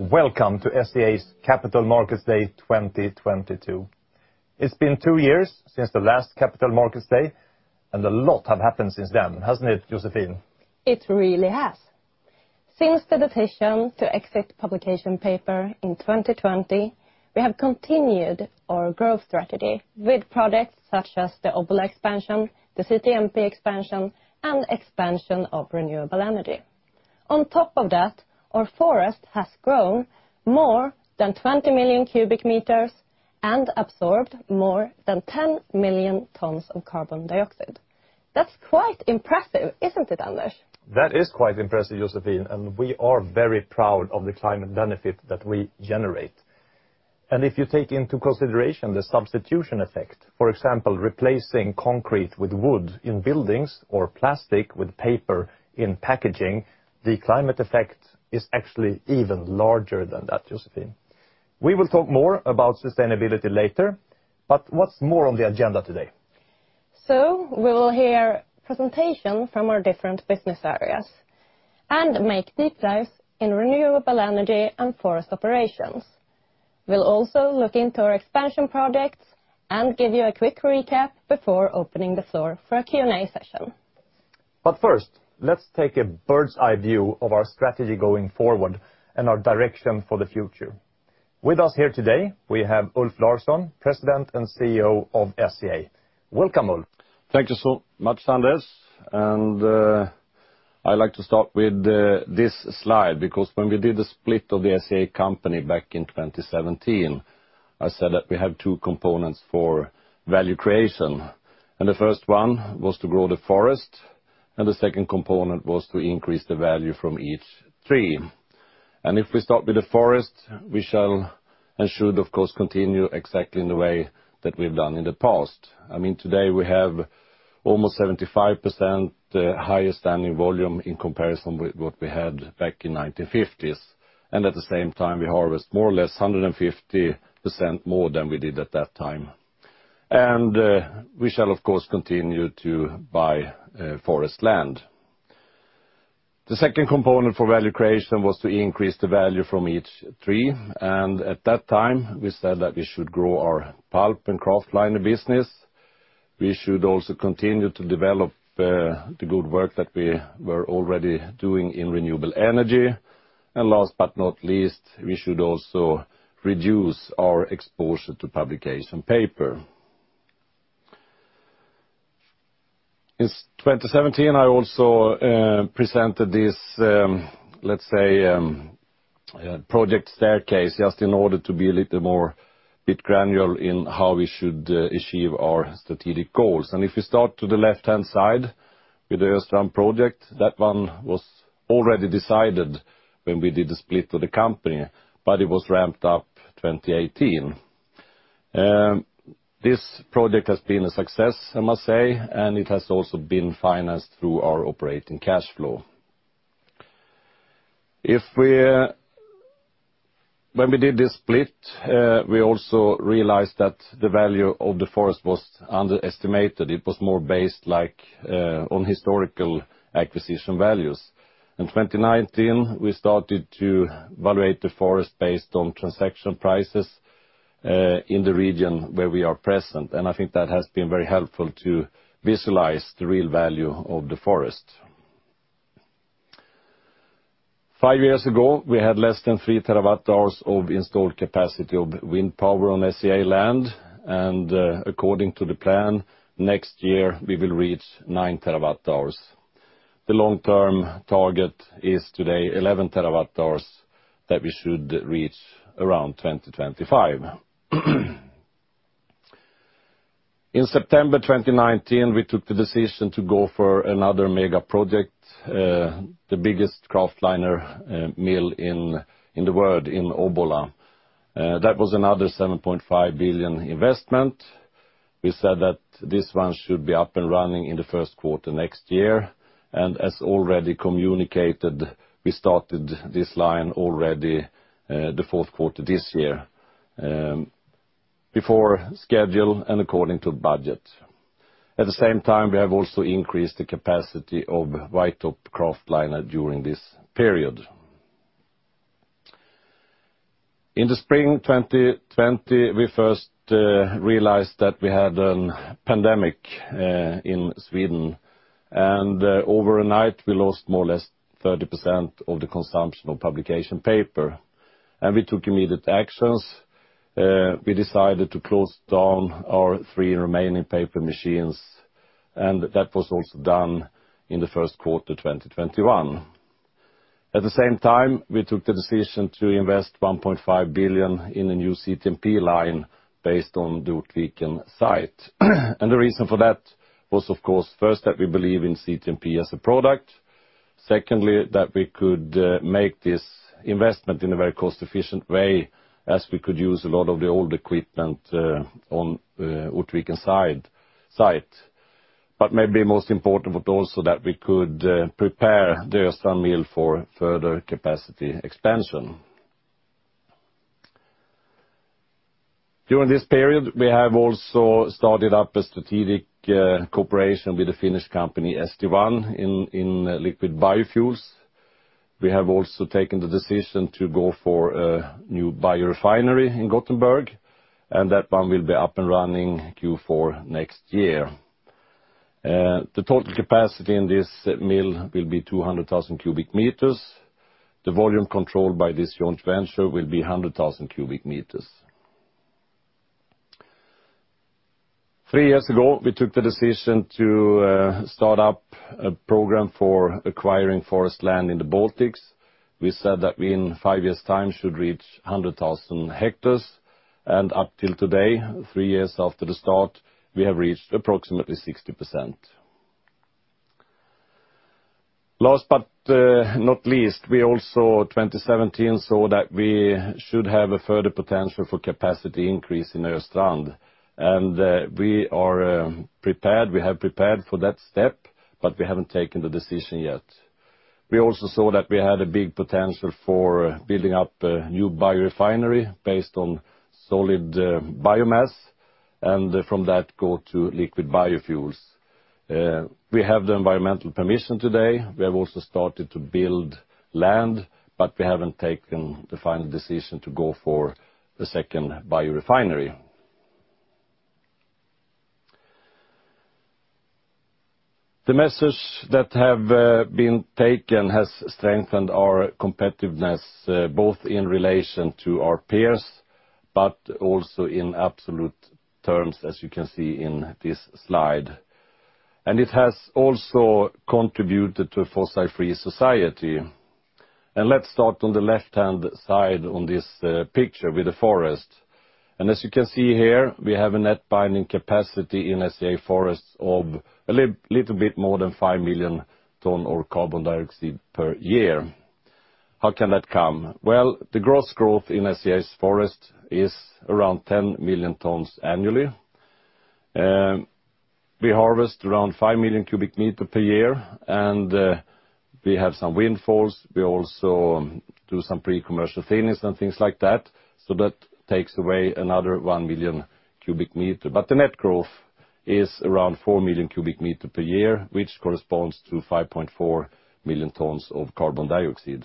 Welcome to SCA's Capital Markets Day 2022. It's been two years since the last Capital Markets Day, and a lot have happened since then, hasn't it, Josefine? It really has. Since the decision to exit publication paper in 2020, we have continued our growth strategy with products such as the Obbola expansion, the CTMP expansion, and expansion of renewable energy. On top of that, our forest has grown more than 20 million cubic meters and absorbed more than 10 million tons of carbon dioxide. That's quite impressive, isn't it, Anders? That is quite impressive, Josefine, and we are very proud of the climate benefit that we generate. If you take into consideration the substitution effect, for example, replacing concrete with wood in buildings or plastic with paper in packaging, the climate effect is actually even larger than that, Josefine. We will talk more about sustainability later, but what's more on the agenda today? We will hear presentation from our different business areas and make deep dives in renewable energy and forest operations. We'll also look into our expansion projects and give you a quick recap before opening the floor for a Q&A session. First, let's take a bird's-eye view of our strategy going forward and our direction for the future. With us here today, we have Ulf Larsson, President and CEO of SCA. Welcome, Ulf. Thank you so much, Anders. I like to start with this slide because when we did the split of the SCA company back in 2017, I said that we have two components for value creation, and the first one was to grow the forest, and the second component was to increase the value from each tree. If we start with the forest, we shall and should, of course, continue exactly in the way that we've done in the past. I mean, today we have almost 75% higher standing volume in comparison with what we had back in 1950s. At the same time, we harvest more or less 150% more than we did at that time. We shall, of course, continue to buy forest land. The second component for value creation was to increase the value from each tree. At that time, we said that we should grow our pulp and kraftliner business. We should also continue to develop the good work that we were already doing in renewable energy. Last but not least, we should also reduce our exposure to publication paper. In 2017, I also presented this, let's say, project staircase, just in order to be a little more bit granular in how we should achieve our strategic goals. If you start to the left-hand side with the Östrand project, that one was already decided when we did the split of the company, but it was ramped up 2018. This project has been a success, I must say, and it has also been financed through our operating cash flow. When we did this split, we also realized that the value of the forest was underestimated. It was more based, like, on historical acquisition values. In 2019, we started to valuate the forest based on transaction prices in the region where we are present, and I think that has been very helpful to visualize the real value of the forest. Five years ago, we had less than 3 TWh of installed capacity of wind power on SCA land, and according to the plan, next year, we will reach 9 TWh. The long-term target is today 11 TWh that we should reach around 2025. In September 2019, we took the decision to go for another mega project, the biggest kraftliner mill in the world in Obbola. That was another 7.5 billion investment. We said that this one should be up and running in the first quarter next year. As already communicated, we started this line already, the fourth quarter this year, before schedule and according to budget. At the same time, we have also increased the capacity of White Top Kraftliner during this period. In the spring 2020, we first realized that we had a pandemic in Sweden. Overnight, we lost more or less 30% of the consumption of publication paper. We took immediate actions. We decided to close down our three remaining paper machines. That was also done in the first quarter 2021. At the same time, we took the decision to invest 1.5 billion in a new CTMP line based on the Ortviken site. The reason for that was, of course, first, that we believe in CTMP as a product. Secondly, that we could make this investment in a very cost-efficient way as we could use a lot of the old equipment on Ortviken site. Maybe most important was also that we could prepare the Östrand mill for further capacity expansion. During this period, we have also started up a strategic cooperation with the Finnish company St1 in liquid biofuels. We have also taken the decision to go for a new biorefinery in Gothenburg, and that one will be up and running Q4 next year. The total capacity in this mill will be 200,000 cubic meters. The volume controlled by this joint venture will be 100,000 cubic meters. Three years ago, we took the decision to start up a program for acquiring forest land in the Baltics. We said that we in five years time should reach 100,000 hectares. Up till today, three years after the start, we have reached approximately 60%. Last but not least, we also 2017 saw that we should have a further potential for capacity increase in Östrand. We are prepared, we have prepared for that step, we haven't taken the decision yet. We also saw that we had a big potential for building up a new biorefinery based on solid biomass, and from that go to liquid biofuels. We have the environmental permission today. We have also started to build land, we haven't taken the final decision to go for the second biorefinery. The measures that have been taken has strengthened our competitiveness, both in relation to our peers, but also in absolute terms, as you can see in this slide. It has also contributed to a fossil-free society. Let's start on the left-hand side on this picture with the forest. As you can see here, we have a net binding capacity in SCA forests of a little bit more than 5 million tons of carbon dioxide per year. How can that come? Well, the gross growth in SCA's forest is around 10 million tons annually. We harvest around 5 million cubic meters per year, and we have some windfalls. We also do some pre-commercial thinnings and things like that. So that takes away another 1 million cubic meters. The net growth is around 4 million cubic meter per year, which corresponds to 5.4 million tons of carbon dioxide.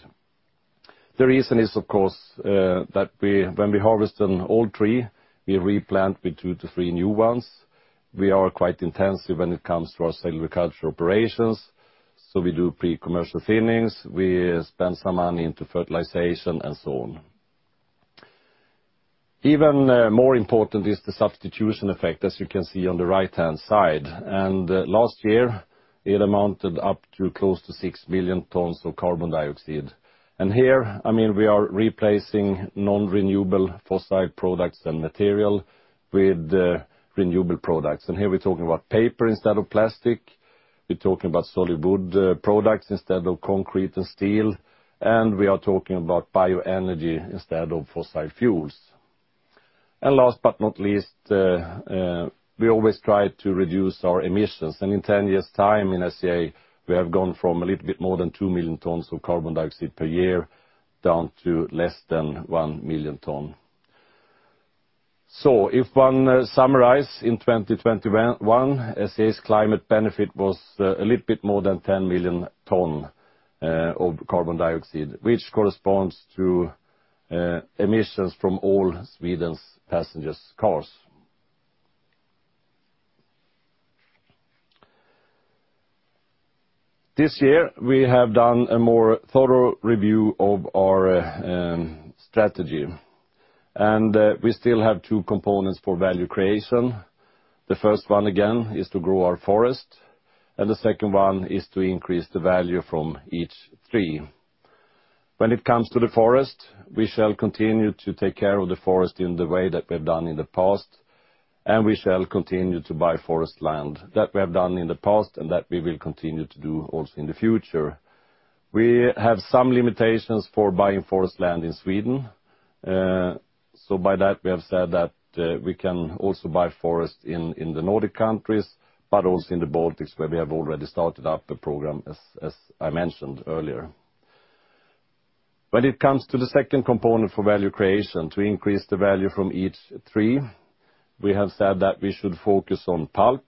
The reason is, of course, that when we harvest an old tree, we replant with two to three new ones. We are quite intensive when it comes to our silviculture operations. We do pre-commercial thinnings. We spend some money into fertilization and so on. Even more important is the substitution effect, as you can see on the right-hand side. Last year, it amounted up to close to 6 million tons of carbon dioxide. Here, I mean, we are replacing non-renewable fossil products and material with renewable products. Here we're talking about paper instead of plastic. We're talking about solid wood products instead of concrete and steel, and we are talking about bioenergy instead of fossil fuels. Last but not least, we always try to reduce our emissions. In 10 years time in SCA, we have gone from a little bit more than 2 million tons of carbon dioxide per year down to less than 1 million ton. If one summarize, in 2021, SCA's climate benefit was a little bit more than 10 million ton of carbon dioxide, which corresponds to emissions from all Sweden's passengers cars. This year, we have done a more thorough review of our strategy, and we still have two components for value creation. The first one, again, is to grow our forest, and the second one is to increase the value from each tree. When it comes to the forest, we shall continue to take care of the forest in the way that we've done in the past, and we shall continue to buy forest land. That we have done in the past, and that we will continue to do also in the future. We have some limitations for buying forest land in Sweden. By that, we have said that, we can also buy forest in the Nordic countries, but also in the Baltics, where we have already started up a program as I mentioned earlier. When it comes to the second component for value creation, to increase the value from each tree, we have said that we should focus on pulp,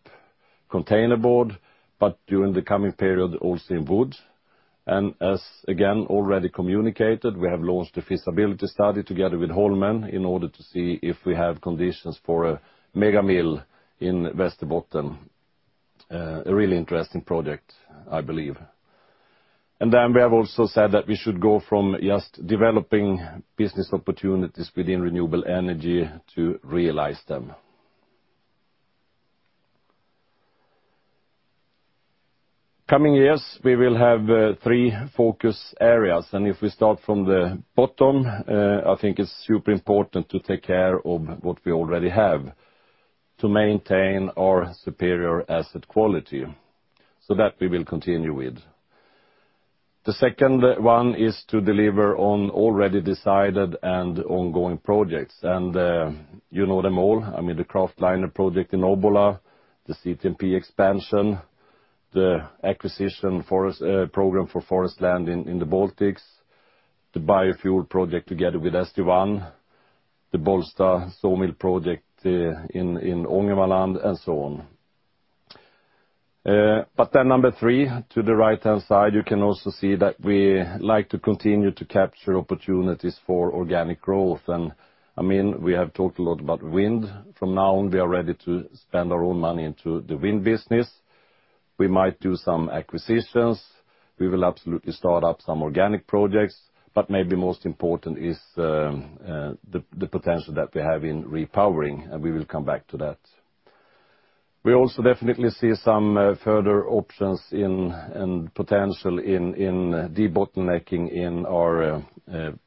containerboard, but during the coming period, also in wood. As, again, already communicated, we have launched a feasibility study together with Holmen in order to see if we have conditions for a mega mill in Västerbotten. A really interesting project, I believe. Then we have also said that we should go from just developing business opportunities within renewable energy to realize them. Coming years, we will have three focus areas. If we start from the bottom, I think it's super important to take care of what we already have to maintain our superior asset quality. That we will continue with. The second one is to deliver on already decided and ongoing projects. You know them all. I mean, the kraftliner project in Obbola, the CTMP expansion. The acquisition forest program for forest land in the Baltics, the biofuel project together with St1, the Bollsta sawmill project in Ångermanland, and so on. Number three, to the right-hand side, you can also see that we like to continue to capture opportunities for organic growth. I mean, we have talked a lot about wind. From now on, we are ready to spend our own money into the wind business. We might do some acquisitions. We will absolutely start up some organic projects, but maybe most important is the potential that we have in repowering, and we will come back to that. We also definitely see some further options in and potential in debottlenecking in our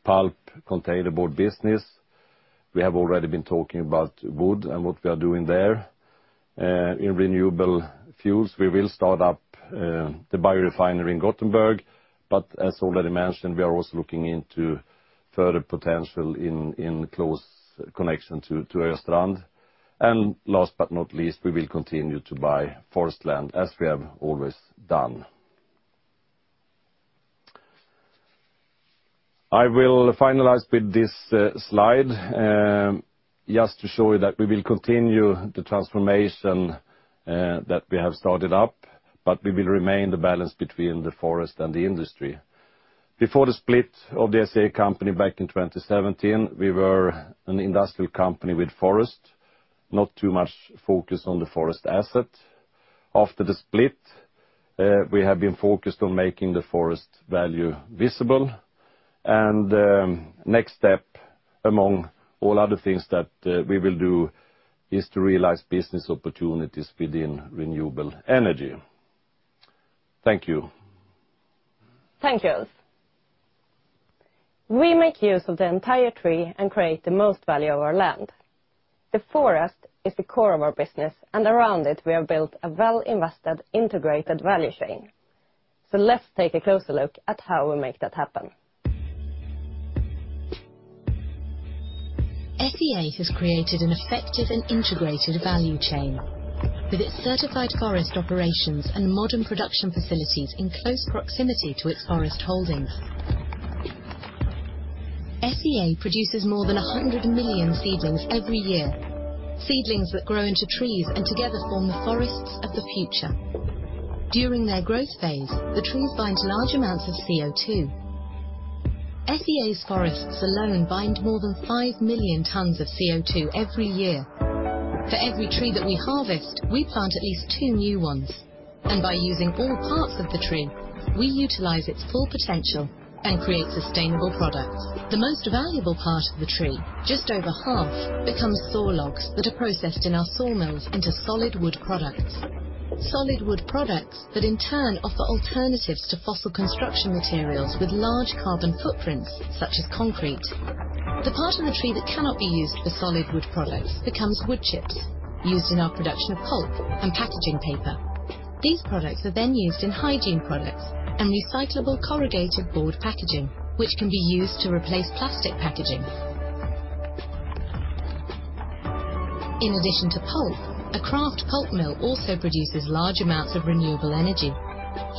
pulp containerboard business. We have already been talking about wood and what we are doing there. In renewable fuels, we will start up the biorefinery in Gothenburg, but as already mentioned, we are also looking into further potential in close connection to Östrand. Last but not least, we will continue to buy forest land as we have always done. I will finalize with this slide, just to show you that we will continue the transformation that we have started up, but we will remain the balance between the forest and the industry. Before the split of the SCA company back in 2017, we were an industrial company with forest, not too much focus on the forest asset. After the split, we have been focused on making the forest value visible, and, next step among all other things that we will do is to realize business opportunities within renewable energy. Thank you. Thank you. We make use of the entire tree and create the most value of our land. The forest is the core of our business, and around it, we have built a well-invested, integrated value chain. Let's take a closer look at how we make that happen. SCA has created an effective and integrated value chain with its certified forest operations and modern production facilities in close proximity to its forest holdings. SCA produces more than 100 million seedlings every year, seedlings that grow into trees and together form the forests of the future. During their growth phase, the trees bind large amounts of CO2. SCA's forests alone bind more than 5 million tons of CO2 every year. For every tree that we harvest, we plant at least two new ones, and by using all parts of the tree, we utilize its full potential and create sustainable products. The most valuable part of the tree, just over half, becomes saw logs that are processed in our sawmills into solid wood products. Solid wood products that in turn offer alternatives to fossil construction materials with large carbon footprints, such as concrete. The part of the tree that cannot be used for solid wood products becomes wood chips used in our production of pulp and packaging paper. These products are used in hygiene products and recyclable corrugated board packaging, which can be used to replace plastic packaging. In addition to pulp, a kraft pulp mill also produces large amounts of renewable energy.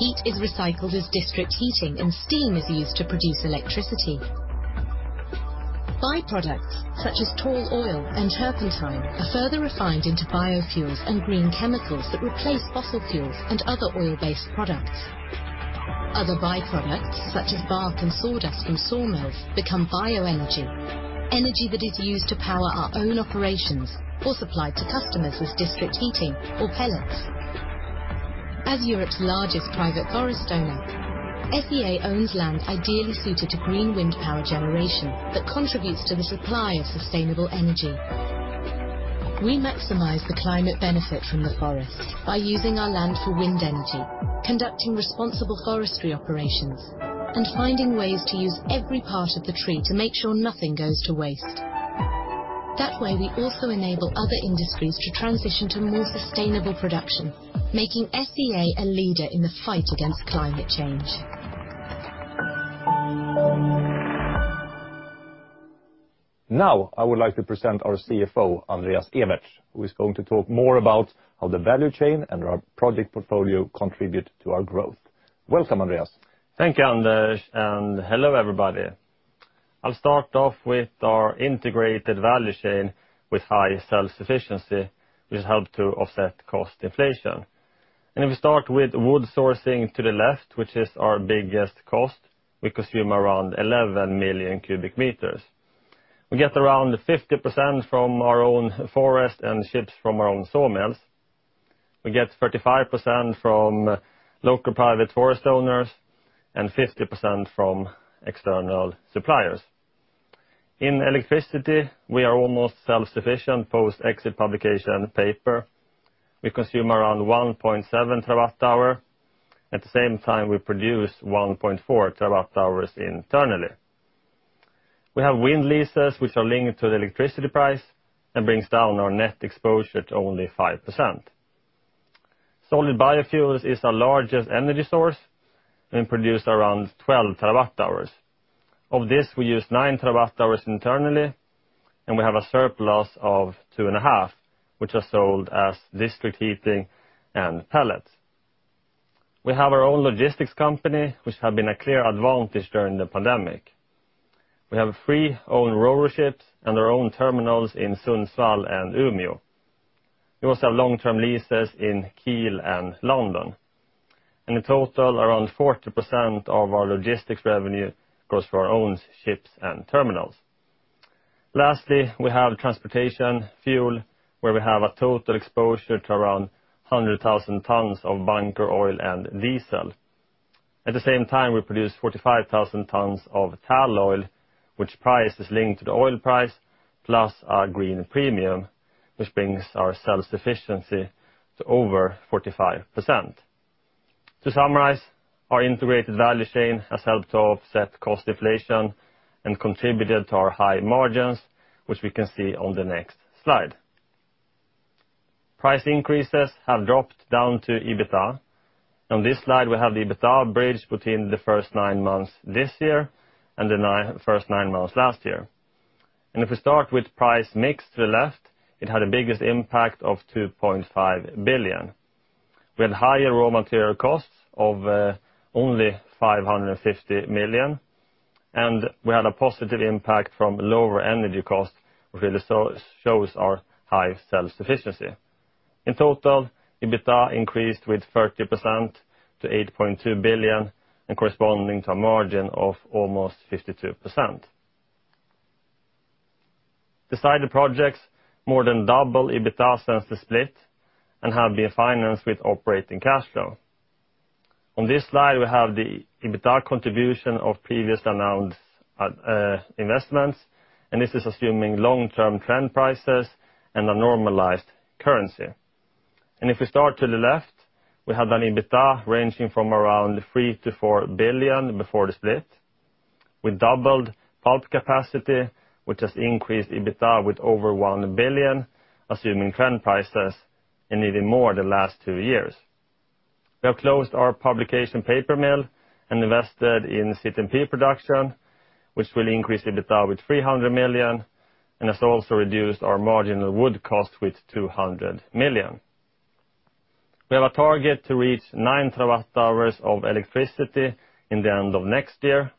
Heat is recycled as district heating, and steam is used to produce electricity. Byproducts such as tall oil and turpentine are further refined into biofuels and green chemicals that replace fossil fuels and other oil-based products. Other byproducts, such as bark and sawdust from sawmills, become bioenergy, energy that is used to power our own operations or supplied to customers as district heating or pellets. As Europe's largest private forest owner, SCA owns land ideally suited to green wind power generation that contributes to the supply of sustainable energy. We maximize the climate benefit from the forest by using our land for wind energy, conducting responsible forestry operations, and finding ways to use every part of the tree to make sure nothing goes to waste. That way, we also enable other industries to transition to more sustainable production, making SCA a leader in the fight against climate change. I would like to present our CFO, Andreas Ewertz, who is going to talk more about how the value chain and our project portfolio contribute to our growth. Welcome, Andreas. Thank you, Anders. Hello, everybody. I'll start off with our integrated value chain with high self-sufficiency, which help to offset cost inflation. If we start with wood sourcing to the left, which is our biggest cost, we consume around 11 million cubic meters. We get around 50% from our own forest and chips from our own sawmills. We get 35% from local private forest owners and 50% from external suppliers. In electricity, we are almost self-sufficient post exit publication paper. We consume around 1.7 TWh. At the same time, we produce 1.4 TWh internally. We have wind leases which are linked to the electricity price and brings down our net exposure to only 5%. Solid biofuels is our largest energy source and produce around 12 TWh. Of this, we use 9 TWh internally. We have a surplus of two and a half, which are sold as district heating and pellets. We have our own logistics company, which have been a clear advantage during the pandemic. We have three own ro-ro ships and our own terminals in Sundsvall and Umeå. We also have long-term leases in Kiel and London. In total, around 40% of our logistics revenue goes to our own ships and terminals. Lastly, we have transportation fuel, where we have a total exposure to around 100,000 tons of bunker oil and diesel. At the same time, we produce 45,000 tons of tall oil, which price is linked to the oil price, plus our green premium, which brings our self-sufficiency to over 45%. To summarize, our integrated value chain has helped to offset cost deflation and contributed to our high margins, which we can see on the next slide. Price increases have dropped down to EBITDA. On this slide, we have the EBITDA bridge between the first nine months this year and the first nine months last year. If we start with price mix to the left, it had the biggest impact of 2.5 billion. We had higher raw material costs of only 550 million, and we had a positive impact from lower energy costs, which really shows our high self-sufficiency. In total, EBITDA increased with 30% to 8.2 billion and corresponding to a margin of almost 52%. Decided projects more than double EBITDA since the split and have been financed with operating cash flow. On this slide, we have the EBITDA contribution of previous announced investments, this is assuming long-term trend prices and a normalized currency. If we start to the left, we have an EBITDA ranging from around 3 billion-4 billion before the split. We doubled pulp capacity, which has increased EBITDA with over 1 billion, assuming trend prices, and even more the last two years. We have closed our publication paper mill and invested in CTMP production, which will increase EBITDA with 300 million and has also reduced our margin of wood cost with 200 million. We have a target to reach 9 TWh of electricity in the end of next year,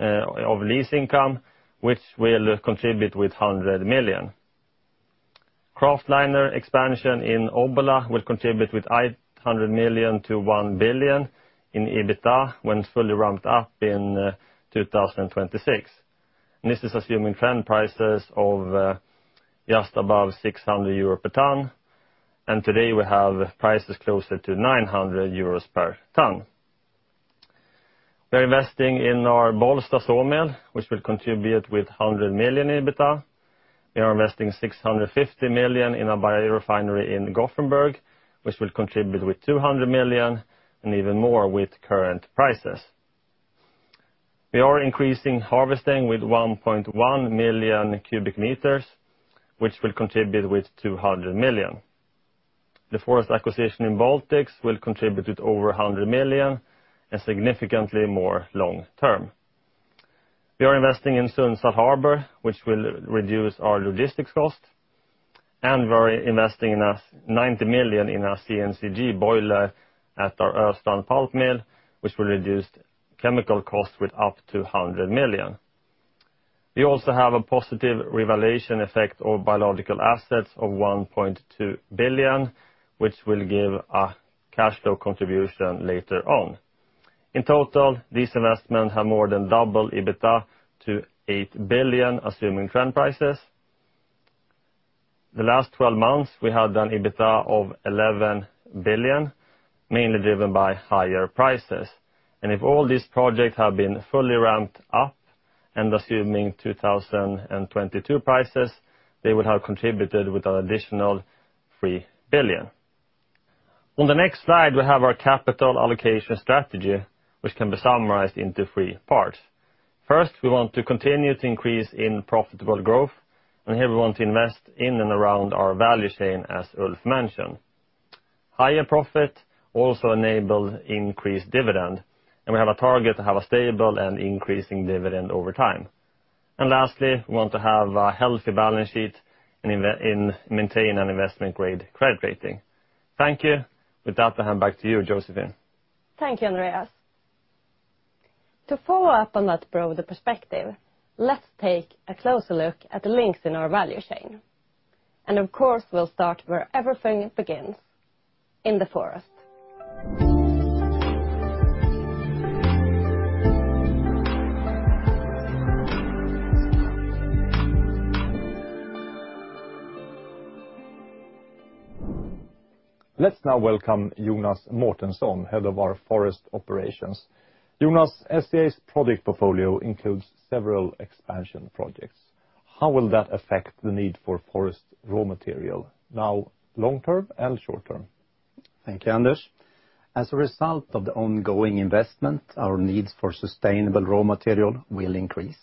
of lease income, which will contribute with 100 million. Kraftliner expansion in Obbola will contribute with 800 million-1 billion in EBITDA when fully ramped up in 2026. This is assuming trend prices of just above 600 euro per ton, and today we have prices closer to 900 euros per ton. We're investing in our Bollsta sawmill, which will contribute with 100 million EBITDA. We are investing 650 million in our biorefinery in Gothenburg, which will contribute with 200 million and even more with current prices. We are increasing harvesting with 1.1 million cubic meters, which will contribute with 200 million. The forest acquisition in Baltics will contribute with over 100 million and significantly more long-term. We are investing in Sundsvall Harbor, which will reduce our logistics cost, and we're investing in 90 million in a CNCG boiler at our Östrand pulp mill, which will reduce chemical costs with up to 100 million. We also have a positive revaluation effect of biological assets of 1.2 billion, which will give a cash flow contribution later on. In total, these investments have more than doubled EBITDA to 8 billion, assuming trend prices. The last 12 months, we had an EBITDA of 11 billion, mainly driven by higher prices. If all these projects had been fully ramped up and assuming 2022 prices, they would have contributed with an additional 3 billion. On the next slide, we have our capital allocation strategy, which can be summarized into three parts. First, we want to continue to increase in profitable growth. Here we want to invest in and around our value chain, as Ulf mentioned. Higher profit also enable increased dividend. We have a target to have a stable and increasing dividend over time. Lastly, we want to have a healthy balance sheet and maintain an investment-grade credit rating. Thank you. With that, I hand back to you, Josefine. Thank you, Andreas. To follow up on that broader perspective, let's take a closer look at the links in our value chain. Of course, we'll start where everything begins, in the forest. Let's now welcome Jonas Mårtensson, Head of our Forest Operations. Jonas, SCA's product portfolio includes several expansion projects. How will that affect the need for forest raw material, now long term and short term? Thank you, Anders. As a result of the ongoing investment, our needs for sustainable raw material will increase.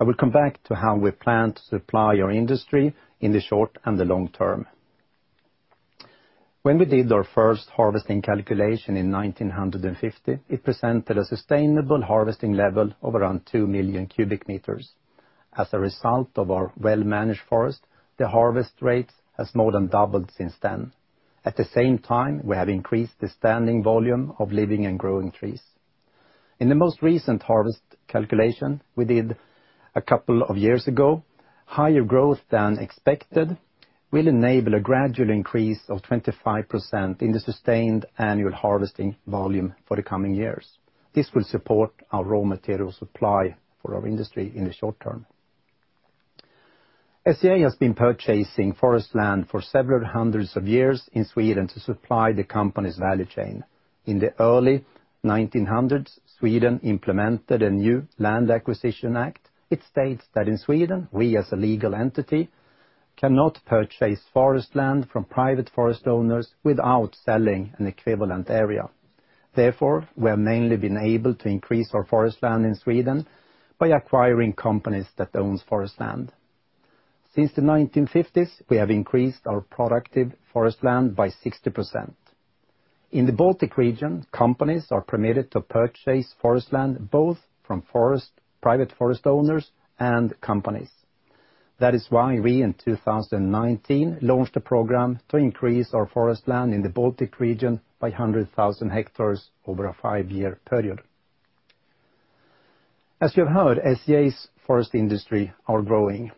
I will come back to how we plan to supply your industry in the short and the long term. When we did our first harvesting calculation in 1950, it presented a sustainable harvesting level of around 2 million cubic meters. As a result of our well-managed forest, the harvest rate has more than doubled since then. At the same time, we have increased the standing volume of living and growing trees. In the most recent harvest calculation we did a couple of years ago, higher growth than expected will enable a gradual increase of 25% in the sustained annual harvesting volume for the coming years. This will support our raw material supply for our industry in the short term. SCA has been purchasing forest land for several hundreds of years in Sweden to supply the company's value chain. In the early 1900s, Sweden implemented a new Land Acquisition Act. It states that in Sweden, we as a legal entity, cannot purchase forest land from private forest owners without selling an equivalent area. Therefore, we have mainly been able to increase our forest land in Sweden by acquiring companies that owns forest land. Since the 1950s, we have increased our productive forest land by 60%. In the Baltic region, companies are permitted to purchase forest land, both from private forest owners and companies. That is why we, in 2019, launched a program to increase our forest land in the Baltic region by 100,000 hectares over a five-year period. As you have heard, SCA's forest industry are growing.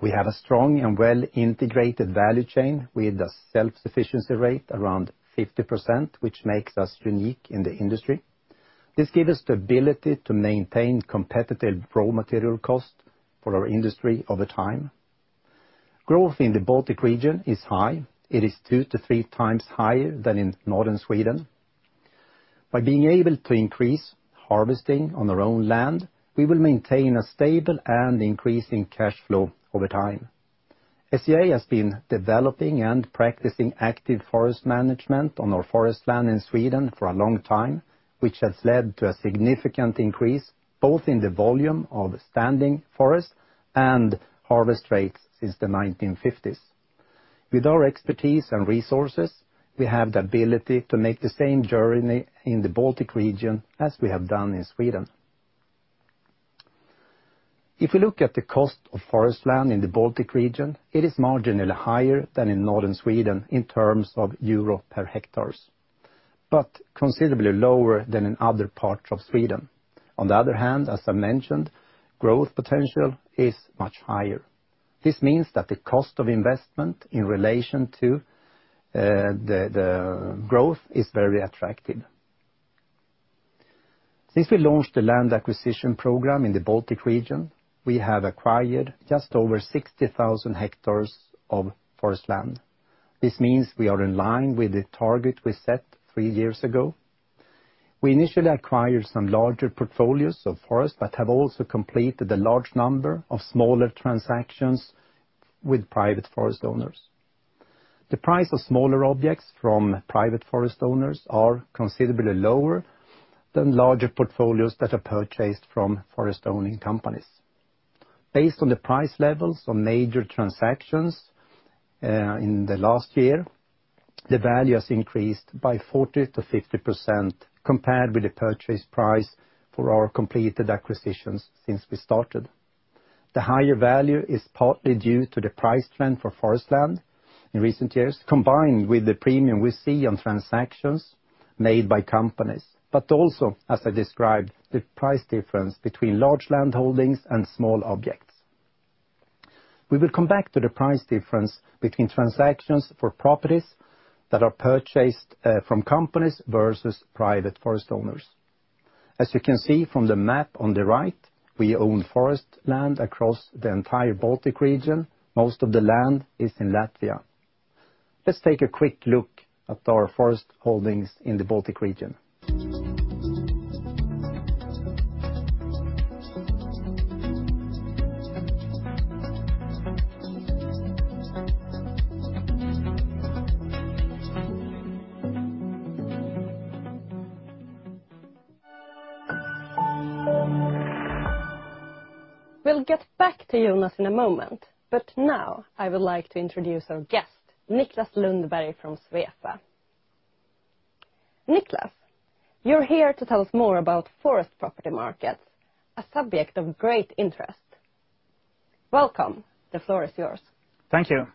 We have a strong and well-integrated value chain with a self-sufficiency rate around 50%, which makes us unique in the industry. This give us the ability to maintain competitive raw material cost for our industry over time. Growth in the Baltic region is high. It is 2x-3x higher than in northern Sweden. By being able to increase harvesting on our own land, we will maintain a stable and increasing cash flow over time. SCA has been developing and practicing active forest management on our forest land in Sweden for a long time, which has led to a significant increase, both in the volume of standing forest and harvest rates since the 1950s. With our expertise and resources, we have the ability to make the same journey in the Baltic region as we have done in Sweden. If we look at the cost of forest land in the Baltic region, it is marginally higher than in northern Sweden in terms of Euro per hectares, but considerably lower than in other parts of Sweden. On the other hand, as I mentioned, growth potential is much higher. This means that the cost of investment in relation to the growth is very attractive. Since we launched the land acquisition program in the Baltic region, we have acquired just over 60,000 hectares of forest land. This means we are in line with the target we set three years ago. We initially acquired some larger portfolios of forest, but have also completed a large number of smaller transactions with private forest owners. The price of smaller objects from private forest owners are considerably lower than larger portfolios that are purchased from forest-owning companies. Based on the price levels of major transactions, in the last year, the value has increased by 40%-50% compared with the purchase price for our completed acquisitions since we started. The higher value is partly due to the price trend for forest land in recent years, combined with the premium we see on transactions made by companies, but also, as I described, the price difference between large landholdings and small objects. We will come back to the price difference between transactions for properties that are purchased from companies versus private forest owners. As you can see from the map on the right, we own forest land across the entire Baltic region. Most of the land is in Latvia. Let's take a quick look at our forest holdings in the Baltic region. We'll get back to Jonas in a moment. Now I would like to introduce our guest, Niklas Lundberg from Svefa. Niklas, you're here to tell us more about forest property markets, a subject of great interest. Welcome. The floor is yours. Thank you.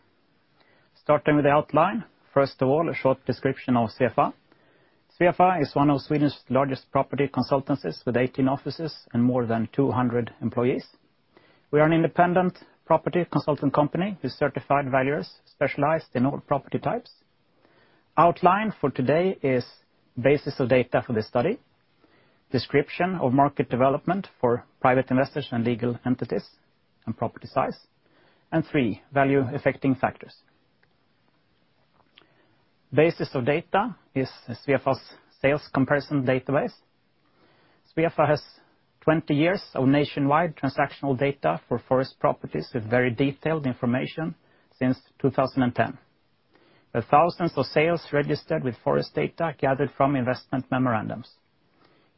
Starting with the outline, first of all, a short description of Svefa. Svefa is one of Sweden's largest property consultancies, with 18 offices and more than 200 employees. We are an independent property consultant company with certified valuers specialized in all property types. Outline for today is basis of data for the study, description of market development for private investors and legal entities and property size, three, value-affecting factors. Basis of data is Svefa's sales comparison database. Svefa has 20 years of nationwide transactional data for forest properties with very detailed information since 2010, with thousands of sales registered with forest data gathered from investment memorandums.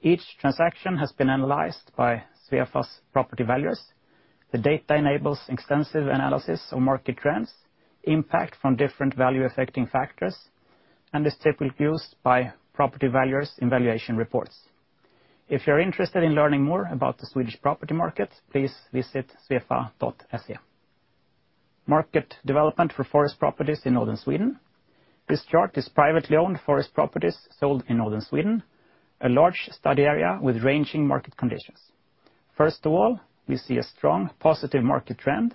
Each transaction has been analyzed by Svefa's property valuers. The data enables extensive analysis of market trends, impact from different value-affecting factors, and is typically used by property valuers in valuation reports. If you're interested in learning more about the Swedish property market, please visit svefa.se. Market development for forest properties in Northern Sweden. This chart is privately owned forest properties sold in Northern Sweden, a large study area with ranging market conditions. First of all, we see a strong positive market trend.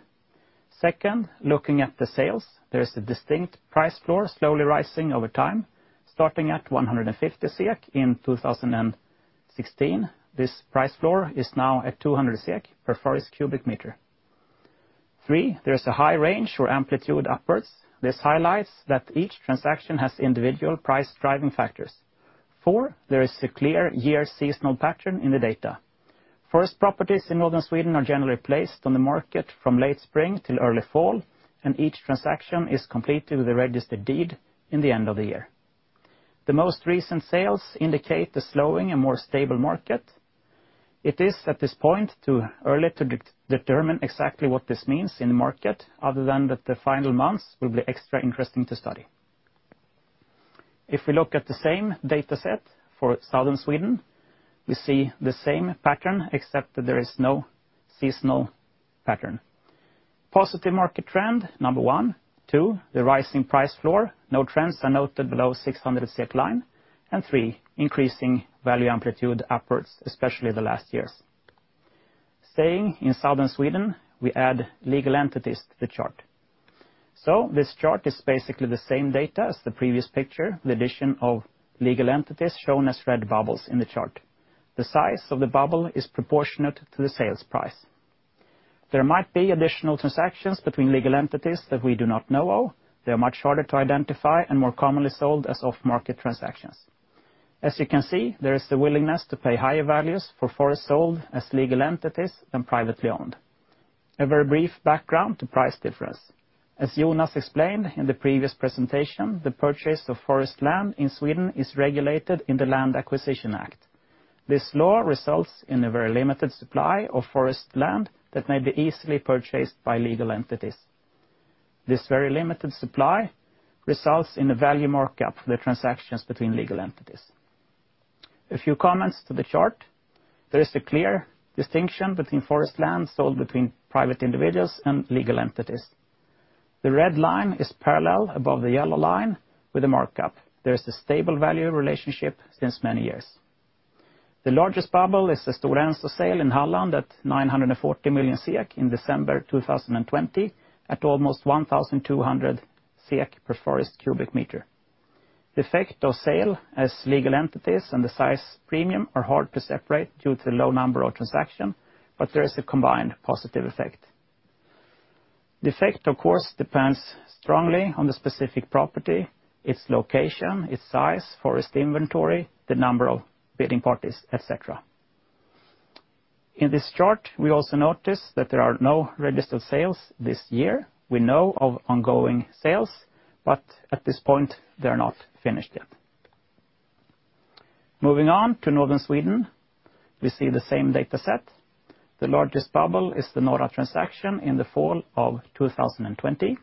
Second, looking at the sales, there is a distinct price floor slowly rising over time, starting at 150 SEK in 2016. This price floor is now at 200 SEK per forest cubic meter. Three, there is a high range or amplitude upwards. This highlights that each transaction has individual price driving factors. Four, there is a clear year seasonal pattern in the data. First, properties in Northern Sweden are generally placed on the market from late spring till early fall, each transaction is completed with a registered deed in the end of the year. The most recent sales indicate a slowing and more stable market. It is at this point too early to determine exactly what this means in the market other than that the final months will be extra interesting to study. If we look at the same data set for Southern Sweden, we see the same pattern except that there is no seasonal pattern. Positive market trend, one. Two, the rising price floor. No trends are noted below 600. Three, increasing value amplitude upwards, especially the last years. Staying in Southern Sweden, we add legal entities to the chart. This chart is basically the same data as the previous picture, the addition of legal entities shown as red bubbles in the chart. The size of the bubble is proportionate to the sales price. There might be additional transactions between legal entities that we do not know of. They are much harder to identify and more commonly sold as off-market transactions. As you can see, there is the willingness to pay higher values for forest sold as legal entities than privately owned. A very brief background to price difference. As Jonas explained in the previous presentation, the purchase of forest land in Sweden is regulated in the Land Acquisition Act. This law results in a very limited supply of forest land that may be easily purchased by legal entities. This very limited supply results in a value markup for the transactions between legal entities. A few comments to the chart. There is a clear distinction between forest land sold between private individuals and legal entities. The red line is parallel above the yellow line with a markup. There is a stable value relationship since many years. The largest bubble is the Stora Enso sale in Halland at 940 million SEK in December 2020, at almost 1,200 SEK per forest cubic meter. The effect of sale as legal entities and the size premium are hard to separate due to low number of transaction, but there is a combined positive effect. The effect, of course, depends strongly on the specific property, its location, its size, forest inventory, the number of bidding parties, et cetera. In this chart, we also notice that there are no registered sales this year. We know of ongoing sales, but at this point, they are not finished yet. Moving on to Northern Sweden, we see the same data set. The largest bubble is the Nora transaction in the fall of 2020.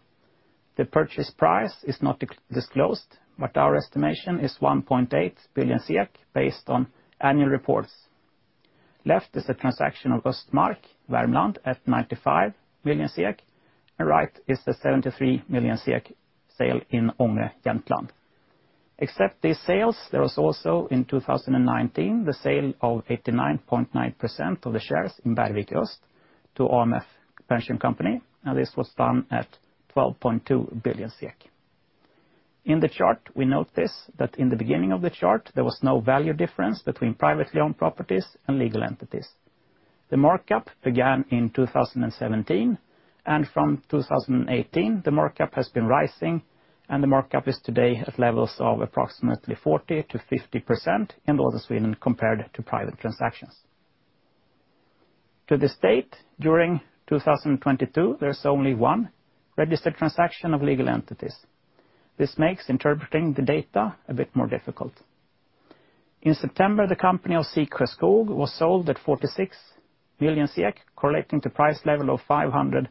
The purchase price is not disclosed, but our estimation is 1.8 billion based on annual reports. Left is the transaction of Östmark, Värmland at 95 million SEK, and right is the 73 million SEK sale in Ånge, Jämtland. Except these sales, there was also, in 2019, the sale of 89.9% of the shares in Bergvik Skog to AMF Pension Company, and this was done at 12.2 billion SEK. In the chart, we notice that in the beginning of the chart, there was no value difference between privately owned properties and legal entities. The markup began in 2017. From 2018, the markup has been rising, and the markup is today at levels of approximately 40%-50% in Northern Sweden compared to private transactions. To this date, during 2022, there's only one registered transaction of legal entities. This makes interpreting the data a bit more difficult. In September, the company of Skiraskog was sold at 46 million, correlating to price level of 500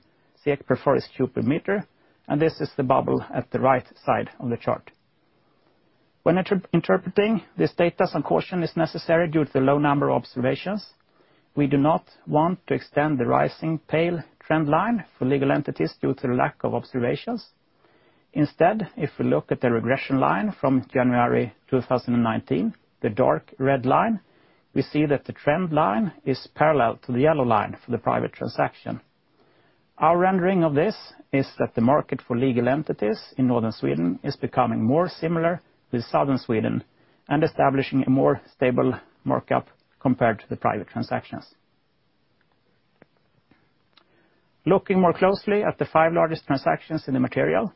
per forest cubic meter. This is the bubble at the right side of the chart. When interpreting this data, some caution is necessary due to the low number of observations. We do not want to extend the rising pale trend line for legal entities due to the lack of observations. If we look at the regression line from January 2019, the dark red line, we see that the trend line is parallel to the yellow line for the private transaction. Our rendering of this is that the market for legal entities in Northern Sweden is becoming more similar with Southern Sweden and establishing a more stable markup compared to the private transactions. Looking more closely at the five largest transactions in the material,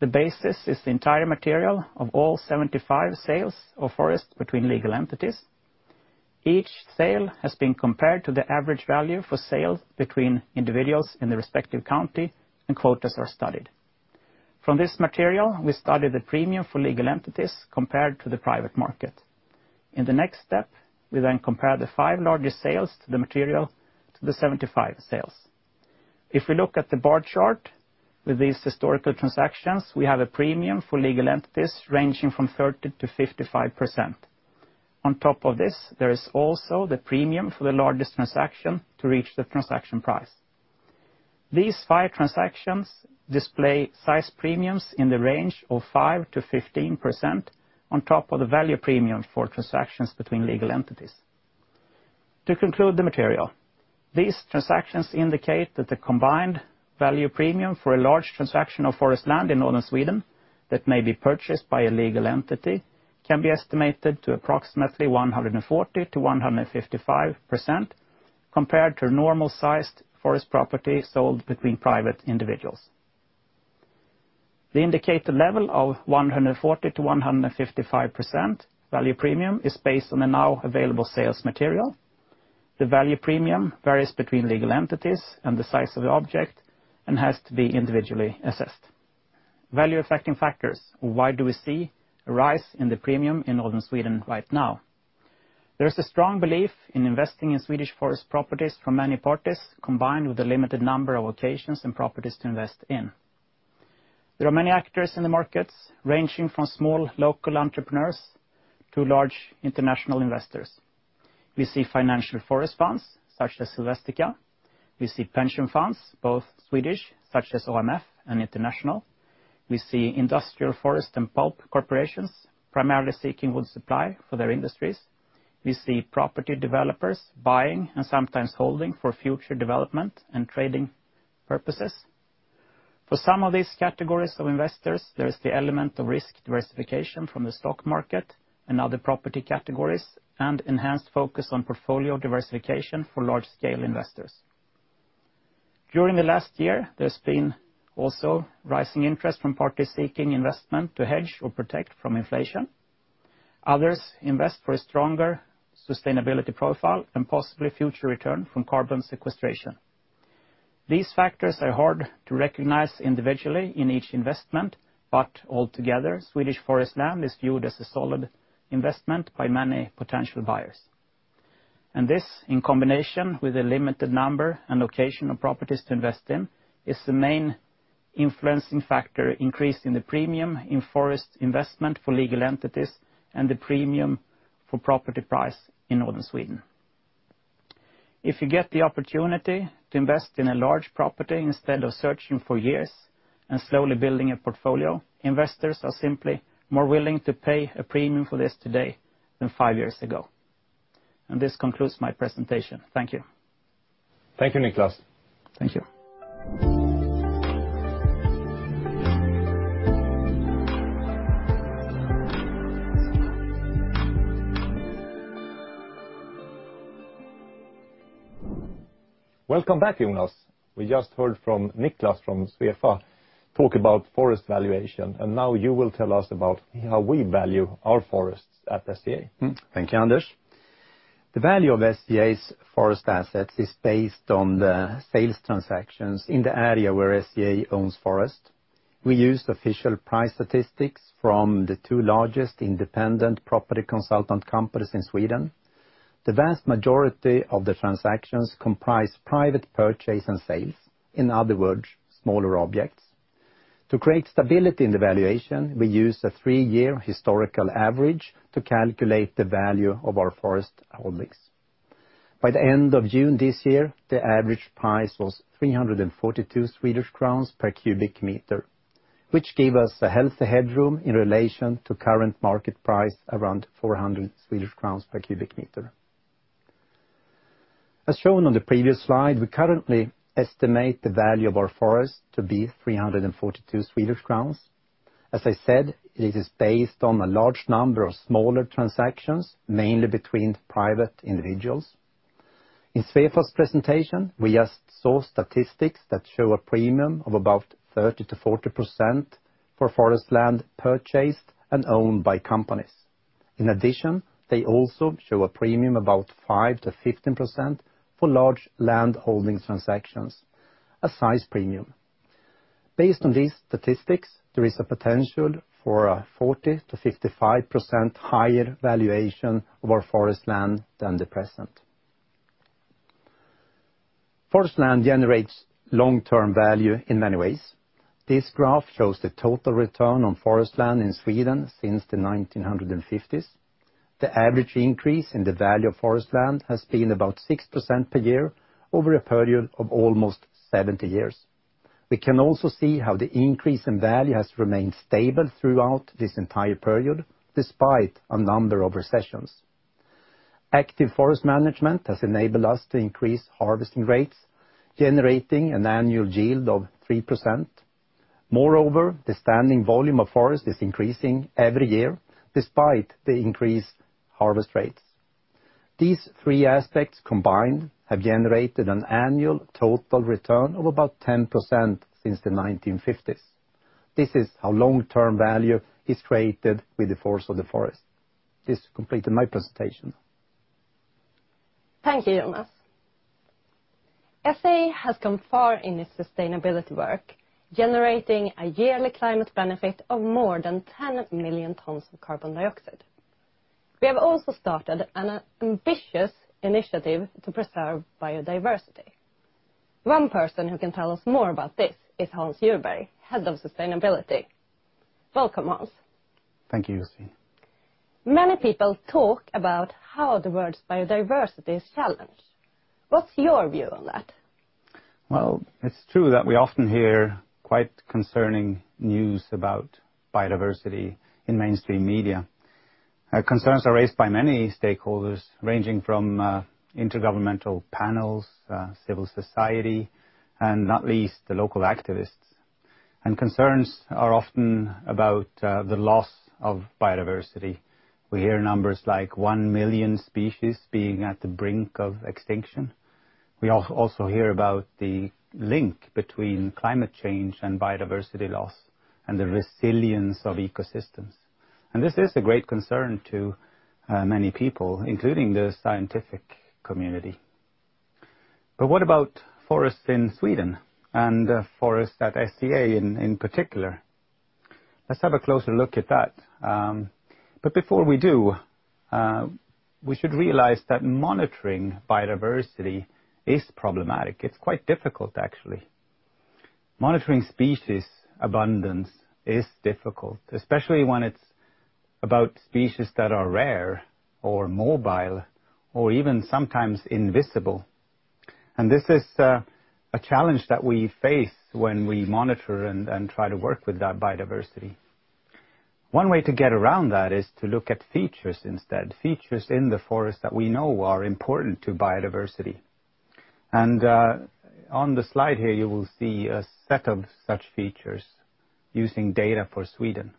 the basis is the entire material of all 75 sales of forest between legal entities. Each sale has been compared to the average value for sale between individuals in the respective county and quotas are studied. From this material, we studied the premium for legal entities compared to the private market. In the next step, we compare the five largest sales to the material to the 75 sales. If we look at the bar chart with these historical transactions, we have a premium for legal entities ranging from 30%-55%. On top of this, there is also the premium for the largest transaction to reach the transaction price. These five transactions display size premiums in the range of 5%-15% on top of the value premium for transactions between legal entities. To conclude the material, these transactions indicate that the combined value premium for a large transaction of forest land in Northern Sweden that may be purchased by a legal entity can be estimated to approximately 140%-155% compared to normal sized forest property sold between private individuals. The indicated level of 140%-155% value premium is based on the now available sales material. The value premium varies between legal entities and the size of the object, and has to be individually assessed. Value affecting factors. Why do we see a rise in the premium in Northern Sweden right now? There is a strong belief in investing in Swedish forest properties from many parties, combined with a limited number of locations and properties to invest in. There are many actors in the markets, ranging from small local entrepreneurs to large international investors. We see financial forest funds such as Silvestica. We see pension funds, both Swedish such as AMF and international. We see industrial forest and pulp corporations primarily seeking wood supply for their industries. We see property developers buying and sometimes holding for future development and trading purposes. For some of these categories of investors, there is the element of risk diversification from the stock market and other property categories, and enhanced focus on portfolio diversification for large scale investors. During the last year, there's been also rising interest from parties seeking investment to hedge or protect from inflation. Others invest for a stronger sustainability profile and possibly future return from carbon sequestration. These factors are hard to recognize individually in each investment. Altogether, Swedish forest land is viewed as a solid investment by many potential buyers. This, in combination with a limited number and location of properties to invest in, is the main influencing factor increase in the premium in forest investment for legal entities and the premium for property price in Northern Sweden. If you get the opportunity to invest in a large property instead of searching for years and slowly building a portfolio, investors are simply more willing to pay a premium for this today than five years ago. This concludes my presentation. Thank you. Thank you, Niklas. Thank you. Welcome back, Jonas. We just heard from Niklas from Svefa talk about forest valuation. Now you will tell us about how we value our forests at SCA. Thank you, Anders. The value of SCA's forest assets is based on the sales transactions in the area where SCA owns forest. We use official price statistics from the two largest independent property consultant companies in Sweden. The vast majority of the transactions comprise private purchase and sales. In other words, smaller objects. To create stability in the valuation, we use a three-year historical average to calculate the value of our forest holdings. By the end of June this year, the average price was 342 Swedish crowns per cubic meter, which gave us a healthy headroom in relation to current market price around 400 Swedish crowns per cubic meter. As shown on the previous slide, we currently estimate the value of our forest to be 342 Swedish crowns. As I said, it is based on a large number of smaller transactions, mainly between private individuals. In Svefa's presentation, we just saw statistics that show a premium of about 30%-40% for forest land purchased and owned by companies. They also show a premium about 5%-15% for large land holdings transactions, a size premium. Based on these statistics, there is a potential for a 40%-55% higher valuation of our forest land than the present. Forest land generates long-term value in many ways. This graph shows the total return on forest land in Sweden since the 1950s. The average increase in the value of forest land has been about 6% per year over a period of almost 70 years. We can also see how the increase in value has remained stable throughout this entire period, despite a number of recessions. Active forest management has enabled us to increase harvesting rates, generating an annual yield of 3%. Moreover, the standing volume of forest is increasing every year despite the increased harvest rates. These three aspects combined have generated an annual total return of about 10% since the 1950s. This is how long-term value is created with the force of the forest. This completed my presentation. Thank you, Jonas. SCA has come far in its sustainability work, generating a yearly climate benefit of more than 10 million tons of carbon dioxide. We have also started an ambitious initiative to preserve biodiversity. One person who can tell us more about this is Hans Djurberg, Head of Sustainability. Welcome, Hans. Thank you, Josefine. Many people talk about how the world's biodiversity is challenged. What's your view on that? Well, it's true that we often hear quite concerning news about biodiversity in mainstream media. Concerns are raised by many stakeholders, ranging from intergovernmental panels, civil society, and not least the local activists. Concerns are often about the loss of biodiversity. We hear numbers like 1 million species being at the brink of extinction. We also hear about the link between climate change and biodiversity loss, and the resilience of ecosystems. This is a great concern to many people, including the scientific community. What about forests in Sweden and forests at SCA in particular? Let's have a closer look at that. Before we do, we should realize that monitoring biodiversity is problematic. It's quite difficult actually. Monitoring species abundance is difficult, especially when it's about species that are rare or mobile, or even sometimes invisible. This is a challenge that we face when we monitor and try to work with that biodiversity. One way to get around that is to look at features instead, features in the forest that we know are important to biodiversity. On the slide here you will see a set of such features using data for Sweden.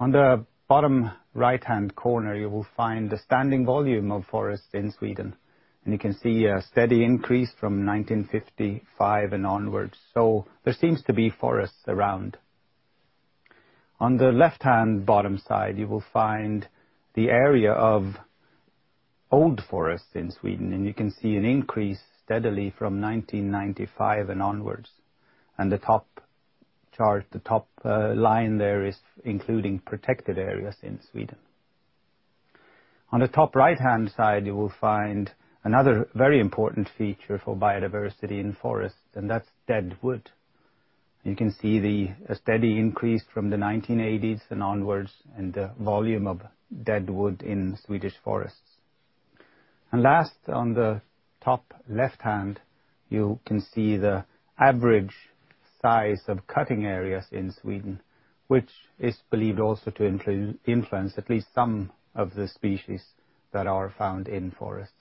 On the bottom right-hand corner, you will find the standing volume of forests in Sweden, and you can see a steady increase from 1955 and onwards. There seems to be forests around. On the left-hand bottom side, you will find the area of old forests in Sweden, and you can see an increase steadily from 1995 and onwards. The top chart, the top line there is including protected areas in Sweden. On the top right-hand side, you will find another very important feature for biodiversity in forests, that's dead wood. You can see a steady increase from the 1980s and onwards in the volume of dead wood in Swedish forests. Last, on the top left-hand, you can see the average size of cutting areas in Sweden, which is believed also to influence at least some of the species that are found in forests.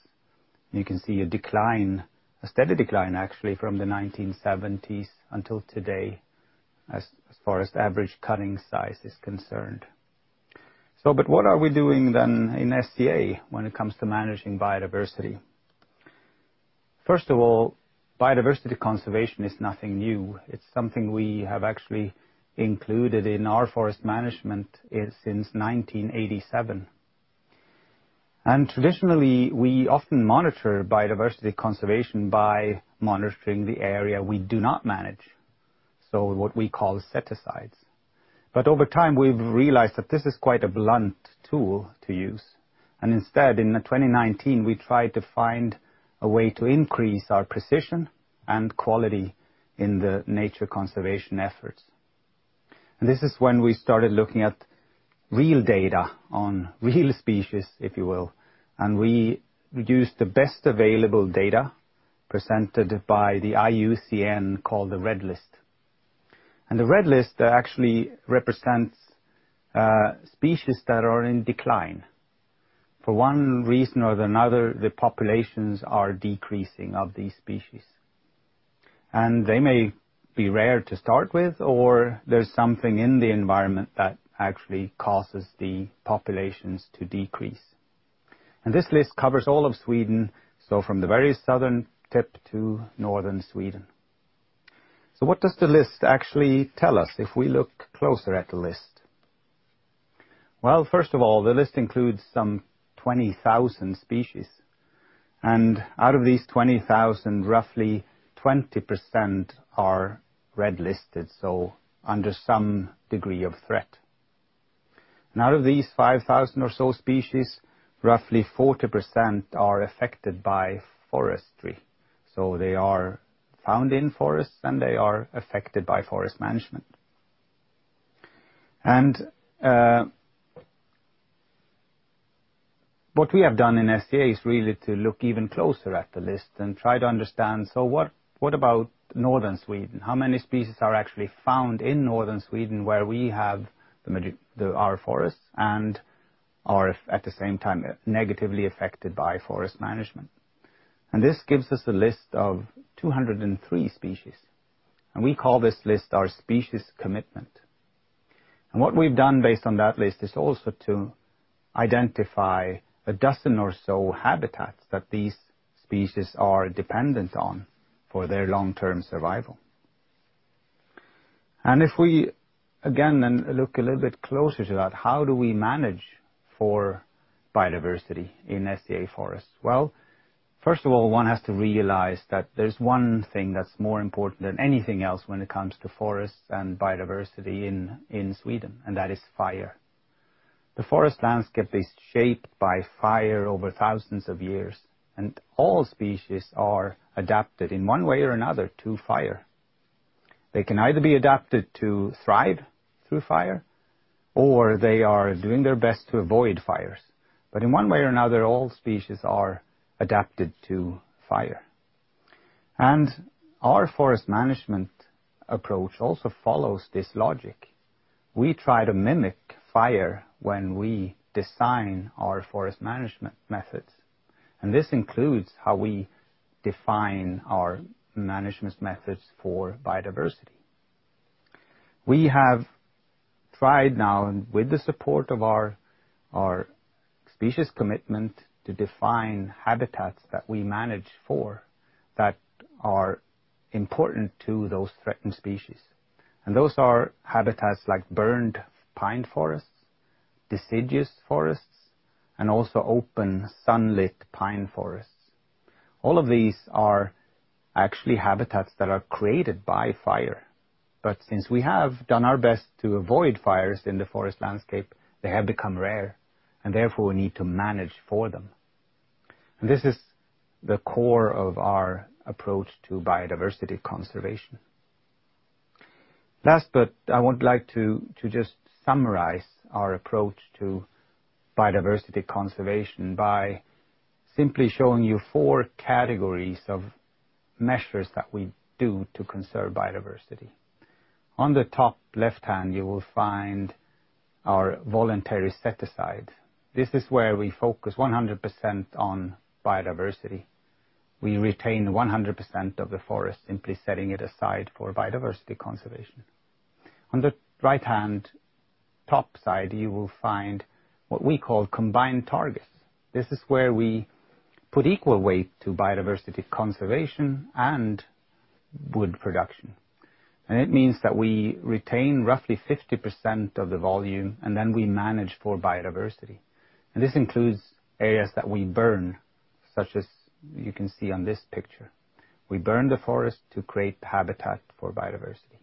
You can see a decline, a steady decline actually from the 1970s until today as far as average cutting size is concerned. What are we doing then in SCA when it comes to managing biodiversity? First of all, biodiversity conservation is nothing new. It's something we have actually included in our forest management since 1987. Traditionally, we often monitor biodiversity conservation by monitoring the area we do not manage, so what we call set asides. Over time, we've realized that this is quite a blunt tool to use, instead, in the 2019, we tried to find a way to increase our precision and quality in the nature conservation efforts. This is when we started looking at real data on real species, if you will, we used the best available data presented by the IUCN called the Red List. The Red List actually represents species that are in decline. For one reason or another, the populations are decreasing of these species. They may be rare to start with or there's something in the environment that actually causes the populations to decrease. This list covers all of Sweden, so from the very southern tip to northern Sweden. What does the list actually tell us if we look closer at the list? First of all, the list includes some 20,000 species. Out of these 20,000, roughly 20% are Red Listed, so under some degree of threat. Out of these 5,000 or so species, roughly 40% are affected by forestry. They are found in forests, and they are affected by forest management. What we have done in SCA is really to look even closer at the list and try to understand, what about Northern Sweden? How many species are actually found in Northern Sweden, where we have our forests and are at the same time negatively affected by forest management? This gives us a list of 203 species, and we call this list our species commitment. What we've done based on that list is also to identify a dozen or so habitats that these species are dependent on for their long-term survival. If we, again, look a little bit closer to that, how do we manage for biodiversity in SCA forests? Well, first of all, one has to realize that there's one thing that's more important than anything else when it comes to forests and biodiversity in Sweden, and that is fire. The forest landscape is shaped by fire over thousands of years, and all species are adapted in one way or another to fire. They can either be adapted to thrive through fire, or they are doing their best to avoid fires. In one way or another, all species are adapted to fire. Our forest management approach also follows this logic. We try to mimic fire when we design our forest management methods. This includes how we define our management methods for biodiversity. We have tried now, and with the support of our species commitment, to define habitats that we manage for that are important to those threatened species. Those are habitats like burned pine forests, deciduous forests, and also open sunlit pine forests. All of these are actually habitats that are created by fire. Since we have done our best to avoid fires in the forest landscape, they have become rare, and therefore we need to manage for them. This is the core of our approach to biodiversity conservation. Last, I would like to just summarize our approach to biodiversity conservation by simply showing you four categories of measures that we do to conserve biodiversity. On the top left hand, you will find our voluntary set aside. This is where we focus 100% on biodiversity. We retain 100% of the forest, simply setting it aside for biodiversity conservation. On the right-hand top side, you will find what we call combined targets. This is where we put equal weight to biodiversity conservation and wood production. It means that we retain roughly 50% of the volume, and then we manage for biodiversity. This includes areas that we burn, such as you can see on this picture. We burn the forest to create habitat for biodiversity.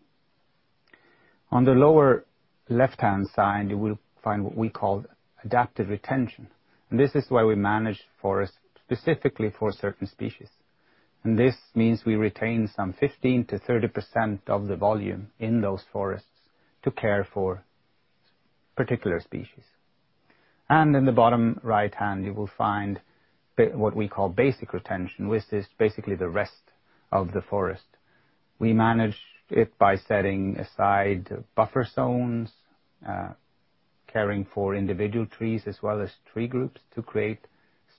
On the lower left-hand side, you will find what we call adaptive retention. This is where we manage forests specifically for certain species. This means we retain some 15%-30% of the volume in those forests to care for particular species. In the bottom right hand, you will find what we call basic retention, which is basically the rest of the forest. We manage it by setting aside buffer zones, caring for individual trees as well as tree groups to create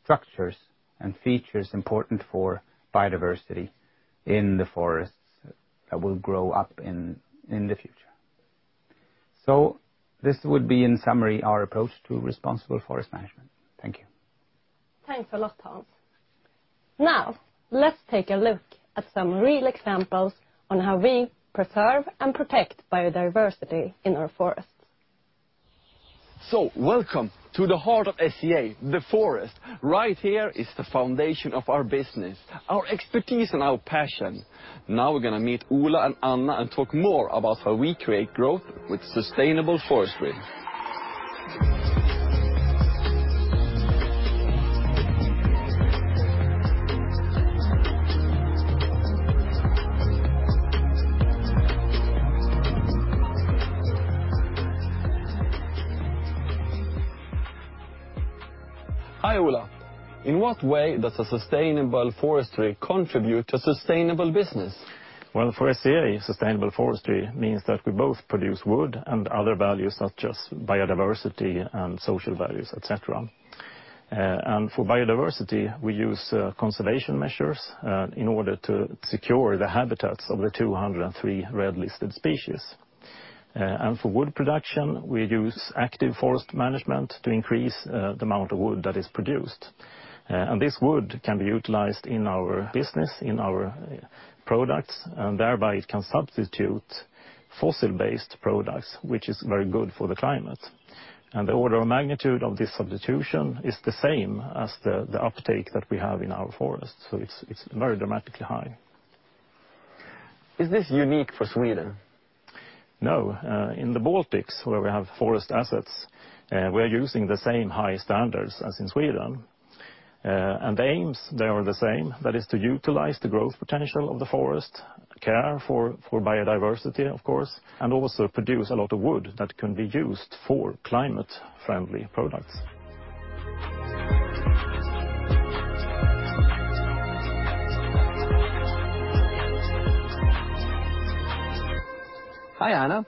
structures and features important for biodiversity in the forests that will grow up in the future. This would be, in summary, our approach to responsible forest management. Thank you. Thanks a lot, Hans. Now, let's take a look at some real examples on how we preserve and protect biodiversity in our forests. Welcome to the heart of SCA, the forest. Right here is the foundation of our business, our expertise and our passion. Now we're gonna meet Ola and Anna and talk more about how we create growth with sustainable forestry. Hi, Ola. In what way does a sustainable forestry contribute to sustainable business? Well, for SCA, sustainable forestry means that we both produce wood and other values such as biodiversity and social values, et cetera. For biodiversity, we use conservation measures in order to secure the habitats of the 203 Red-listed species. For wood production, we use active forest management to increase the amount of wood that is produced. This wood can be utilized in our business, in our products, and thereby it can substitute fossil-based products, which is very good for the climate. The order of magnitude of this substitution is the same as the uptake that we have in our forest. It's very dramatically high. Is this unique for Sweden? No. In the Baltics, where we have forest assets, we are using the same high standards as in Sweden. The aims, they are the same. That is to utilize the growth potential of the forest, care for biodiversity, of course, and also produce a lot of wood that can be used for climate friendly products. Hi, Anna.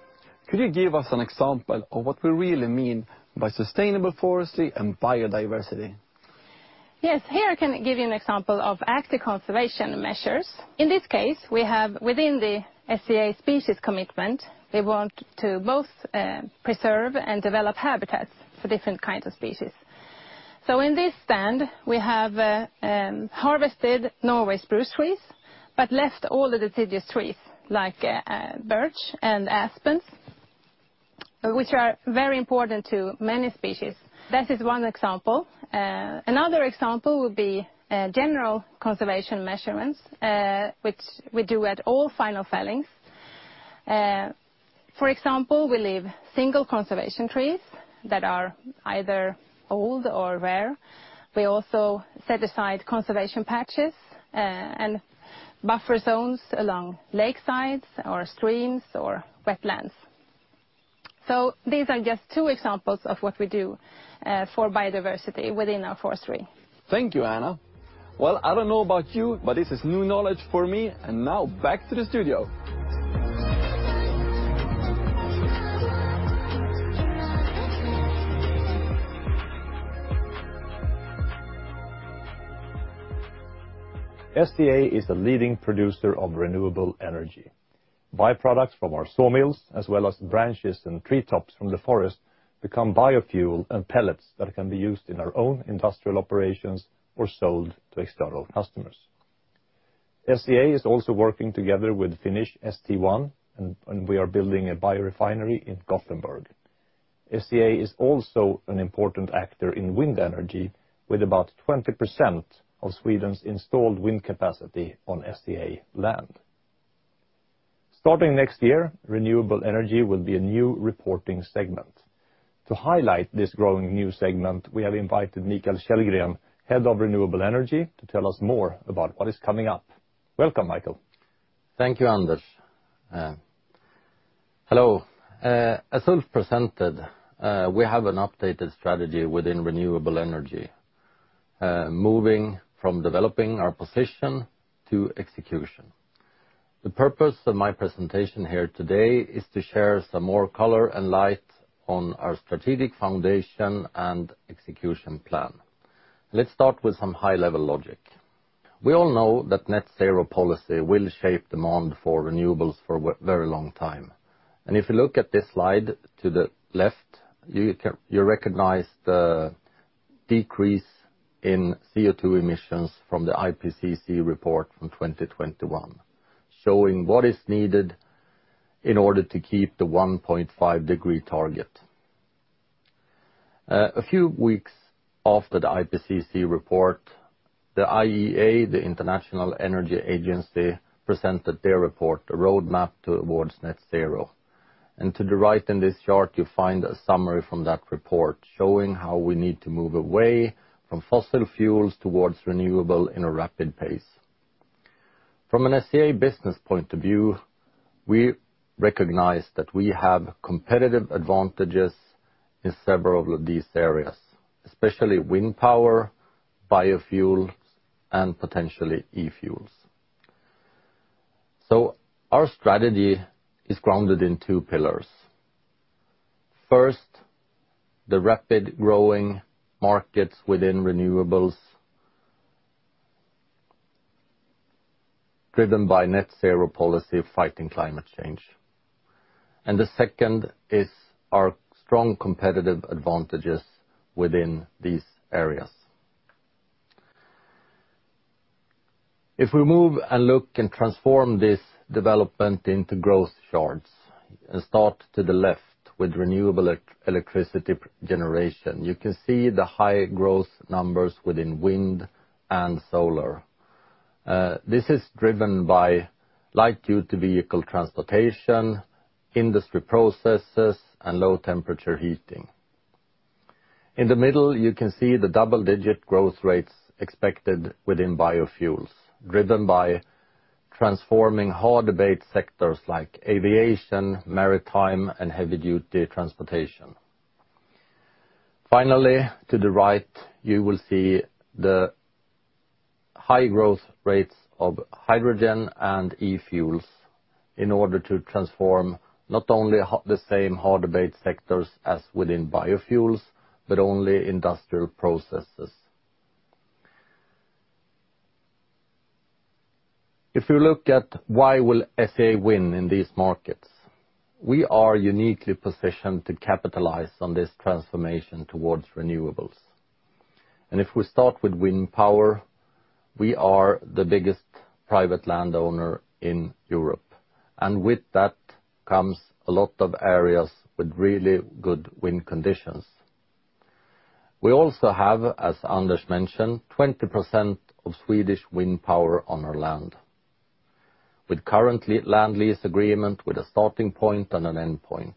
Could you give us an example of what we really mean by sustainable forestry and biodiversity? Yes. Here, I can give you an example of active conservation measures. In this case, we have within the SCA species commitment, we want to both preserve and develop habitats for different kinds of species. So in this stand, we have harvested Norway spruce trees, but left all the deciduous trees like birch and aspens, which are very important to many species. That is one example. Another example would be general conservation measurements, which we do at all final fellings. For example, we leave single conservation trees that are either old or rare. We also set aside conservation patches and buffer zones along lakesides or streams or wetlands. These are just two examples of what we do for biodiversity within our forestry. Thank you, Anna. Well, I don't know about you, but this is new knowledge for me. Now back to the studio. SCA is a leading producer of renewable energy. By-products from our sawmills, as well as branches and treetops from the forest, become biofuel and pellets that can be used in our own industrial operations or sold to external customers. SCA is also working together with Finnish St1, and we are building a biorefinery in Gothenburg. SCA is also an important actor in wind energy with about 20% of Sweden's installed wind capacity on SCA land. Starting next year, Renewable Energy will be a new reporting segment. To highlight this growing new segment, we have invited Mikael Källgren, Head of Renewable Energy, to tell us more about what is coming up. Welcome, Mikael. Thank you, Anders. Hello. As Ulf presented, we have an updated strategy within renewable energy, moving from developing our position to execution. The purpose of my presentation here today is to share some more color and light on our strategic foundation and execution plan. Let's start with some high-level logic. We all know that net zero policy will shape demand for renewables for a very long time. If you look at this slide to the left, you recognize the decrease in CO2 emissions from the IPCC report from 2021, showing what is needed in order to keep the 1.5 degree target. A few weeks after the IPCC report, the IEA, the International Energy Agency, presented their report, a roadmap towards net zero. To the right in this chart, you find a summary from that report showing how we need to move away from fossil fuels towards renewable in a rapid pace. From an SCA business point of view, we recognize that we have competitive advantages in several of these areas, especially wind power, biofuels, and potentially e-fuels. Our strategy is grounded in two pillars. First, the rapid growing markets within renewables, driven by net zero policy fighting climate change. The second is our strong competitive advantages within these areas. If we move and look and transform this development into growth charts and start to the left with renewable electricity generation, you can see the high growth numbers within wind and solar. This is driven by light-duty vehicle transportation, industry processes, and low-temperature heating. In the middle, you can see the double-digit growth rates expected within biofuels, driven by transforming hard-to-abate sectors like aviation, maritime, and heavy-duty transportation. Finally, to the right, you will see the high growth rates of hydrogen and e-fuels in order to transform not only the same hard-to-abate sectors as within biofuels, but only industrial processes. If you look at why will SCA win in these markets, we are uniquely positioned to capitalize on this transformation towards renewables. If we start with wind power, we are the biggest private landowner in Europe, and with that comes a lot of areas with really good wind conditions. We also have, as Anders mentioned, 20% of Swedish wind power on our land with current land lease agreement with a starting point and an end point,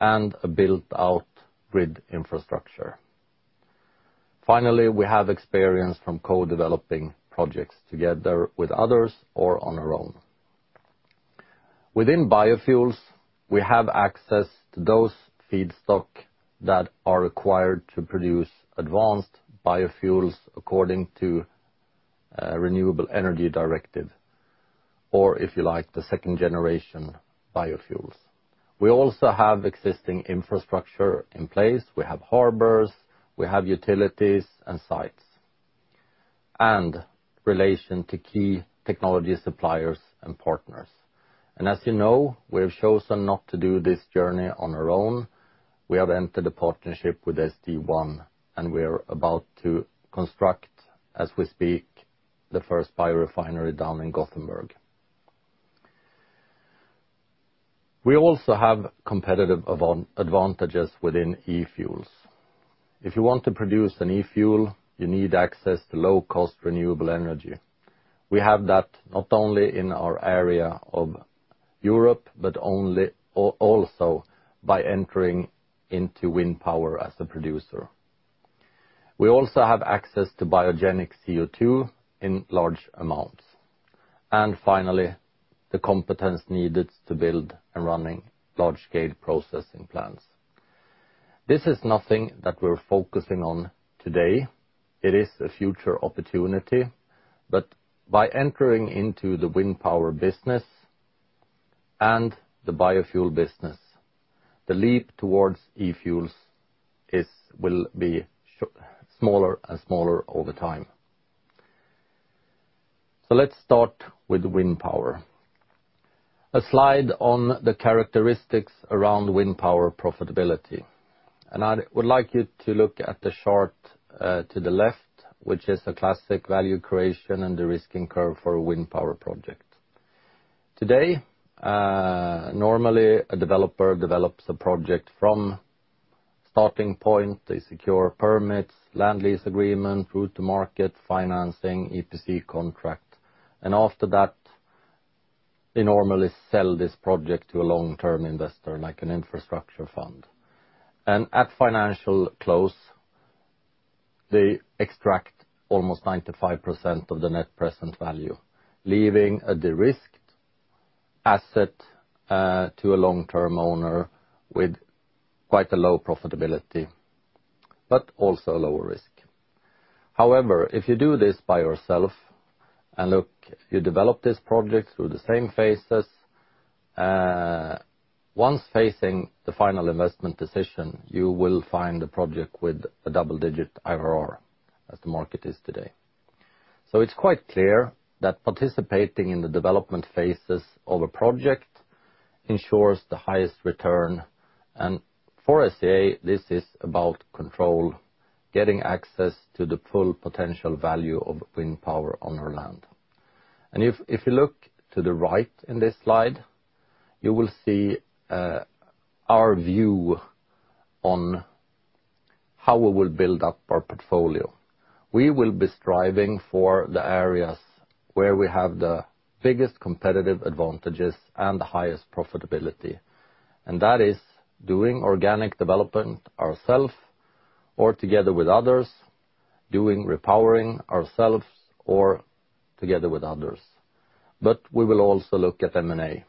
and a built-out grid infrastructure. Finally, we have experience from co-developing projects together with others or on our own. Within biofuels, we have access to those feedstock that are required to produce advanced biofuels according to the Renewable Energy Directive, or if you like, the second-generation biofuels. We also have existing infrastructure in place. We have harbors, we have utilities and sites. And relation to key technology suppliers and partners. As you know, we have chosen not to do this journey on our own. We have entered a partnership with St1, and we are about to construct, as we speak, the first biorefinery down in Gothenburg. We also have competitive advantages within e-fuels. If you want to produce an e-fuel, you need access to low-cost renewable energy. We have that not only in our area of Europe, but also by entering into wind power as a producer. We also have access to biogenic CO2 in large amounts. Finally, the competence needed to build and running large-scale processing plants. This is nothing that we're focusing on today. It is a future opportunity. By entering into the wind power business and the biofuel business, the leap towards e-fuels will be smaller and smaller over time. Let's start with wind power. A slide on the characteristics around wind power profitability. I would like you to look at the chart to the left, which is a classic value creation and de-risking curve for a wind power project. Today, normally, a developer develops a project from starting point, they secure permits, land lease agreement, route to market, financing, EPC contract. After that, they normally sell this project to a long-term investor, like an infrastructure fund. At financial close, they extract almost 95% of the net present value, leaving a de-risked asset to a long-term owner with quite a low profitability, but also a lower risk. However, if you do this by yourself and, look, you develop this project through the same phases, once facing the final investment decision, you will find a project with a double-digit IRR as the market is today. It's quite clear that participating in the development phases of a project ensures the highest return. For SCA, this is about control, getting access to the full potential value of wind power on our land. If you look to the right in this slide, you will see our view on how we will build up our portfolio. We will be striving for the areas where we have the biggest competitive advantages and the highest profitability. That is doing organic development ourselves or together with others, doing repowering ourselves or together with others. We will also look at M&A,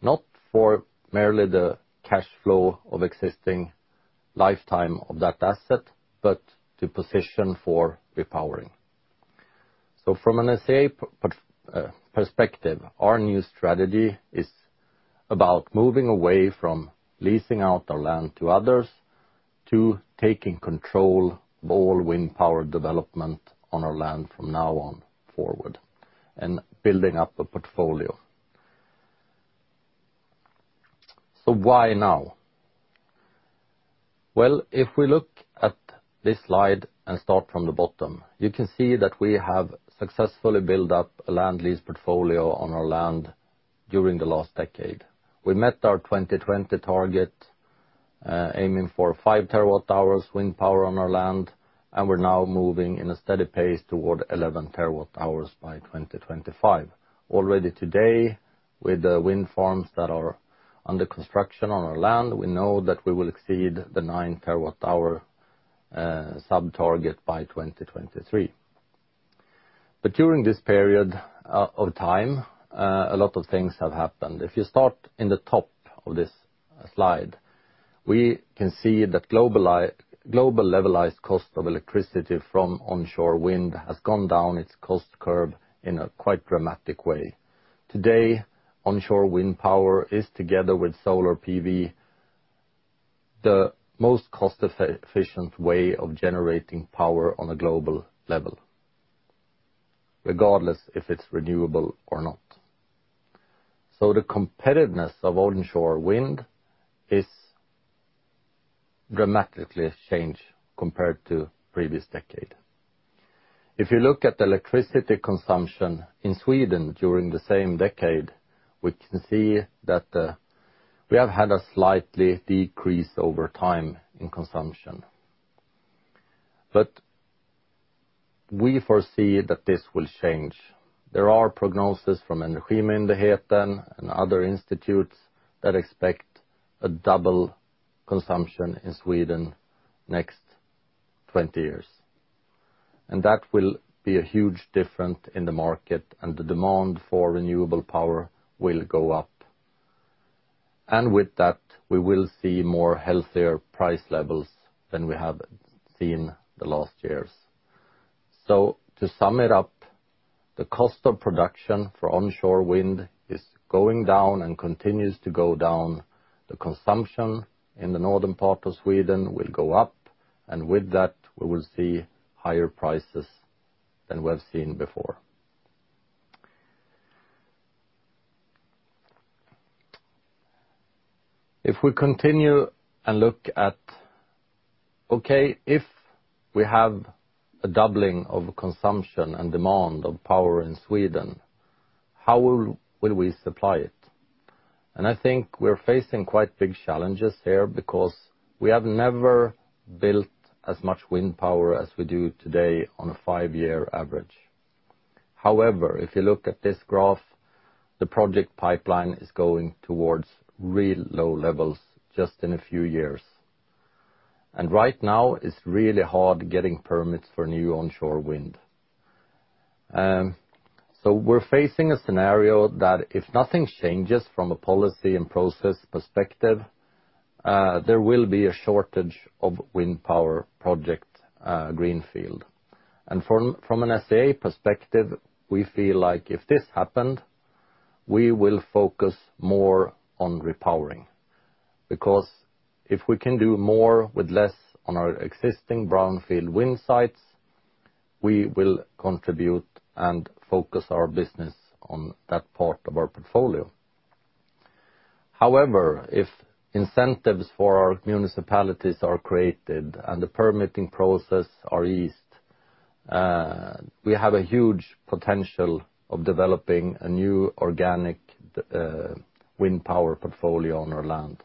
not for merely the cash flow of existing lifetime of that asset, but to position for repowering. From an SCA perspective, our new strategy is about moving away from leasing out our land to others to taking control of all wind power development on our land from now on forward and building up a portfolio. Why now? If we look at this slide and start from the bottom, you can see that we have successfully built up a land lease portfolio on our land during the last decade. We met our 2020 target, aiming for 5 TWh wind power on our land. We're now moving in a steady pace toward 11 TWh by 2025. Already today, with the wind farms that are under construction on our land, we know that we will exceed the 9 TWh subtarget by 2023. During this period of time, a lot of things have happened. If you start in the top of this slide, we can see that global levelized cost of electricity from onshore wind has gone down its cost curve in a quite dramatic way. Today, onshore wind power is, together with solar PV, the most cost efficient way of generating power on a global level, regardless if it's renewable or not. The competitiveness of onshore wind is dramatically changed compared to previous decade. If you look at electricity consumption in Sweden during the same decade, we can see that we have had a slightly decrease over time in consumption. We foresee that this will change. There are prognosis from Energimyndigheten and other institutes that expect a double consumption in Sweden next 20 years. That will be a huge difference in the market, and the demand for renewable power will go up. With that, we will see more healthier price levels than we have seen the last years. To sum it up. The cost of production for onshore wind is going down and continues to go down. The consumption in the northern part of Sweden will go up, and with that, we will see higher prices than we have seen before. If we continue and look at, okay, if we have a doubling of consumption and demand of power in Sweden, how will we supply it? I think we're facing quite big challenges here because we have never built as much wind power as we do today on a five-year average. However, if you look at this graph, the project pipeline is going towards real low levels just in a few years. Right now, it's really hard getting permits for new onshore wind. We're facing a scenario that if nothing changes from a policy and process perspective, there will be a shortage of wind power project, greenfield. From an SCA perspective, we feel like if this happened, we will focus more on repowering. If we can do more with less on our existing brownfield wind sites, we will contribute and focus our business on that part of our portfolio. However, if incentives for our municipalities are created and the permitting process are eased, we have a huge potential of developing a new organic wind power portfolio on our land.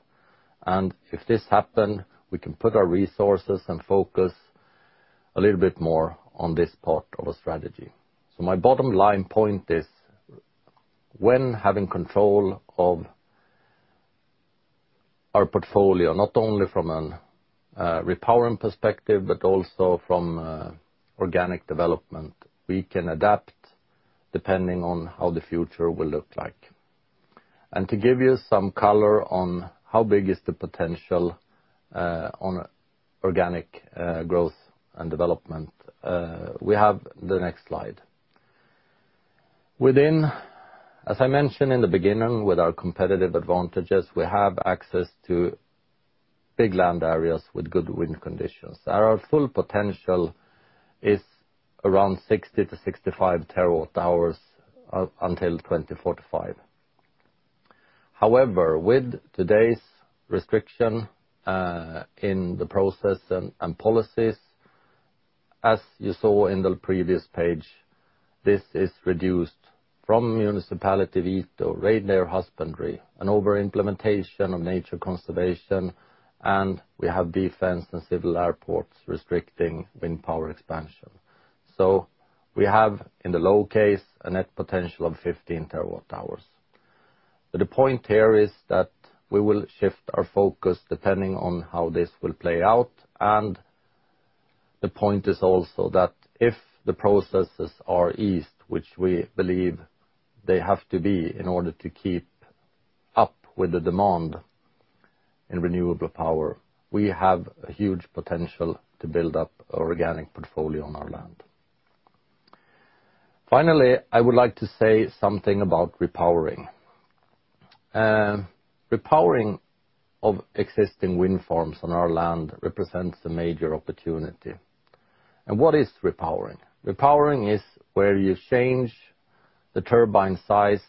If this happen, we can put our resources and focus a little bit more on this part of a strategy. My bottom line point is when having control of our portfolio, not only from a repowering perspective, but also from organic development, we can adapt depending on how the future will look like. To give you some color on how big is the potential on organic growth and development, we have the next slide. Within, as I mentioned in the beginning, with our competitive advantages, we have access to big land areas with good wind conditions. Our full potential is around 60 TWh-65 TWh until 2045. With today's restriction in the process and policies, as you saw in the previous page, this is reduced from municipality veto, reindeer husbandry, and over-implementation of nature conservation, and we have defense and civil airports restricting wind power expansion. We have, in the low case, a net potential of 15 TWh. The point here is that we will shift our focus depending on how this will play out. The point is also that if the processes are eased, which we believe they have to be in order to keep up with the demand in renewable power, we have a huge potential to build up organic portfolio on our land. Finally, I would like to say something about repowering. Repowering of existing wind farms on our land represents a major opportunity. What is repowering? Repowering is where you change the turbine size.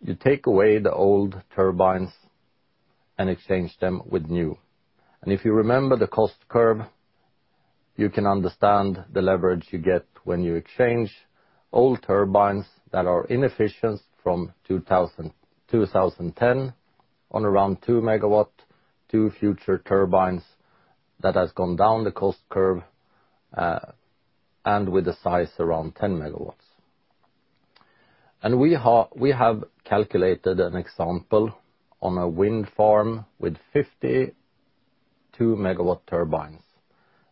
You take away the old turbines and exchange them with new. If you remember the cost curve, you can understand the leverage you get when you exchange old turbines that are inefficient from 2000, 2010 on around 2 MW to future turbines that has gone down the cost curve and with a size around 10 MW. We have calculated an example on a wind farm with 52 MW turbines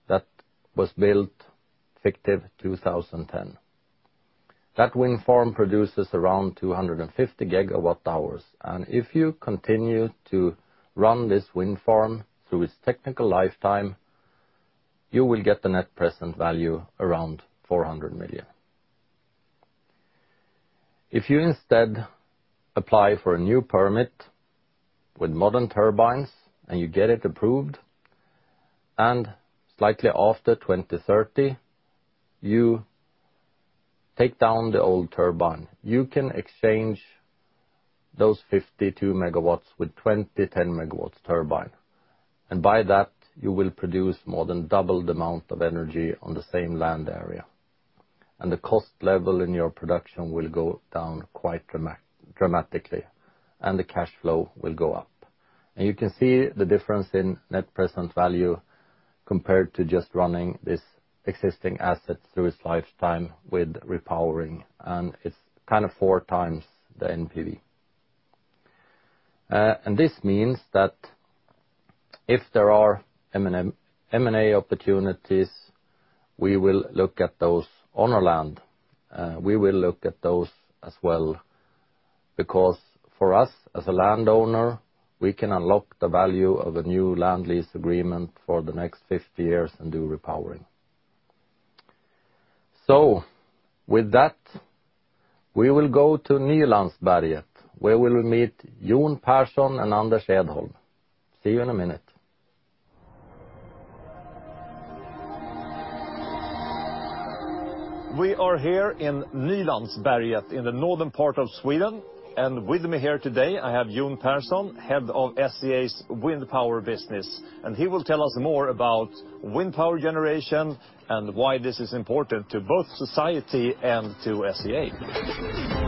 that was built fictive 2010. That wind farm produces around 250 GWh. If you continue to run this wind farm through its technical lifetime, you will get the net present value around 400 million. If you instead apply for a new permit with modern turbines, and you get it approved, and slightly after 2030, you take down the old turbine. You can exchange those 52 MW with 20 10 MW turbine. By that, you will produce more than double the amount of energy on the same land area. The cost level in your production will go down quite dramatically, and the cash flow will go up. You can see the difference in net present value compared to just running this existing asset through its lifetime with repowering, and it's kind of 4x the NPV. This means that if there are M&A opportunities, we will look at those on our land. We will look at those as well For us as a landowner, we can unlock the value of the new land lease agreement for the next 50 years and do repowering. With that, we will go to Nylandsberget, where we will meet Jon Persson and Anders Edholm. See you in a minute. We are here in Nylandsberget in the northern part of Sweden, and with me here today, I have Jon Persson, Head of SCA's wind power business, and he will tell us more about wind power generation and why this is important to both society and to SCA.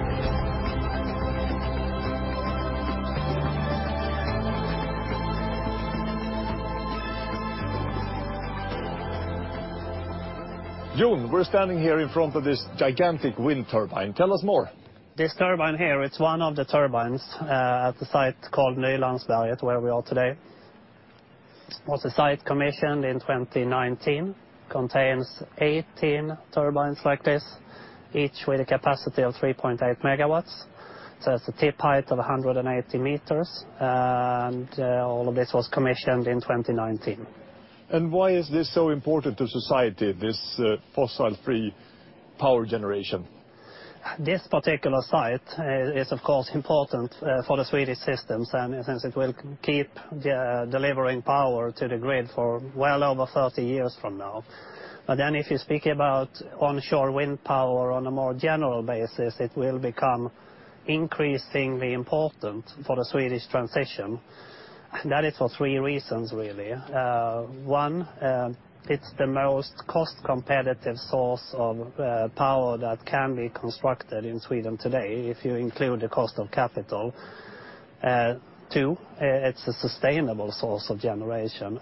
Jon, we're standing here in front of this gigantic wind turbine. Tell us more. This turbine here, it's one of the turbines at the site called Nylandsberget, where we are today. It was a site commissioned in 2019, contains 18 turbines like this, each with a capacity of 3.8 MW. It's a tip height of 180 meters, and, all of this was commissioned in 2019. Why is this so important to society, this, fossil-free power generation? This particular site is, of course, important for the Swedish systems and since it will keep delivering power to the grid for well over 30 years from now. If you speak about onshore wind power on a more general basis, it will become increasingly important for the Swedish transition. That is for three reasons, really. One, it's the most cost-competitive source of power that can be constructed in Sweden today if you include the cost of capital. Two, it's a sustainable source of generation,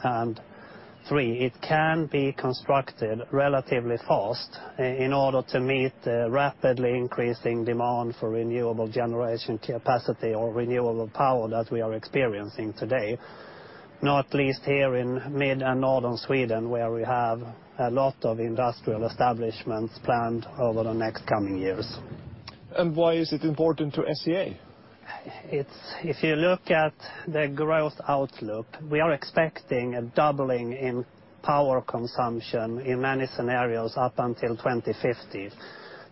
and three, it can be constructed relatively fast in order to meet the rapidly increasing demand for renewable generation capacity or renewable power that we are experiencing today, not least here in mid and Northern Sweden, where we have a lot of industrial establishments planned over the next coming years. Why is it important to SCA? If you look at the growth outlook, we are expecting a doubling in power consumption in many scenarios up until 2050.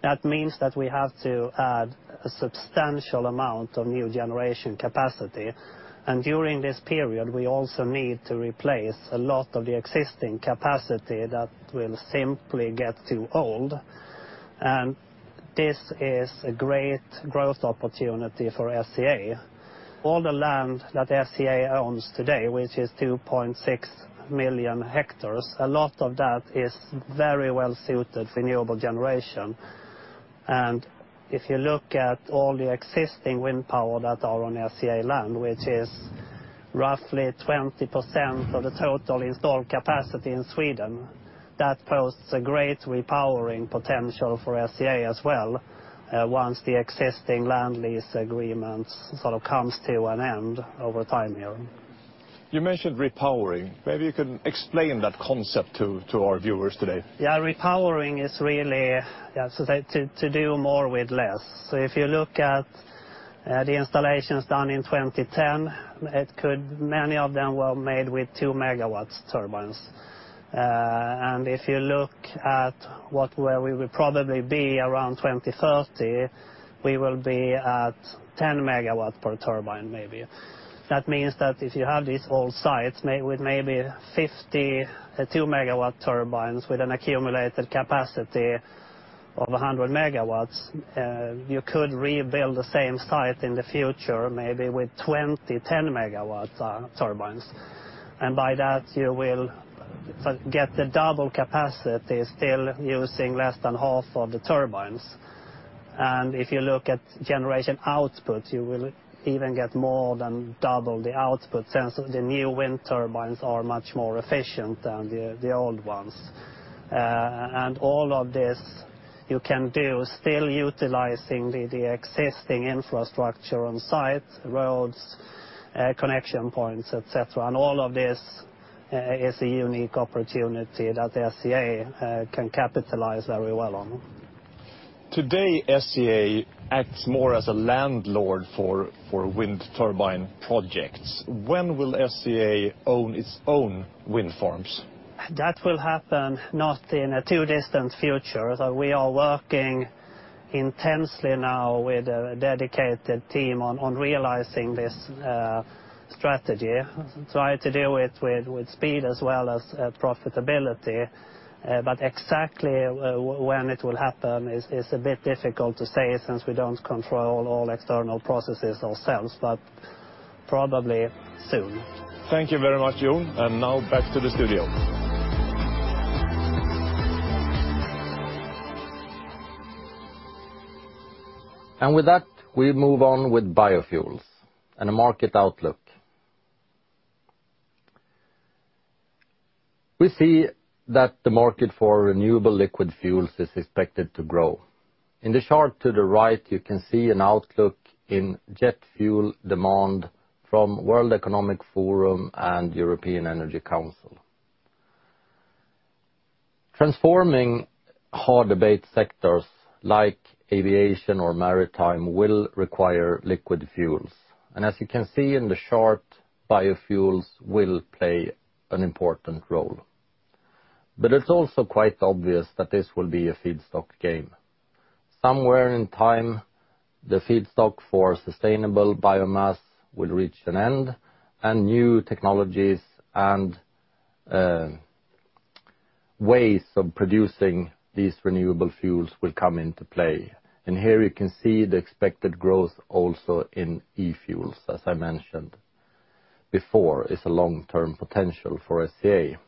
That means that we have to add a substantial amount of new generation capacity. During this period, we also need to replace a lot of the existing capacity that will simply get too old. This is a great growth opportunity for SCA. All the land that SCA owns today, which is 2.6 million hectares, a lot of that is very well suited for renewable generation. If you look at all the existing wind power that are on SCA land, which is roughly 20% of the total installed capacity in Sweden, that poses a great repowering potential for SCA as well, once the existing land lease agreements sort of comes to an end over time. You mentioned repowering. Maybe you can explain that concept to our viewers today. Repowering is really, to do more with less. If you look at the installations done in 2010, many of them were made with 2 MW turbines. If you look at where we would probably be around 2030, we will be at 10 MW per turbine, maybe. That means that if you have these old sites with maybe 50, 2 MW turbines with an accumulated capacity of 100 MW, you could rebuild the same site in the future, maybe with 20, 10-MW turbines. By that, you will get the double capacity still using less than half of the turbines. If you look at generation output, you will even get more than double the output since the new wind turbines are much more efficient than the old ones. All of this you can do still utilizing the existing infrastructure on site, roads, connection points, et cetera. All of this, is a unique opportunity that SCA can capitalize very well on. Today, SCA acts more as a landlord for wind turbine projects. When will SCA own its own wind farms? That will happen not in a too distant future. We are working intensely now with a dedicated team on realizing this strategy. Try to do it with speed as well as profitability. Exactly when it will happen is a bit difficult to say since we don't control all external processes ourselves, but probably soon. Thank you very much, Jon. Now back to the studio. With that, we move on with biofuels and a market outlook. We see that the market for renewable liquid fuels is expected to grow. In the chart to the right, you can see an outlook in jet fuel demand from World Economic Forum and European Energy Council. Transforming hard-to-abate sectors like aviation or maritime will require liquid fuels. As you can see in the chart, biofuels will play an important role. It's also quite obvious that this will be a feedstock game. Somewhere in time, the feedstock for sustainable biomass will reach an end, and new technologies and ways of producing these renewable fuels will come into play. Here you can see the expected growth also in e-fuels, as I mentioned before, is a long-term potential for SCA.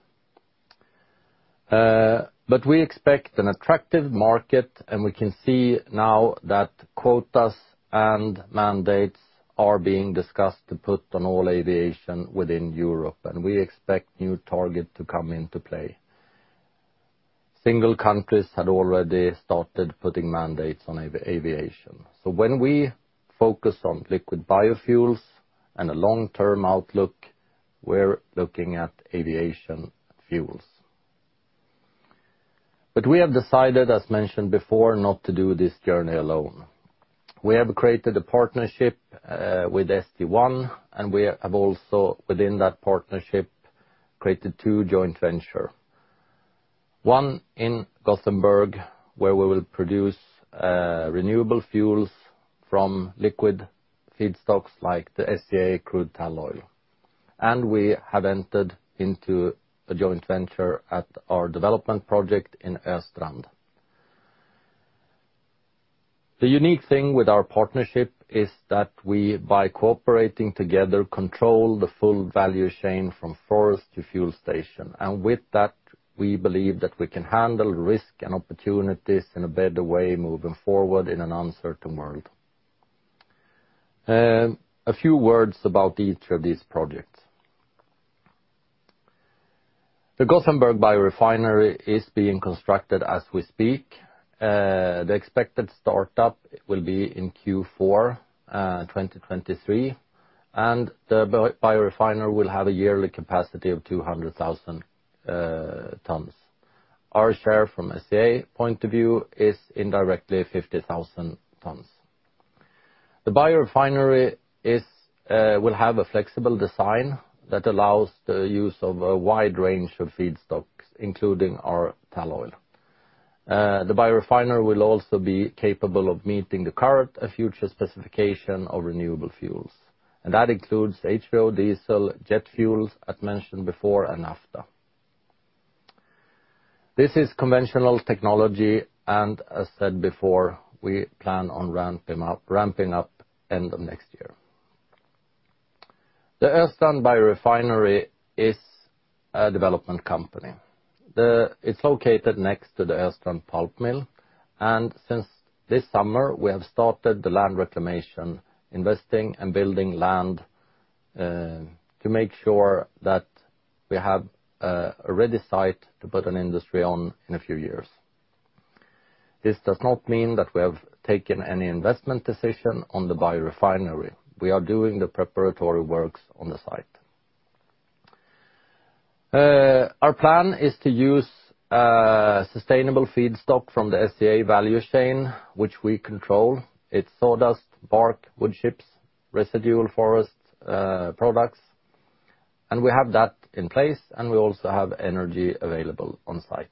We expect an attractive market, and we can see now that quotas and mandates are being discussed to put on all aviation within Europe, and we expect new target to come into play. Single countries had already started putting mandates on aviation. When we focus on liquid biofuels and a long-term outlook, we're looking at aviation fuels. We have decided, as mentioned before, not to do this journey alone. We have created a partnership with St1, we have also, within that partnership, created two joint venture. One in Gothenburg, where we will produce renewable fuels from liquid feedstocks like the SCA crude tall oil. We have entered into a joint venture at our development project in Östrand. The unique thing with our partnership is that we, by cooperating together, control the full value chain from forest to fuel station. With that, we believe that we can handle risk and opportunities in a better way moving forward in an uncertain world. A few words about each of these projects. The Gothenburg biorefinery is being constructed as we speak. The expected startup will be in Q4 2023, the biorefinery will have a yearly capacity of 200,000 tons. Our share from SCA point of view is indirectly 50,000 tons. The biorefinery will have a flexible design that allows the use of a wide range of feedstocks, including our tall oil. The biorefinery will also be capable of meeting the current and future specification of renewable fuels, that includes HVO diesel, jet fuels, as mentioned before, and naphtha. This is conventional technology, as said before, we plan on ramping up end of next year. The Östrand biorefinery is a development company. It's located next to the Östrand pulp mill. Since this summer, we have started the land reclamation, investing and building land to make sure that we have a ready site to put an industry on in a few years. This does not mean that we have taken any investment decision on the biorefinery. We are doing the preparatory works on the site. Our plan is to use sustainable feedstock from the SCA value chain, which we control. It's sawdust, bark, wood chips, residual forest products. We have that in place. We also have energy available on site.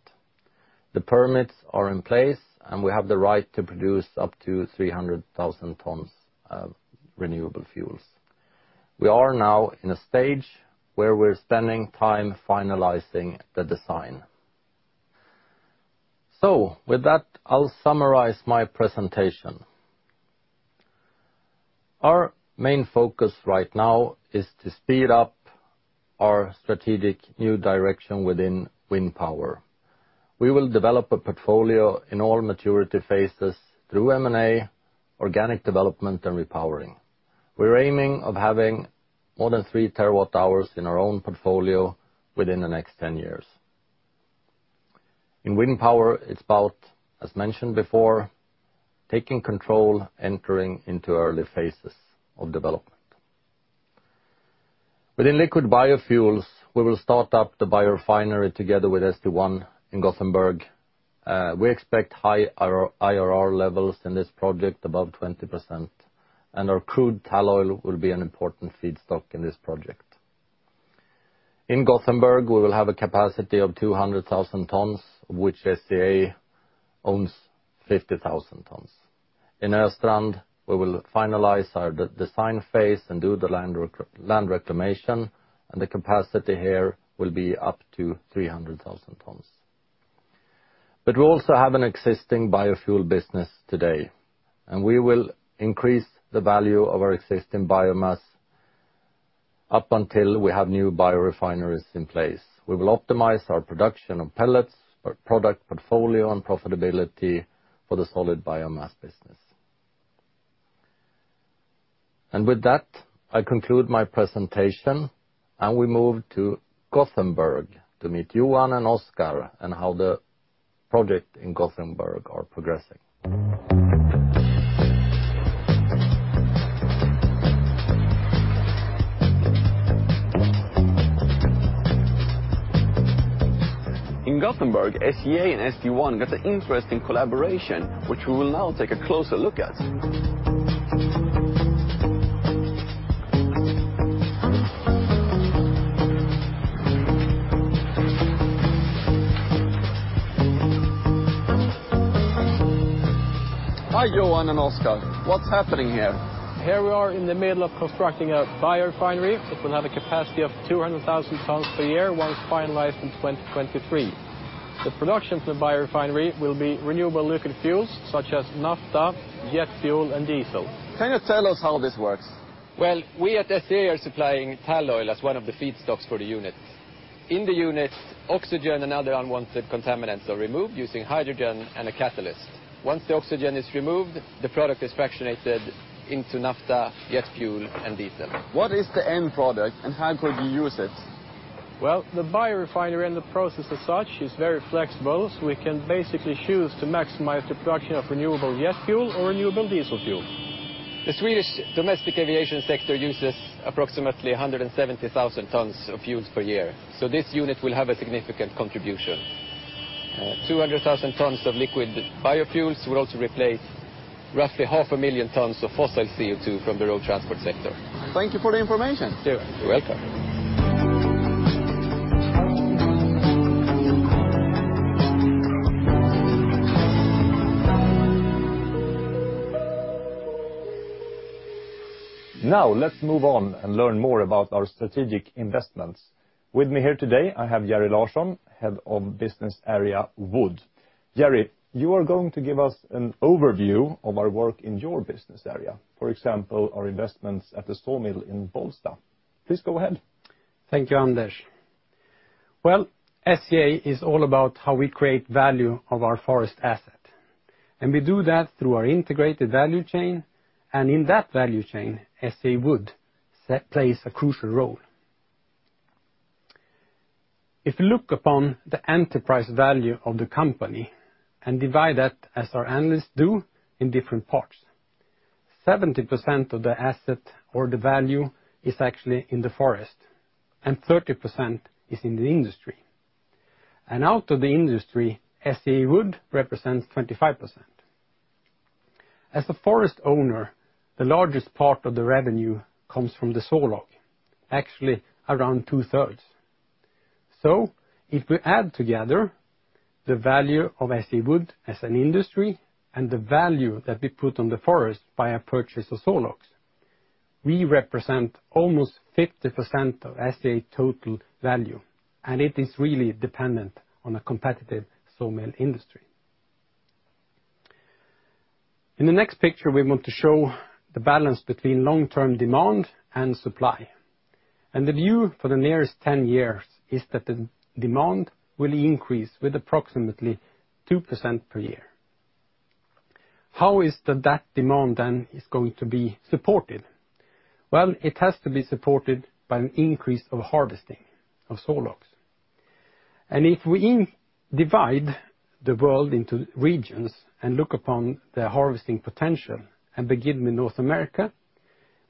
The permits are in place. We have the right to produce up to 300,000 tons of renewable fuels. We are now in a stage where we're spending time finalizing the design. With that, I'll summarize my presentation. Our main focus right now is to speed up our strategic new direction within wind power. We will develop a portfolio in all maturity phases through M&A, organic development, and repowering. We're aiming of having more than 3 TWh in our own portfolio within the next 10 years. In wind power, it's about, as mentioned before, taking control, entering into early phases of development. Within liquid biofuels, we will start up the biorefinery together with St1 in Gothenburg. We expect high IRR levels in this project, above 20%, and our crude tall oil will be an important feedstock in this project. In Gothenburg, we will have a capacity of 200,000 tons, which SCA owns 50,000 tons. In Östrand, we will finalize our design phase and do the land reclamation, and the capacity here will be up to 300,000 tons. We also have an existing biofuel business today, and we will increase the value of our existing biomass up until we have new biorefineries in place. We will optimize our production of pellets, our product portfolio, and profitability for the solid biomass business. With that, I conclude my presentation, and we move to Gothenburg to meet Johan and Oscar on how the project in Gothenburg are progressing. In Gothenburg, SCA and St1 got an interesting collaboration, which we will now take a closer look at. Hi, Johan and Oscar. What's happening here? Here we are in the middle of constructing a biorefinery that will have a capacity of 200,000 tons per year once finalized in 2023. The production from the biorefinery will be renewable liquid fuels such as naphtha, jet fuel, and diesel. Can you tell us how this works? Well, we at SCA are supplying tall oil as one of the feedstocks for the unit. In the unit, oxygen and other unwanted contaminants are removed using hydrogen and a catalyst. Once the oxygen is removed, the product is fractionated into naphtha, jet fuel, and diesel. What is the end product and how could we use it? Well, the biorefinery and the process as such is very flexible, so we can basically choose to maximize the production of renewable jet fuel or renewable diesel fuel. The Swedish domestic aviation sector uses approximately 170,000 tons of fuels per year, so this unit will have a significant contribution. 200,000 tons of liquid biofuels will also replace roughly 500,000 tons of fossil CO2 from the road transport sector. Thank you for the information. Sure. You're welcome. Now let's move on and learn more about our strategic investments. With me here today, I have Jerry Larsson, head of business area Wood. Jerry, you are going to give us an overview of our work in your business area, for example, our investments at the saw mill in Bollsta. Please go ahead. Thank you, Anders. Well, SCA is all about how we create value of our forest asset, and we do that through our integrated value chain, and in that value chain, SCA Wood plays a crucial role. If you look upon the enterprise value of the company and divide that, as our analysts do, in different parts, 70% of the asset or the value is actually in the forest, and 30% is in the industry. Out of the industry, SCA Wood represents 25%. As a forest owner, the largest part of the revenue comes from the sawlog, actually around two-thirds. If we add together the value of SCA Wood as an industry and the value that we put on the forest by our purchase of sawlogs, we represent almost 50% of SCA total value, and it is really dependent on a competitive sawmill industry. In the next picture, we want to show the balance between long-term demand and supply. The view for the nearest 10 years is that the demand will increase with approximately 2% per year. How is that demand then is going to be supported? Well, it has to be supported by an increase of harvesting of sawlogs. If we divide the world into regions and look upon the harvesting potential and begin with North America,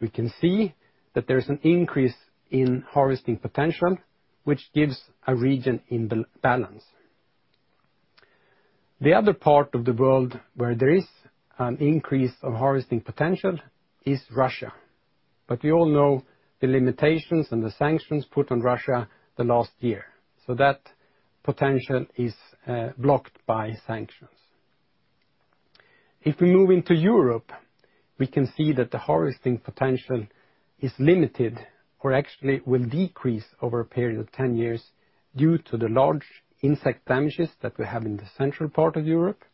we can see that there's an increase in harvesting potential, which gives a region in balance. The other part of the world where there is an increase of harvesting potential is Russia, but we all know the limitations and the sanctions put on Russia the last year, so that potential is blocked by sanctions. If we move into Europe, we can see that the harvesting potential is limited or actually will decrease over a period of 10 years due to the large insect damages that we have in the central part of Europe,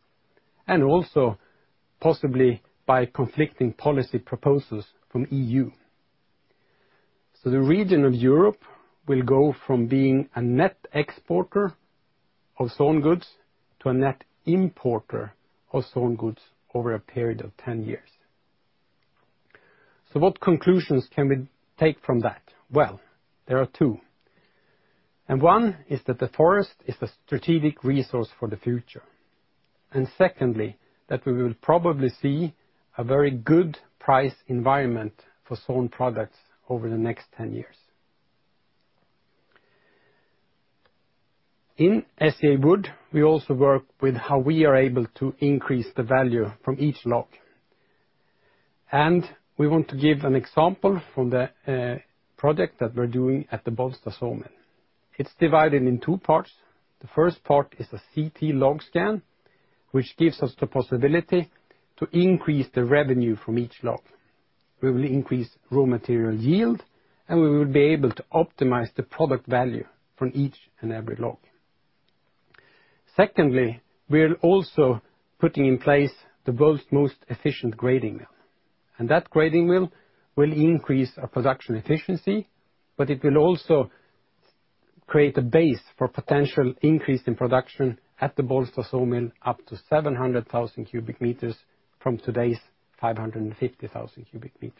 and also possibly by conflicting policy proposals from EU. The region of Europe will go from being a net exporter of sawn goods to a net importer of sawn goods over a period of 10 years. What conclusions can we take from that? Well, there are two, and one is that the forest is a strategic resource for the future, and secondly, that we will probably see a very good price environment for sawn products over the next 10 years. In SCA Wood, we also work with how we are able to increase the value from each log. We want to give an example from the project that we're doing at the Bollsta Sawmill. It's divided in two parts. The first part is a CT log scan, which gives us the possibility to increase the revenue from each log. We will increase raw material yield. We will be able to optimize the product value from each and every log. Secondly, we're also putting in place the world's most efficient grading mill. That grading mill will increase our production efficiency. It will also create a base for potential increase in production at the Bollsta Sawmill up to 700,000 cubic meters from today's 550,000 cubic meters.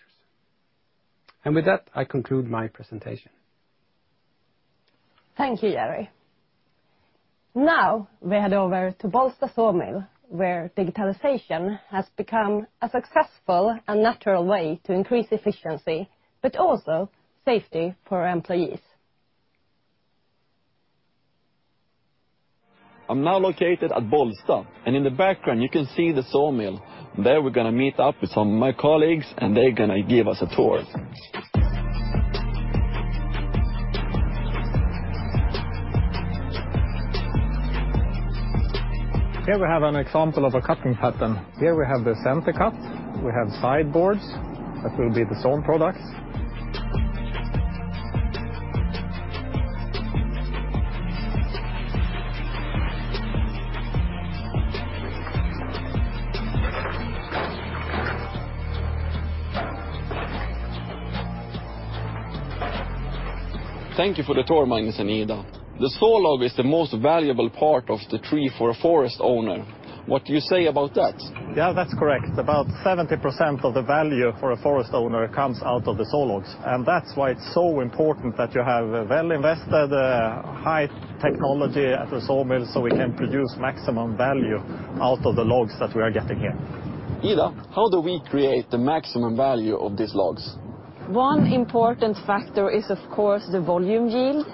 With that, I conclude my presentation. Thank you, Jerry. Now we head over to Bollsta Sawmill, where digitalization has become a successful and natural way to increase efficiency, but also safety for our employees. I'm now located at Bollsta. In the background, you can see the sawmill. There, we're gonna meet up with some of my colleagues. They're gonna give us a tour. Here we have an example of a cutting pattern. Here we have the center cut. We have sideboards. That will be the sawn products. Thank you for the tour, Magnus and Ida. The sawlog is the most valuable part of the tree for a forest owner. What do you say about that? Yeah, that's correct. About 70% of the value for a forest owner comes out of the sawlogs, and that's why it's so important that you have a well-invested, high technology at the sawmill, so we can produce maximum value out of the logs that we are getting here. Ida, how do we create the maximum value of these logs? One important factor is, of course, the volume yield,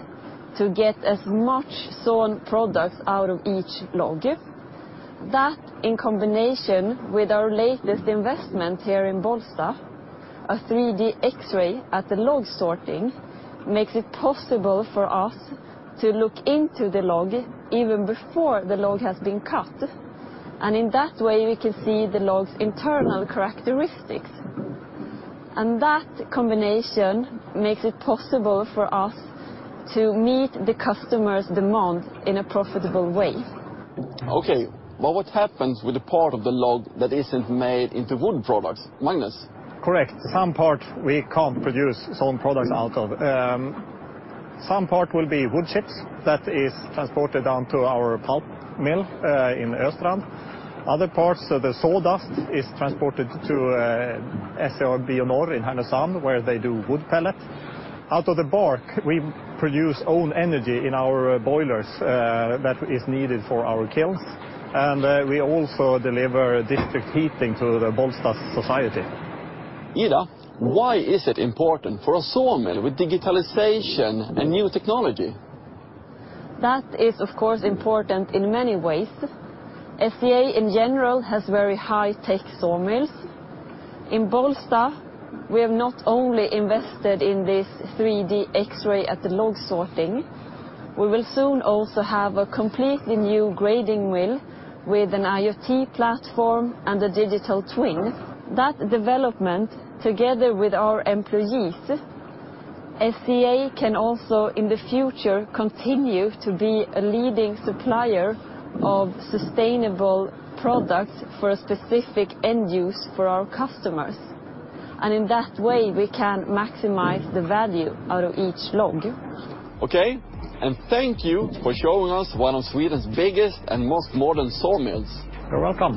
to get as much sawn products out of each log. That, in combination with our latest investment here in Bollsta, a 3D X-ray at the log sorting, makes it possible for us to look into the log even before the log has been cut, and in that way, we can see the log's internal characteristics. That combination makes it possible for us to meet the customer's demand in a profitable way. Okay, what happens with the part of the log that isn't made into wood products, Magnus? Correct. Some part we can't produce sawn products out of. Some part will be wood chips that is transported down to our pulp mill in Östrand. Other parts, the sawdust is transported to SCA Bionorr in Härnösand, where they do wood pellet. Out of the bark, we produce own energy in our boilers that is needed for our kilns. We also deliver district heating to the Bollsta society. Ida, why is it important for a sawmill with digitalization and new technology? That is, of course, important in many ways. SCA in general has very high-tech sawmills. In Bollsta, we have not only invested in this 3D X-ray at the log sorting, we will soon also have a completely new grading wheel with an IoT platform and a digital twin. That development, together with our employees, SCA can also in the future continue to be a leading supplier of sustainable products for a specific end use for our customers. In that way, we can maximize the value out of each log. Okay, thank you for showing us one of Sweden's biggest and most modern sawmills. You're welcome.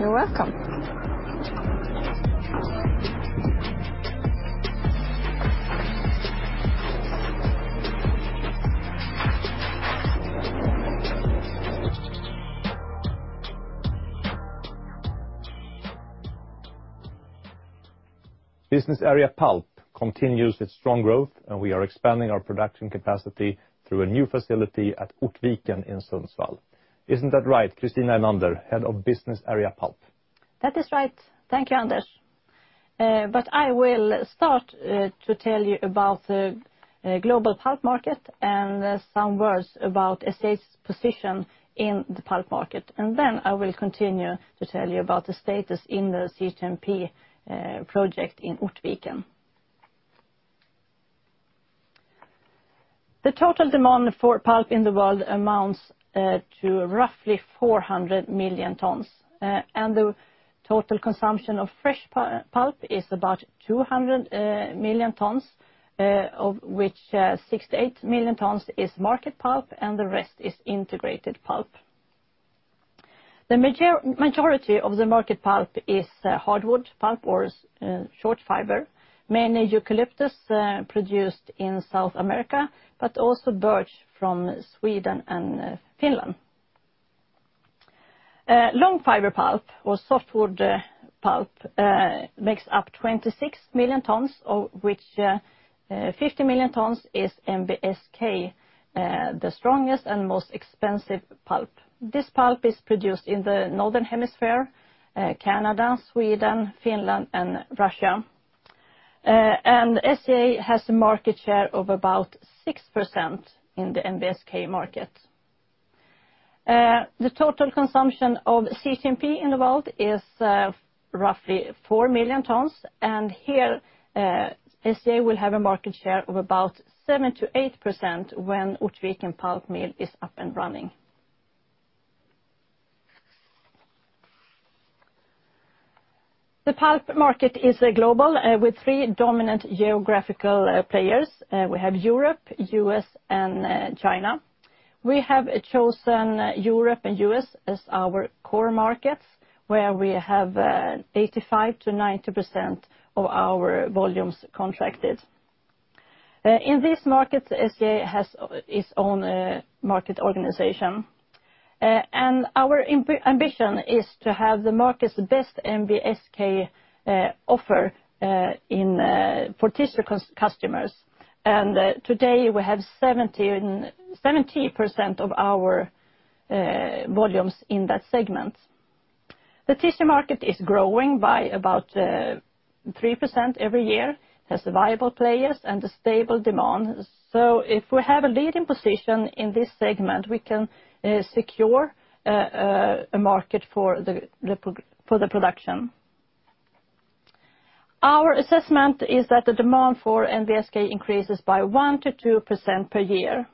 You're welcome. Business Area Pulp continues its strong growth. We are expanding our production capacity through a new facility at Ortviken in Sundsvall. Isn't that right, Kristina Enander, Head of Business Area Pulp? That is right. Thank you, Anders. I will start to tell you about the global pulp market and some words about SCA's position in the pulp market, then I will continue to tell you about the status in the CTMP project in Ortviken. The total demand for pulp in the world amounts to roughly 400 million tons, and the total consumption of fresh pulp is about 200 million tons, of which 68 million tons is market pulp, and the rest is integrated pulp. The majority of the market pulp is hardwood pulp or short fiber, mainly eucalyptus, produced in South America, but also birch from Sweden and Finland. Long fiber pulp or softwood pulp makes up 26 million tons, of which 50 million tons is NBSK, the strongest and most expensive pulp. This pulp is produced in the Northern Hemisphere, Canada, Sweden, Finland, and Russia. SCA has a market share of about 6% in the NBSK market. The total consumption of CTMP in the world is roughly 4 million tons, and here SCA will have a market share of about 7%-8% when Ortviken pulp mill is up and running. The pulp market is global, with three dominant geographical players. We have Europe, U.S., and China. We have chosen Europe and U.S. as our core markets, where we have 85%-90% of our volumes contracted. In this market, SCA has its own market organization. Our ambition is to have the market's best NBSK offer in for tissue customers. Today, we have 70% of our volumes in that segment. The tissue market is growing by about 3% every year, has viable players and a stable demand. If we have a leading position in this segment, we can secure a market for the production. Our assessment is that the demand for NBSK increases by 1%-2% per year.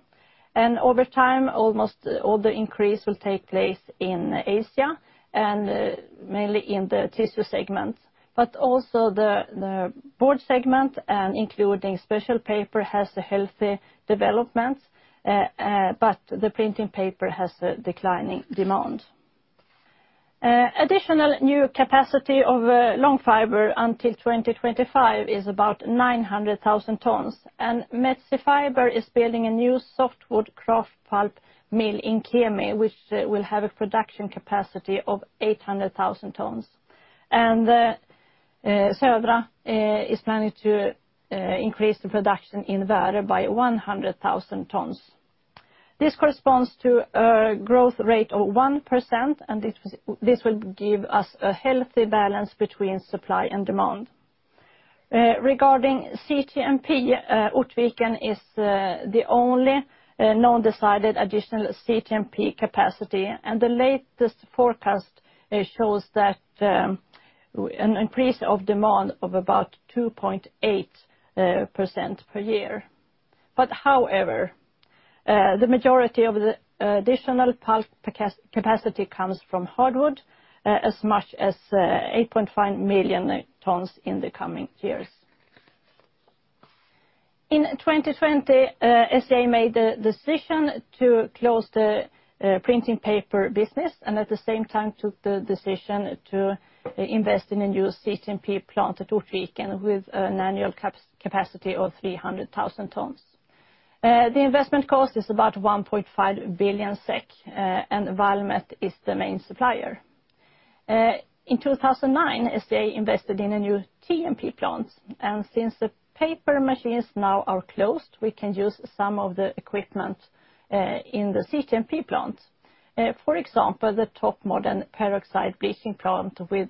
Over time, almost all the increase will take place in Asia, and mainly in the tissue segment. Also the board segment, and including special paper, has a healthy development, but the printing paper has a declining demand. Additional new capacity of long fiber until 2025 is about 900,000 tons. Metsä Fibre is building a new softwood kraft pulp mill in Kemi, which will have a production capacity of 800,000 tons. Södra is planning to increase the production in Värö by 100,000 tons. This corresponds to a growth rate of 1%, and this will give us a healthy balance between supply and demand. Regarding CTMP, Ortvikens is the only non-decided additional CTMP capacity, and the latest forecast, it shows that an increase of demand of about 2.8% per year. However, the majority of the additional pulp capacity comes from hardwood, as much as 8.5 million tons in the coming years. In 2020, SCA made a decision to close the printing paper business, and at the same time, took the decision to invest in a new CTMP plant at Ortviken with an annual capacity of 300,000 tons. The investment cost is about 1.5 billion SEK, and Valmet is the main supplier. In 2009, SCA invested in a new TMP plant. Since the paper machines now are closed, we can use some of the equipment in the CTMP plant. For example, the top modern peroxide bleaching plant with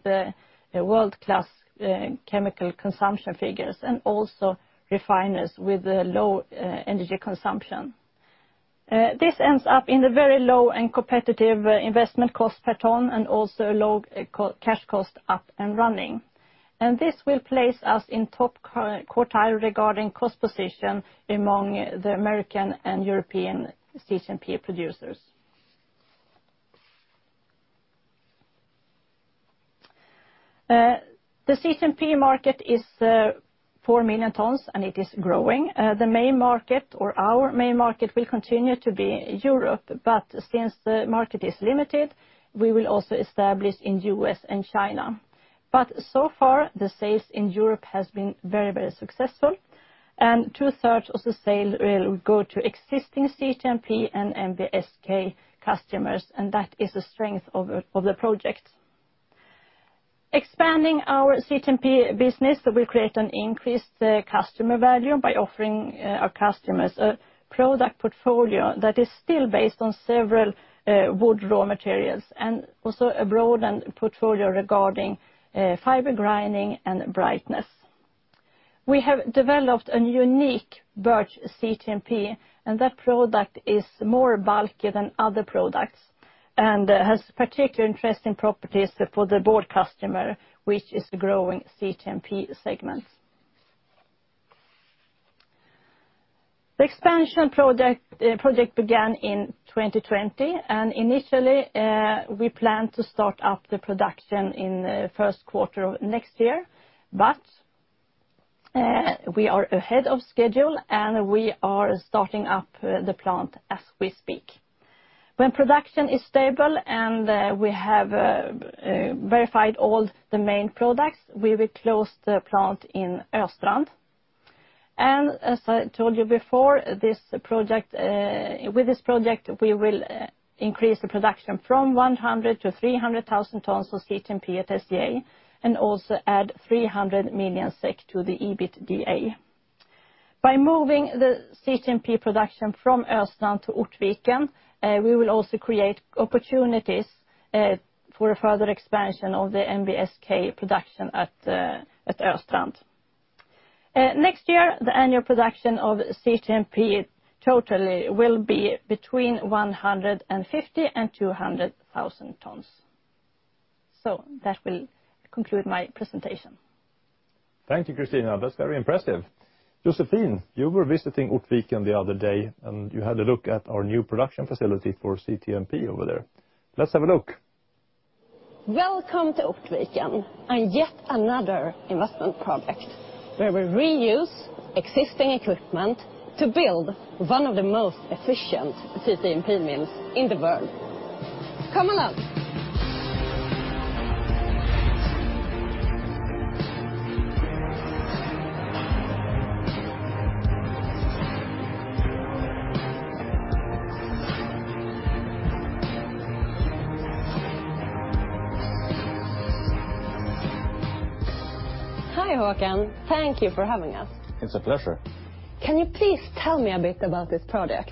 world-class chemical consumption figures, and also refiners with low energy consumption. This ends up in the very low and competitive investment cost per ton and also low cash cost up and running. This will place us in top quartile regarding cost position among the American and European CTMP producers. The CTMP market is 4 million tons, and it is growing. The main market or our main market will continue to be Europe, but since the market is limited, we will also establish in U.S. and China. So far, the sales in Europe has been very, very successful, and 2/3 of the sale will go to existing CTMP and NBSK customers, and that is the strength of the project. Expanding our CTMP business will create an increased customer value by offering our customers a product portfolio that is still based on several wood raw materials, and also a broadened portfolio regarding fiber grinding and brightness. We have developed a unique birch CTMP. That product is more bulky than other products and has particular interesting properties for the board customer, which is a growing CTMP segment. The expansion project began in 2020, and initially, we planned to start up the production in the first quarter of next year. We are ahead of schedule, and we are starting up the plant as we speak. When production is stable, and we have verified all the main products, we will close the plant in Östrand. As I told you before, this project, with this project, we will increase the production from 100,000 tons-300,000 tons of CTMP at SCA, also add 300 million SEK to the EBITDA. By moving the CTMP production from Östrand to Ortvikens, we will also create opportunities for a further expansion of the NBSK production at Östrand. Next year, the annual production of CTMP totally will be between 150,000 tons and 200,000 tons. That will conclude my presentation. Thank you, Kristina. That's very impressive. Josefine, you were visiting Ortviken the other day, and you had a look at our new production facility for CTMP over there. Let's have a look Welcome to Ortviken and yet another investment project where we reuse existing equipment to build one of the most efficient CTMP mills in the world. Come along. Hi, Håkan. Thank you for having us. It's a pleasure. Can you please tell me a bit about this project?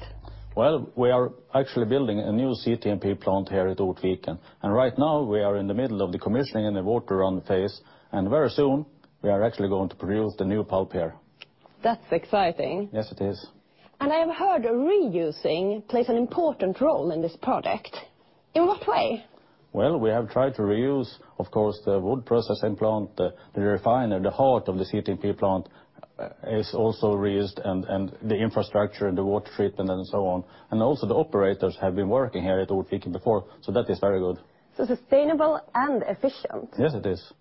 Well, we are actually building a new CTMP plant here at Ortviken, and right now we are in the middle of the commissioning and the water run phase, and very soon, we are actually going to produce the new pulp here. That's exciting. Yes, it is. I have heard reusing plays an important role in this project. In what way? Well, we have tried to reuse, of course, the wood processing plant, the refiner, the heart of this CTMP plant is also reused, and the infrastructure, the water treatment, and so on. Also the operators have been working here at Ortviken before, so that is very good. Sustainable and efficient. Yes, it is.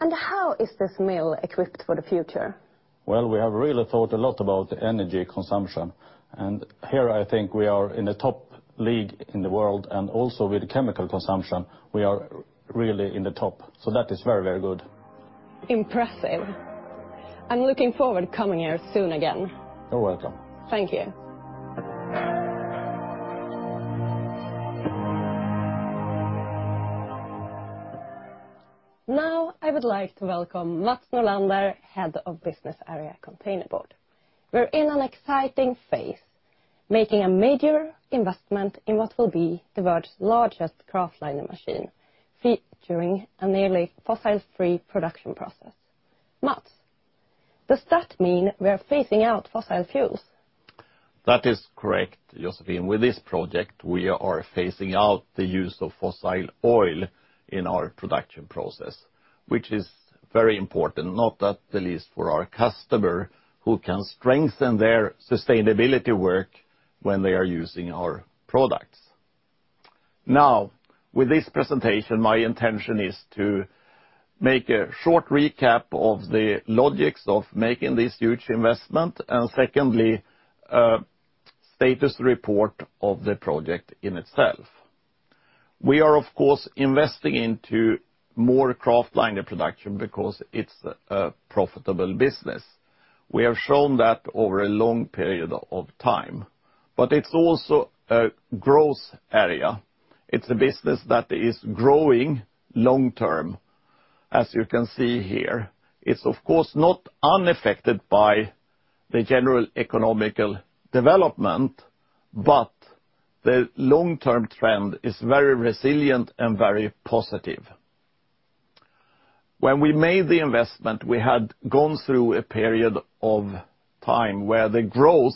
How is this mill equipped for the future? We have really thought a lot about the energy consumption, and here I think we are in the top league in the world, and also with chemical consumption, we are really in the top. That is very, very good. Impressive. I'm looking forward to coming here soon again. You're welcome. Thank you. Now, I would like to welcome Mats Nordlander, Head of Business Area Containerboard. We're in an exciting phase, making a major investment in what will be the world's largest kraftliner machine, featuring a nearly fossil-free production process. Mats, does that mean we're phasing out fossil fuels? That is correct, Josefine. With this project, we are phasing out the use of fossil oil in our production process, which is very important, not at the least for our customer, who can strengthen their sustainability work when they are using our products. Now, with this presentation, my intention is to make a short recap of the logics of making this huge investment, and secondly, status report of the project in itself. We are, of course, investing into more kraftliner production because it's a profitable business. We have shown that over a long period of time. It's also a growth area. It's a business that is growing long-term, as you can see here. It's of course, not unaffected by the general economical development, but the long-term trend is very resilient and very positive. When we made the investment, we had gone through a period of time where the growth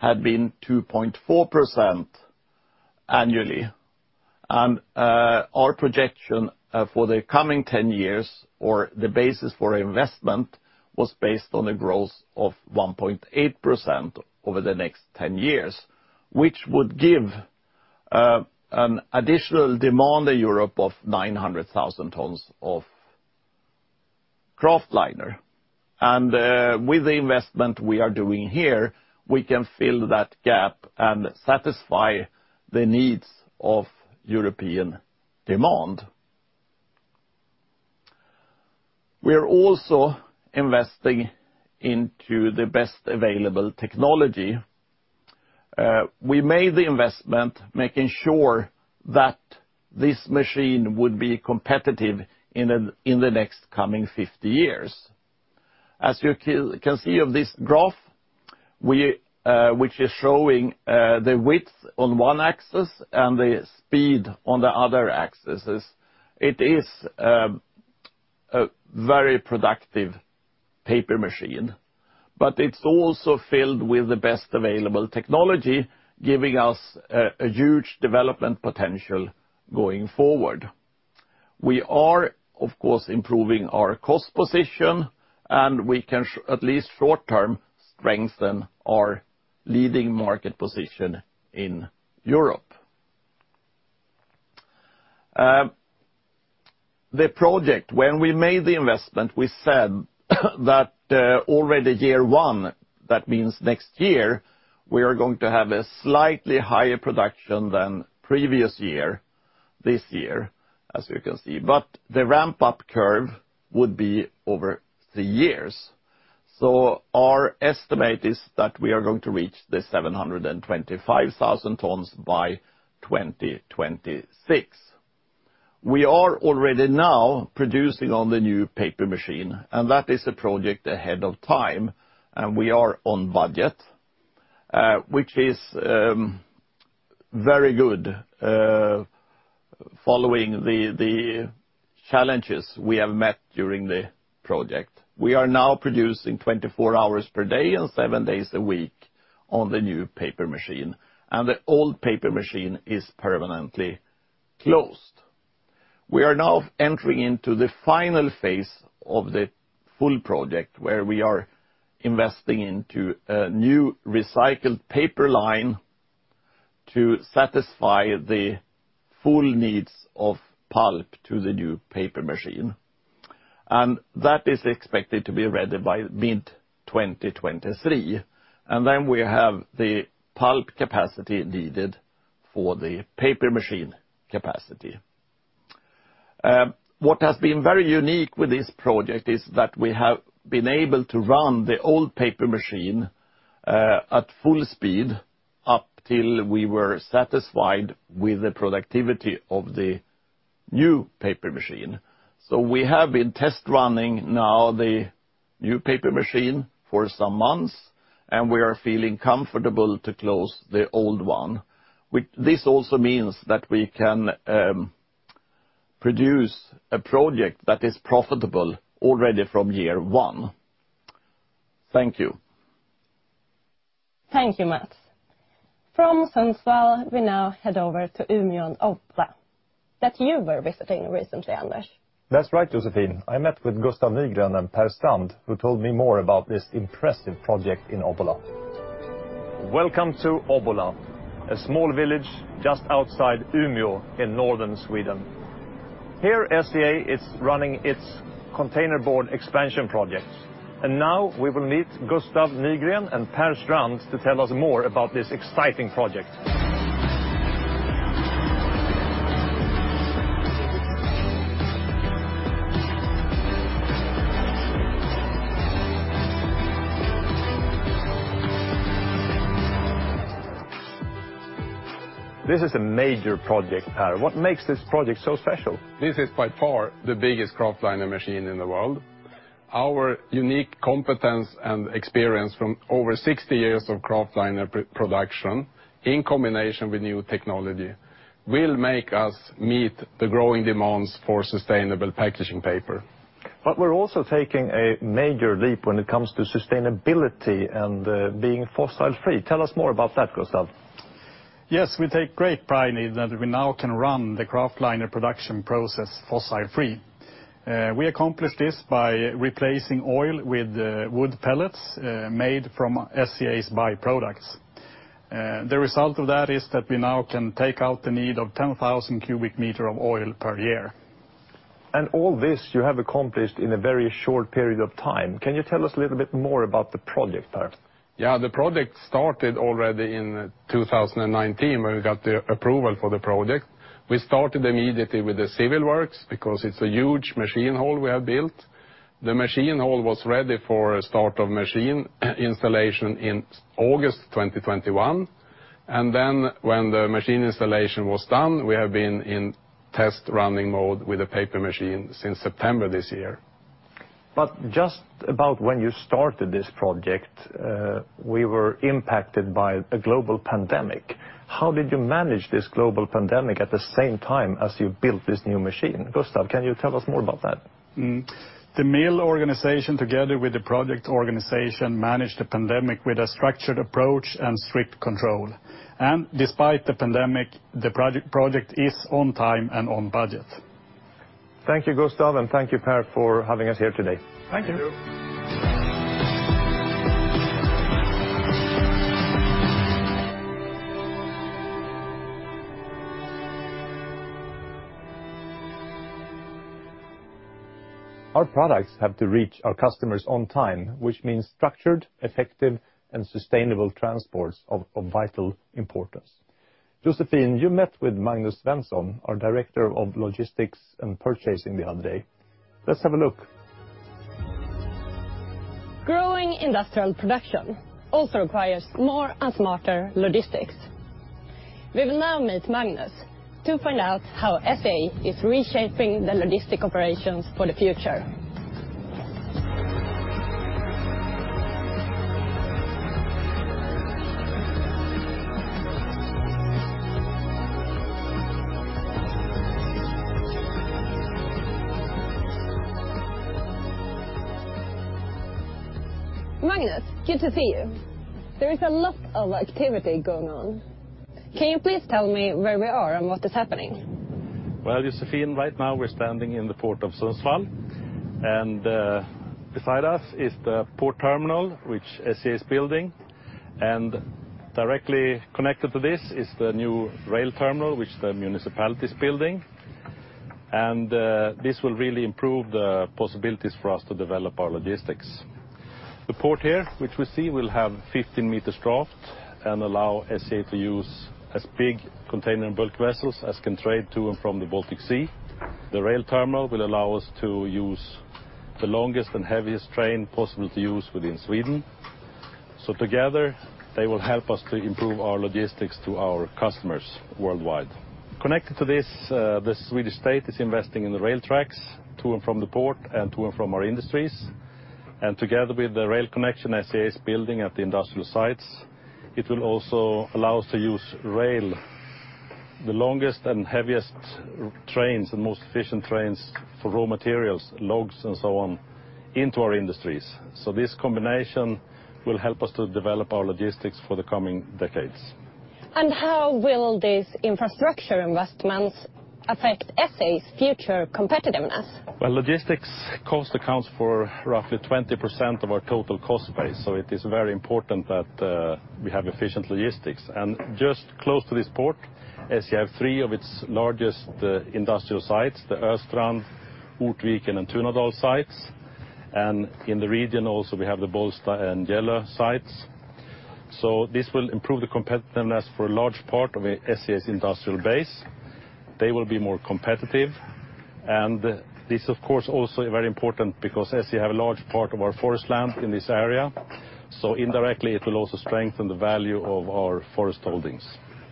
had been 2.4% annually, our projection for the coming 10 years or the basis for investment was based on a growth of 1.8% over the next 10 years, which would give an additional demand in Europe of 900,000 tons of kraftliner. With the investment we are doing here, we can fill that gap and satisfy the needs of European demand. We are also investing into the best available technology. We made the investment making sure that this machine would be competitive in the next coming 50 years. As you can see of this graph, we, which is showing, the width on one axis and the speed on the other axes, it is a very productive paper machine, but it's also filled with the best available technology, giving us a huge development potential going forward. We are, of course, improving our cost position, and we can at least short-term, strengthen our leading market position in Europe. The project, when we made the investment, we said that already year one, that means next year, we are going to have a slightly higher production than previous year, this year, as you can see. The ramp-up curve would be over the years. Our estimate is that we are going to reach the 725,000 tons by 2026. We are already now producing on the new paper machine. That is a project ahead of time, and we are on budget, which is very good, following the challenges we have met during the project. We are now producing 24 hours per day and seven days a week on the new paper machine, and the old paper machine is permanently closed. We are now entering into the final phase of the full project, where we are investing into a new recycled paper line to satisfy the full needs of pulp to the new paper machine. That is expected to be ready by mid 2023, and then we have the pulp capacity needed for the paper machine capacity. What has been very unique with this project is that we have been able to run the old paper machine at full speed up till we were satisfied with the productivity of the new paper machine. We have been test running now the new paper machine for some months, and we are feeling comfortable to close the old one. This also means that we can produce a project that is profitable already from year one. Thank you. Thank you, Mats. From Sundsvall, we now head over to Umeå and Obbola that you were visiting recently, Anders. That's right, Josefine. I met with Gustaf Nygren and Per Strand who told me more about this impressive project in Obbola. Welcome to Obbola, a small village just outside Umeå in northern Sweden. Here, SCA is running its containerboard expansion project, and now we will meet Gustaf Nygren and Per Strand to tell us more about this exciting project. This is a major project, Per. What makes this project so special? This is by far the biggest kraftliner machine in the world. Our unique competence and experience from over 60 years of kraftliner production in combination with new technology will make us meet the growing demands for sustainable packaging paper. We're also taking a major leap when it comes to sustainability and being fossil free. Tell us more about that, Gustav. Yes, we take great pride in that we now can run the kraftliner production process fossil-free. We accomplished this by replacing oil with wood pellets made from SCA's by-products. The result of that is that we now can take out the need of 10,000 cubic meter of oil per year. All this you have accomplished in a very short period of time. Can you tell us a little bit more about the project, Per? The project started already in 2019 when we got the approval for the project. We started immediately with the civil works because it's a huge machine hall we have built. The machine hall was ready for a start of machine installation in August 2021, and then when the machine installation was done, we have been in test running mode with the paper machine since September this year. Just about when you started this project, we were impacted by a global pandemic. How did you manage this global pandemic at the same time as you built this new machine? Gustav, can you tell us more about that? The mill organization together with the project organization managed the pandemic with a structured approach and strict control. Despite the pandemic, the project is on time and on budget. Thank you, Gustav, and thank you, Per, for having us here today. Thank you. Thank you. Our products have to reach our customers on time, which means structured, effective, and sustainable transport is of vital importance. Josefine, you met with Magnus Svensson, our Director of Logistics and Purchasing, the other day. Let's have a look. Growing industrial production also requires more and smarter logistics. We will now meet Magnus to find out how SCA is reshaping the logistic operations for the future. Magnus, good to see you. There is a lot of activity going on. Can you please tell me where we are and what is happening? Well, Josefine, right now we're standing in the port of Sundsvall, beside us is the port terminal, which SCA is building, and directly connected to this is the new rail terminal, which the municipality is building. This will really improve the possibilities for us to develop our logistics. The port here, which we see, will have 15 meters draft and allow SCA to use as big container and bulk vessels as can trade to and from the Baltic Sea. The rail terminal will allow us to use the longest and heaviest train possible to use within Sweden. Together, they will help us to improve our logistics to our customers worldwide. Connected to this, the Swedish state is investing in the rail tracks to and from the port and to and from our industries. Together with the rail connection SCA is building at the industrial sites, it will also allow us to use rail, the longest and heaviest trains and most efficient trains for raw materials, logs and so on, into our industries. This combination will help us to develop our logistics for the coming decades. How will these infrastructure investments affect SCA's future competitiveness? Logistics cost accounts for roughly 20% of our total cost base, so it is very important that we have efficient logistics. Just close to this port, SCA have three of its largest industrial sites, the Östrand, Ortviken, and Tunadal sites. In the region also, we have the Bollsta and Gällö sites. This will improve the competitiveness for a large part of SCA's industrial base. They will be more competitive. This, of course, also very important because SCA have a large part of our forest land in this area. Indirectly, it will also strengthen the value of our forest holdings.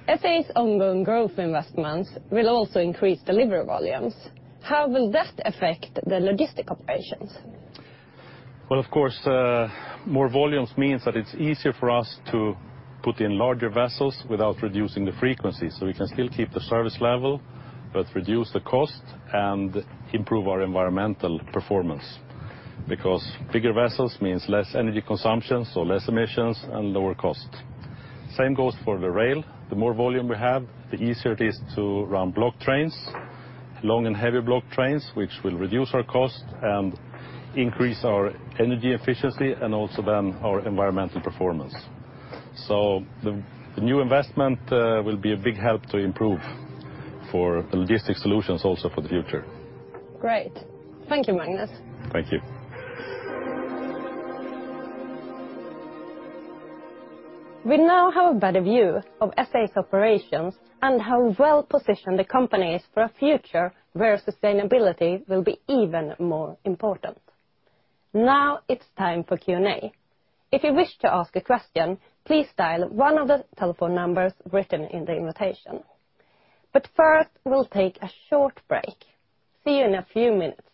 SCA's ongoing growth investments will also increase delivery volumes. How will that affect the logistic operations? Well, of course, more volumes means that it's easier for us to put in larger vessels without reducing the frequency. We can still keep the service level, but reduce the cost and improve our environmental performance. Bigger vessels means less energy consumption, so less emissions and lower cost. Same goes for the rail. The more volume we have, the easier it is to run block trains, long and heavy block trains, which will reduce our cost and increase our energy efficiency and also then our environmental performance. The new investment will be a big help to improve for the logistic solutions also for the future. Great. Thank you, Magnus. Thank you. We now have a better view of SCA's operations and how well-positioned the company is for a future where sustainability will be even more important. Now it's time for Q&A. If you wish to ask a question, please dial one of the telephone numbers written in the invitation. First, we'll take a short break. See you in a few minutes.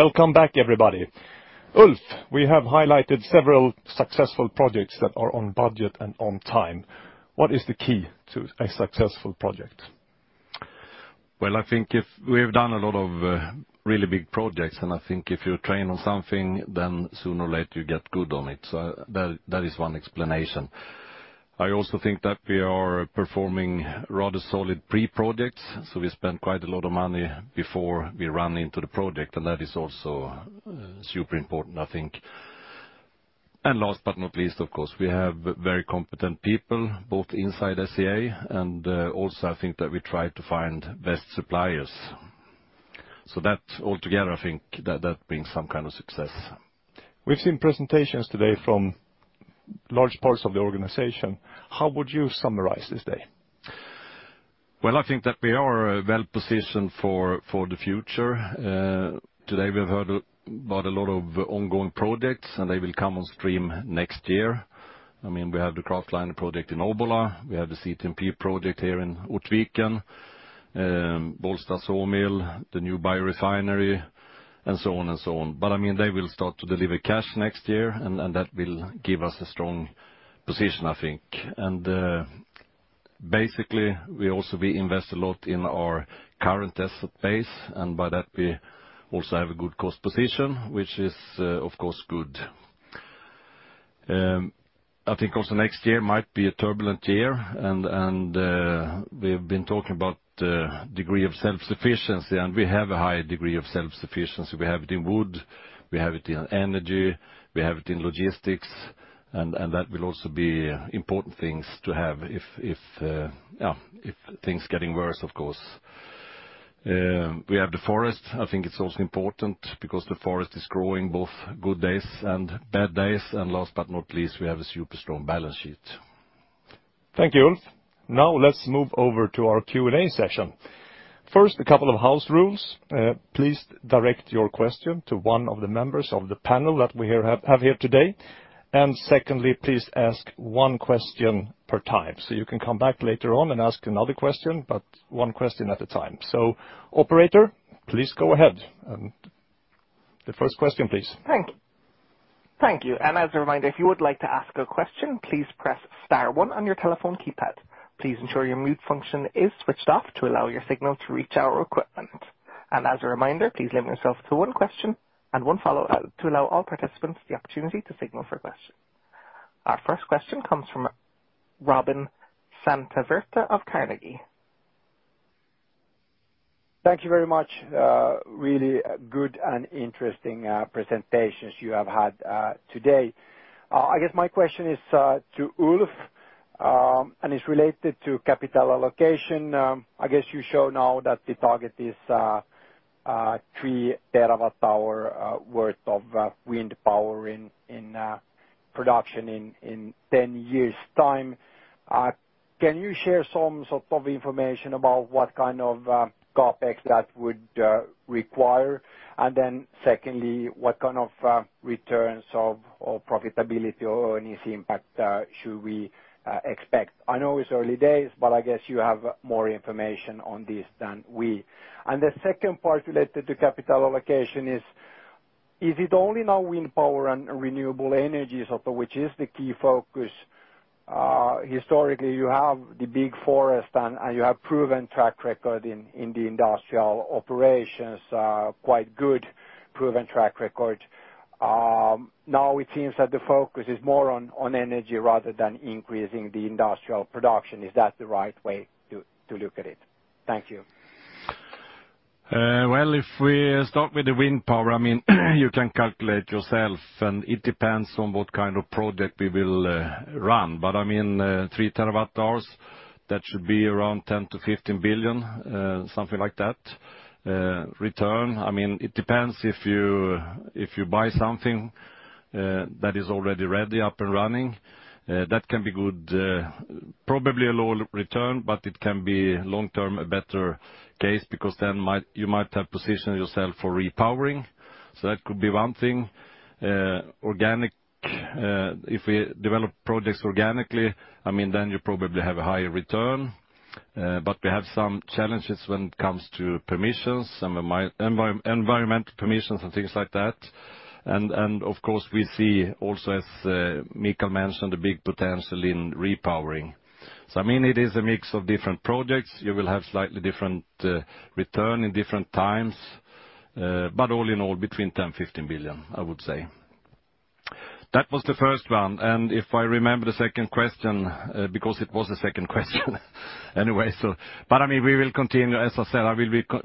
Welcome back, everybody. Ulf, we have highlighted several successful projects that are on budget and on time. What is the key to a successful project? I think we have done a lot of really big projects. I think if you train on something, sooner or later you get good on it. That is one explanation. I also think that we are performing rather solid pre-projects. We spend quite a lot of money before we run into the project, that is also super important, I think. Last but not least, of course, we have very competent people, both inside SCA, also I think that we try to find best suppliers. That altogether, I think that brings some kind of success. We've seen presentations today from large parts of the organization. How would you summarize this day? Well, I think that we are well-positioned for the future. Today we have heard about a lot of ongoing projects, and they will come on stream next year. I mean, we have the kraftliner project in Obbola. We have the CTMP project here in Ortviken, Bollsta Sawmill, the new biorefinery, and so on and so on. I mean, they will start to deliver cash next year and that will give us a strong position, I think. Basically, we also invest a lot in our current asset base, and by that we also have a good cost position, which is, of course, good. I think also next year might be a turbulent year and we have been talking about degree of self-sufficiency, and we have a high degree of self-sufficiency. We have it in wood, we have it in energy, we have it in logistics, and that will also be important things to have if things getting worse, of course. We have the forest. I think it's also important because the forest is growing both good days and bad days. Last but not least, we have a super strong balance sheet. Thank you, Ulf. Now let's move over to our Q&A session. First, a couple of house rules. Please direct your question to one of the members of the panel that we here have here today. Secondly, please ask one question per time so you can come back later on and ask another question, but one question at a time. Operator, please go ahead and the first question, please. Thank you. As a reminder, if you would like to ask a question, please press star one on your telephone keypad. Please ensure your mute function is switched off to allow your signal to reach our equipment. As a reminder, please limit yourself to one question and one follow-up to allow all participants the opportunity to signal for a question. Our first question comes from Robin Santavirta of Carnegie. Thank you very much. Really good and interesting presentations you have had today. I guess my question is to Ulf, and it's related to capital allocation. I guess you show now that the target is 3 TWh worth of wind power in production in 10 years time. Can you share some sort of information about what kind of CapEx that would require? Secondly, what kind of returns of, or profitability or earnings impact, should we expect? I know it's early days, but I guess you have more information on this than we. The second part related to capital allocation is it only now wind power and renewable energies of which is the key focus? Historically you have the big forest and you have proven track record in the industrial operations, quite good proven track record. Now it seems that the focus is more on energy rather than increasing the industrial production. Is that the right way to look at it? Thank you. If we start with the wind power, I mean, you can calculate yourself, and it depends on what kind of project we will run. I mean, 3 TWh, that should be around 10 billion-15 billion, something like that. Return, I mean, it depends if you, if you buy something that is already ready, up and running, that can be good, probably a low return, but it can be long-term a better case because you might have positioned yourself for repowering, so that could be one thing. Organic, if we develop projects organically, I mean, then you probably have a higher return. We have some challenges when it comes to permissions, some environmental permissions and things like that. Of course, we see also, as Mikael mentioned, the big potential in repowering. I mean, it is a mix of different projects. You will have slightly different return in different times, but all in all between 10 billion-15 billion, I would say. That was the first one. If I remember the second question, because it was a second question anyway. I mean, we will continue, as I said,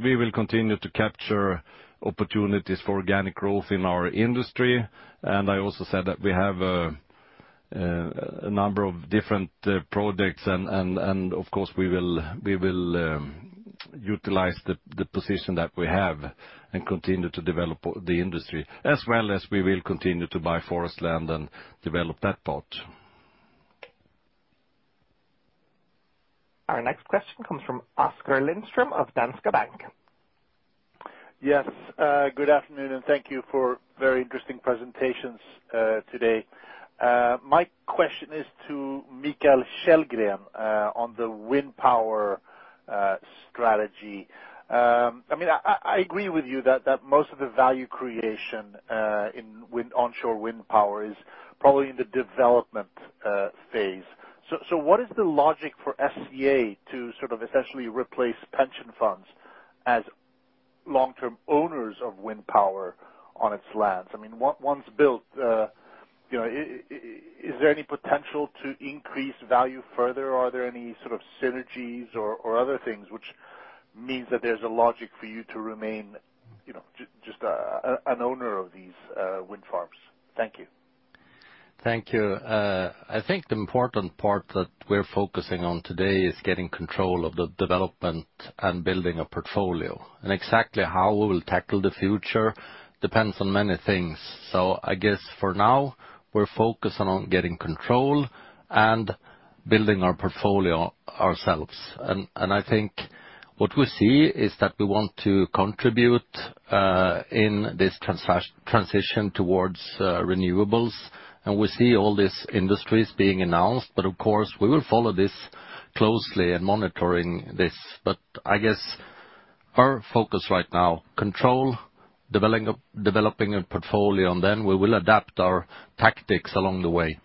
we will continue to capture opportunities for organic growth in our industry. I also said that we have a number of different projects and of course we will, we will utilize the position that we have and continue to develop the industry as well as we will continue to buy forest land and develop that part. Our next question comes from Oskar Lindström of Danske Bank. Good afternoon, thank you for very interesting presentations today. My question is to Mikael Källgren on the wind power strategy. I mean, I agree with you that most of the value creation in onshore wind power is probably in the development phase. What is the logic for SCA to sort of essentially replace pension funds as long-term owners of wind power on its lands? I mean, once built, you know, is there any potential to increase value further? Are there any sort of synergies or other things which means that there's a logic for you to remain, you know, just an owner of these wind farms? Thank you. Thank you. I think the important part that we're focusing on today is getting control of the development and building a portfolio. Exactly how we will tackle the future depends on many things. I guess for now, we're focusing on getting control and building our portfolio ourselves. I think what we see is that we want to contribute in this transition towards renewables, and we see all these industries being announced. Of course, we will follow this closely and monitoring this. I guess our focus right now, control, developing a portfolio, and then we will adapt our tactics along the way.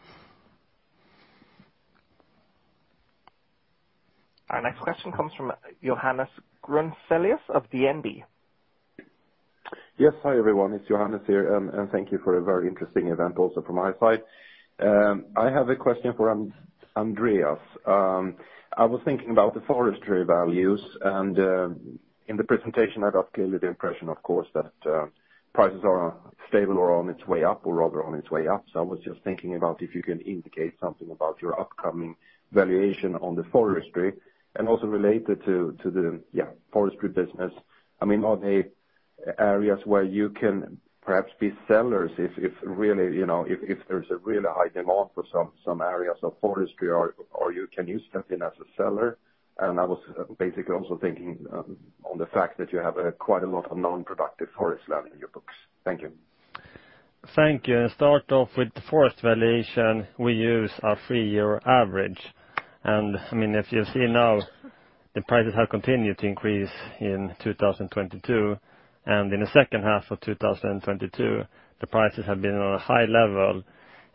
Our next question comes from Johannes Grunselius of DNB. Yes. Hi, everyone. It's Johannes here, thank you for a very interesting event also from my side. I have a question for Andreas. I was thinking about the forestry values, and in the presentation, I got clearly the impression, of course, that prices are stable or on its way up, or rather on its way up. I was just thinking about if you can indicate something about your upcoming valuation on the forestry. Also related to the, yeah, forestry business, I mean, on a. Areas where you can perhaps be sellers if really, you know, if there's a really high demand for some areas of forestry or you can use them in as a seller. I was basically also thinking on the fact that you have quite a lot of non-productive forest land in your books. Thank you. Thank you. Start off with forest valuation, we use a three-year average. I mean, if you see now the prices have continued to increase in 2022, and in the second half of 2022, the prices have been on a high level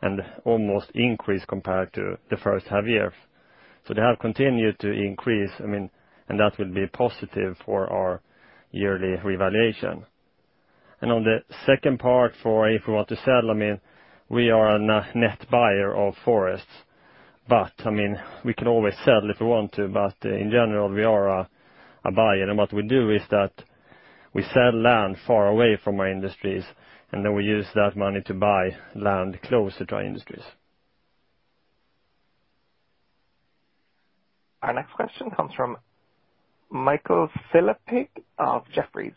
and almost increased compared to the first half-year. They have continued to increase. I mean, that will be positive for our yearly revaluation. On the second part for if we want to sell, I mean, we are a net buyer of forests, but I mean, we can always sell if we want to, but in general we are a buyer. What we do is that we sell land far away from our industries, and then we use that money to buy land closer to our industries. Our next question comes from Michail Filippidis of Jefferies.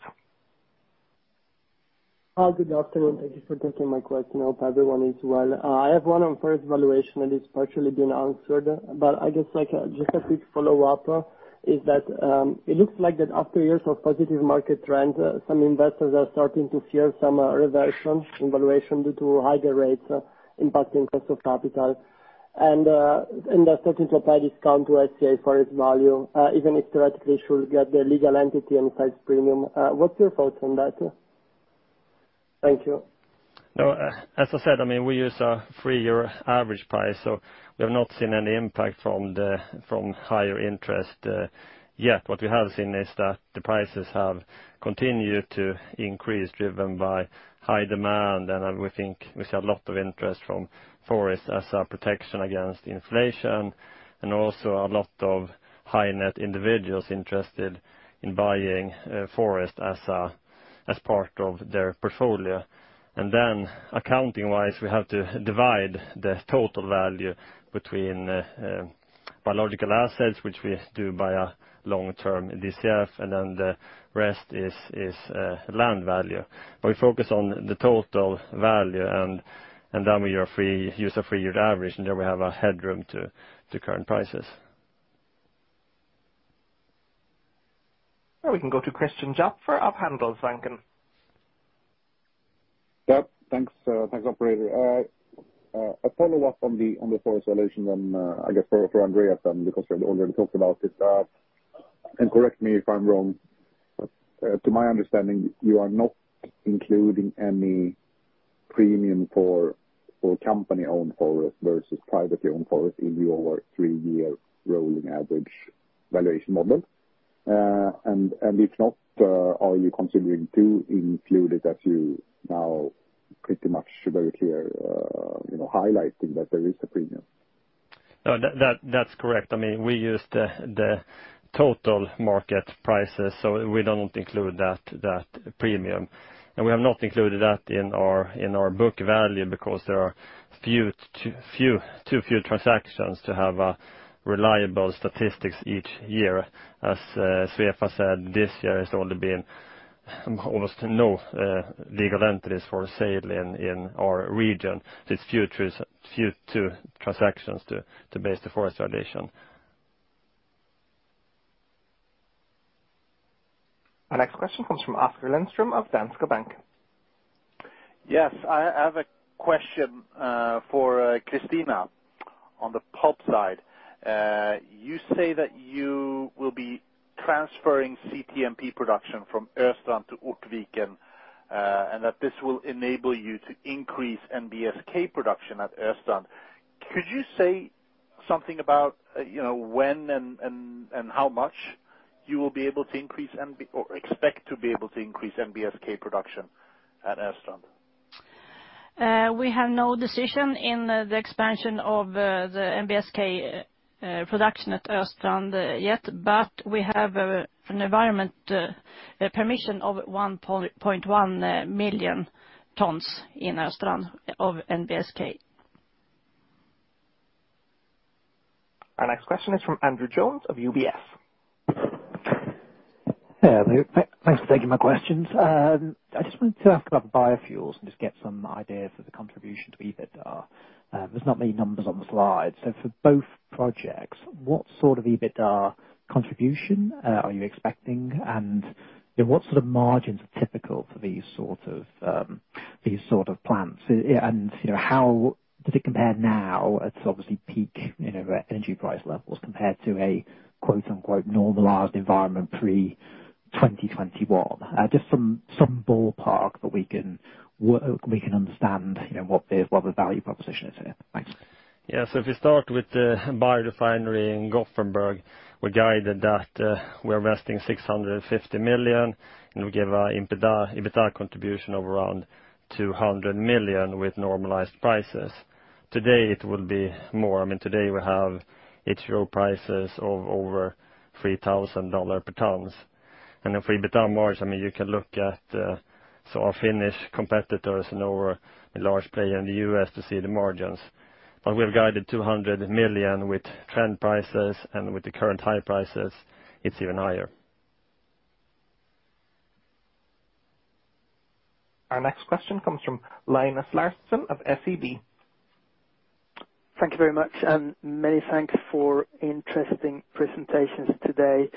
Good afternoon. Thank you for taking my question. Hope everyone is well. I have one on first valuation. It's partially been answered, but I guess just a quick follow-up is that it looks like that after years of positive market trends, some investors are starting to fear some reversion in valuation due to higher rates impacting cost of capital. They're starting to apply discount to SCA forest value even if theoretically should get the legal entity and size premium. What's your thoughts on that? Thank you. No, as I said, I mean, we use a three-year average price, we have not seen any impact from higher interest yet. What we have seen is that the prices have continued to increase driven by high demand. We think we see a lot of interest from forest as a protection against inflation, and also a lot of high net individuals interested in buying forest as part of their portfolio. Accounting-wise, we have to divide the total value between biological assets, which we do by a long-term DCF, and then the rest is land value. We focus on the total value and then we are free, use a three-year average, and then we have a headroom to current prices. We can go to Christian Kopfer of Handelsbanken. Yep. Thanks. Thanks, operator. A follow-up on the forest valuation then, I guess for Andreas then, because you already talked about it. Correct me if I'm wrong, but to my understanding, you are not including any premium for company-owned forest versus privately owned forest in your three-year rolling average valuation model. If not, are you considering to include it as you now pretty much very clear, you know, highlighting that there is a premium? No. That's correct. I mean, we use the total market prices, so we don't include that premium. We have not included that in our book value because there are too few transactions to have reliable statistics each year. As Svefa said, this year has only been almost no legal entries for sale in our region. It's few two transactions to base the forest valuation. Our next question comes from Oskar Lindström of Danske Bank. Yes. I have a question for Kristina on the pulp side. You say that you will be transferring CTMP production from Östrand to Ortviken, and that this will enable you to increase NBSK production at Östrand. Could you say something about, you know, when and how much you will be able to increase NBSK production at Östrand? We have no decision in the expansion of the NBSK production at Östrand yet. We have an environment permission of 1.1 million tons in Östrand of NBSK. Our next question is from Andrew Jones of UBS. Yeah. Thanks for taking my questions. I just wanted to ask about biofuels and just get some idea for the contribution to EBITDA. There's not many numbers on the slide. For both projects, what sort of EBITDA contribution are you expecting? And, you know, what sort of margins are typical for these sort of plants? And, you know, how does it compare now? It's obviously peak, you know, energy price levels compared to a quote-unquote normalized environment pre 2021. Just some ballpark that we can understand, you know, what the, what the value proposition is here. Thanks. Yeah. If you start with the biorefinery in Gothenburg, we guided that we're investing 650 million, and we give a EBITDA contribution of around 200 million with normalized prices. Today it will be more. I mean, today we have HVO prices of over SEK 3,000 per tons. If we become large, I mean, you can look at our Finnish competitors know we're a large player in the US to see the margins. We have guided 200 million with trend prices, and with the current high prices, it's even higher. Our next question comes from Linus Larsson of SEB. Thank you very much, many thanks for interesting presentations today.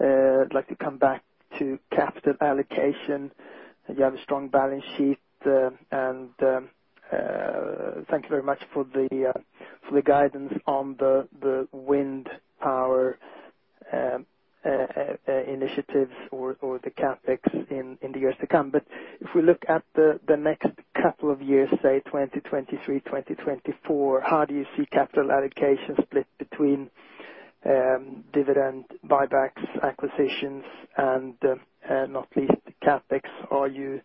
I'd like to come back to capital allocation. You have a strong balance sheet, thank you very much for the guidance on the wind power initiatives or the CapEx in the years to come. If we look at the next couple of years, say 2023, 2024, how do you see capital allocation split between dividend buybacks, acquisitions and not least CapEx? Are you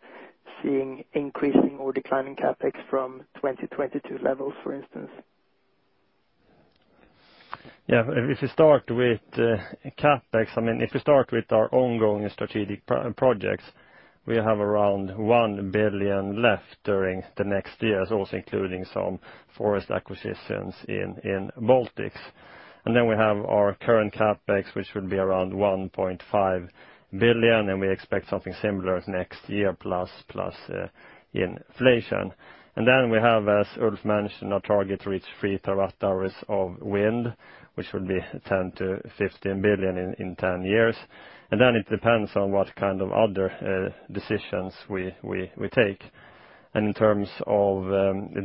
seeing increasing or declining CapEx from 2022 levels, for instance? If we start with CapEx, if you start with our ongoing strategic projects, we have around 1 billion left during the next years, also including some forest acquisitions in Baltics. Then we have our current CapEx, which will be around 1.5 billion, and we expect something similar next year, plus inflation. Then we have, as Ulf mentioned, our target to reach 3 TWh of wind, which will be 10 billion-15 billion in 10 years. Then it depends on what kind of other decisions we take. In terms of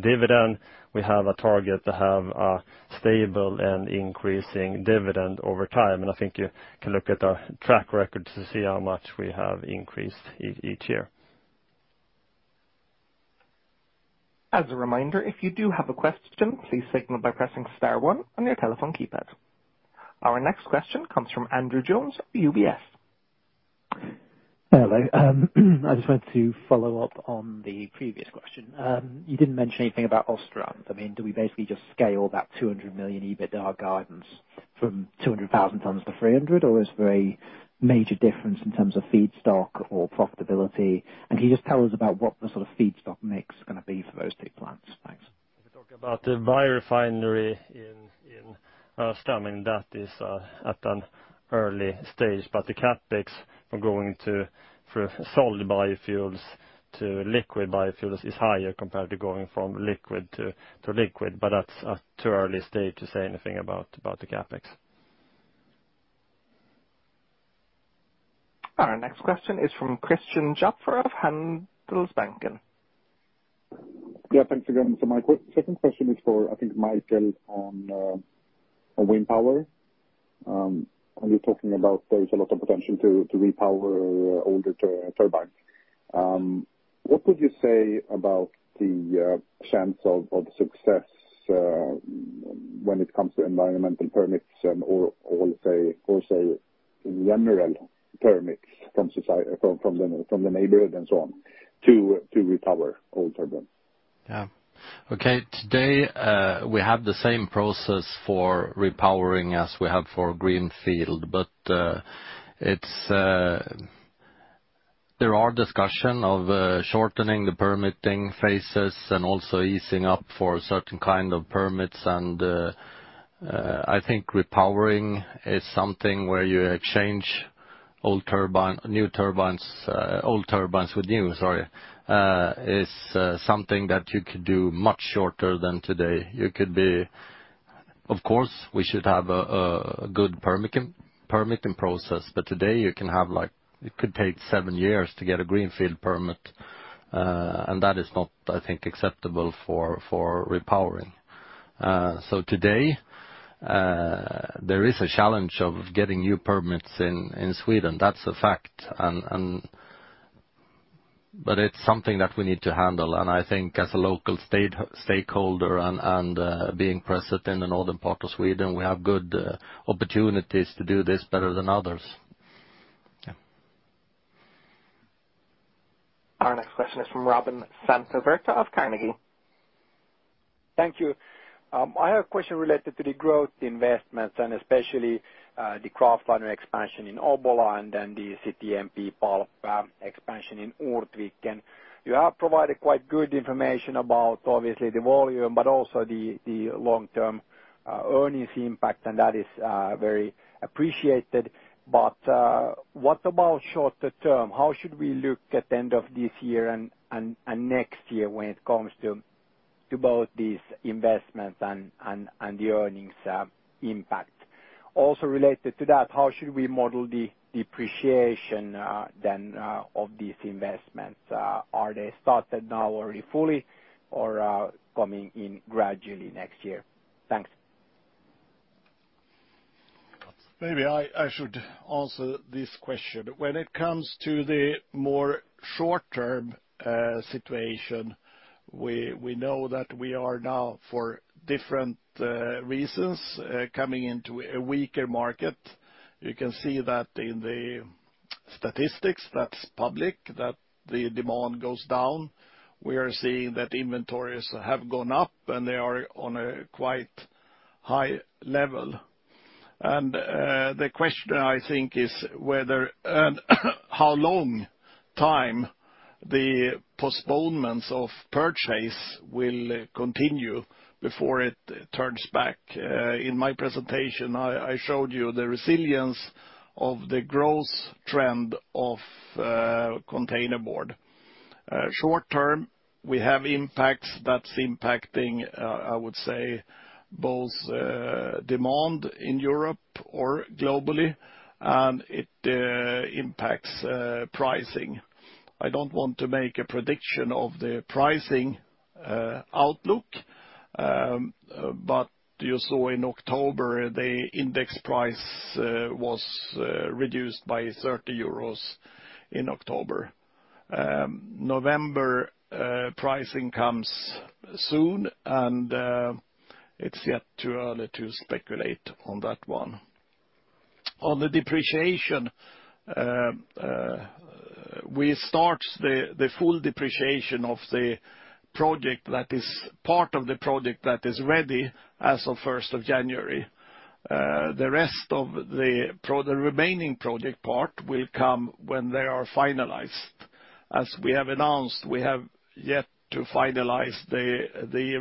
dividend, we have a target to have a stable and increasing dividend over time. I think you can look at our track record to see how much we have increased each year. As a reminder, if you do have a question, please signal by pressing star one on your telephone keypad. Our next question comes from Andrew Jones, UBS. Hello. I just wanted to follow up on the previous question. You didn't mention anything about Ortviken. I mean, do we basically just scale that 200 million EBITDA guidance from 200,000 tons-300,000 tons or is there a major difference in terms of feedstock or profitability? Can you just tell us about what the sort of feedstock mix is gonna be for those two plants? Thanks. If you talk about the biorefinery in Ortviken, I mean, that is at an early stage. The CapEx for going to for solid biofuels to liquid biofuels is higher compared to going from liquid to liquid. That's a too early stage to say anything about the CapEx. Our next question is from Christian Kopfer of Handelsbanken. Yeah. Thanks again. My second question is for, I think, Mikael on wind power. Are you talking about there is a lot of potential to repower older turbines? What would you say about the chance of success when it comes to environmental permits and or say general permits from the neighborhood and so on to repower old turbines? Okay. Today, we have the same process for repowering as we have for greenfield, but there are discussion of shortening the permitting phases and also easing up for certain kind of permits and I think repowering is something where you exchange old turbine, new turbines, old turbines with new, sorry, is something that you could do much shorter than today. Of course, we should have a good permitting process, but today you can have like, it could take seven years to get a greenfield permit, and that is not, I think, acceptable for repowering. Today, there is a challenge of getting new permits in Sweden. That's a fact. It's something that we need to handle, and I think as a local stakeholder and, being present in the northern part of Sweden, we have good opportunities to do this better than others. Yeah. Our next question is from Robin Santavirta of Carnegie. Thank you. I have a question related to the growth investments and especially, the kraftliner expansion in Obbola and then the CTMP pulp expansion in Ortviken. You have provided quite good information about obviously the volume, but also the long-term earnings impact, and that is very appreciated. What about shorter term? How should we look at the end of this year and next year when it comes to both these investments and the earnings impact? Related to that, how should we model the depreciation then of these investments? Are they started now already fully or coming in gradually next year? Thanks. Maybe I should answer this question. When it comes to the more short-term situation, we know that we are now for different reasons coming into a weaker market. You can see that in the statistics that's public, that the demand goes down. We are seeing that inventories have gone up, and they are on a quite high level. The question I think is whether and how long time the postponements of purchase will continue before it turns back. In my presentation, I showed you the resilience of the growth trend of containerboard. Short-term, we have impacts that's impacting, I would say, both, demand in Europe or globally, and it impacts pricing. I don't want to make a prediction of the pricing outlook. But you saw in October, the index price was reduced by 30 euros in October. November pricing comes soon, and it's yet too early to speculate on that one. On the depreciation, we start the full depreciation of the project that is part of the project that is ready as of 1st of January. The remaining project part will come when they are finalized. As we have announced, we have yet to finalize the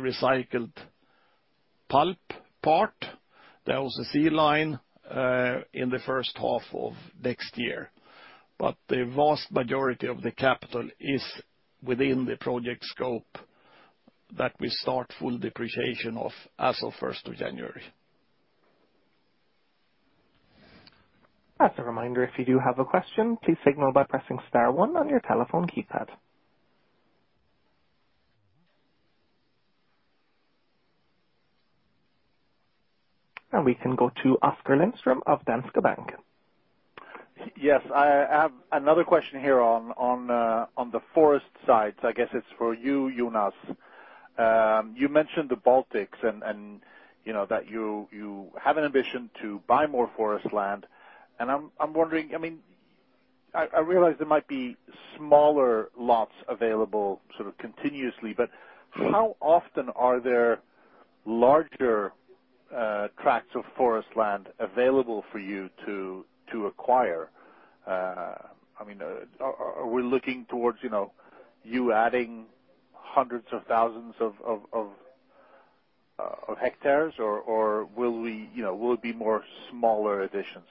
recycled pulp part. There was a C line in the first half of next year. The vast majority of the capital is within the project scope that we start full depreciation of as of first of January. As a reminder, if you do have a question, please signal by pressing star one on your telephone keypad. We can go to Oskar Lindström of Danske Bank. Yes. I have another question here on the forest side. I guess it's for you, Jonas. You mentioned the Baltics and you know, that you have an ambition to buy more forest land. I'm wondering, I mean, I realize there might be smaller lots available sort of continuously. How often are there larger tracks of forest land available for you to acquire? I mean, are we looking towards, you know, you adding hundreds of thousands of hectares, or will we, you know, will it be more smaller additions?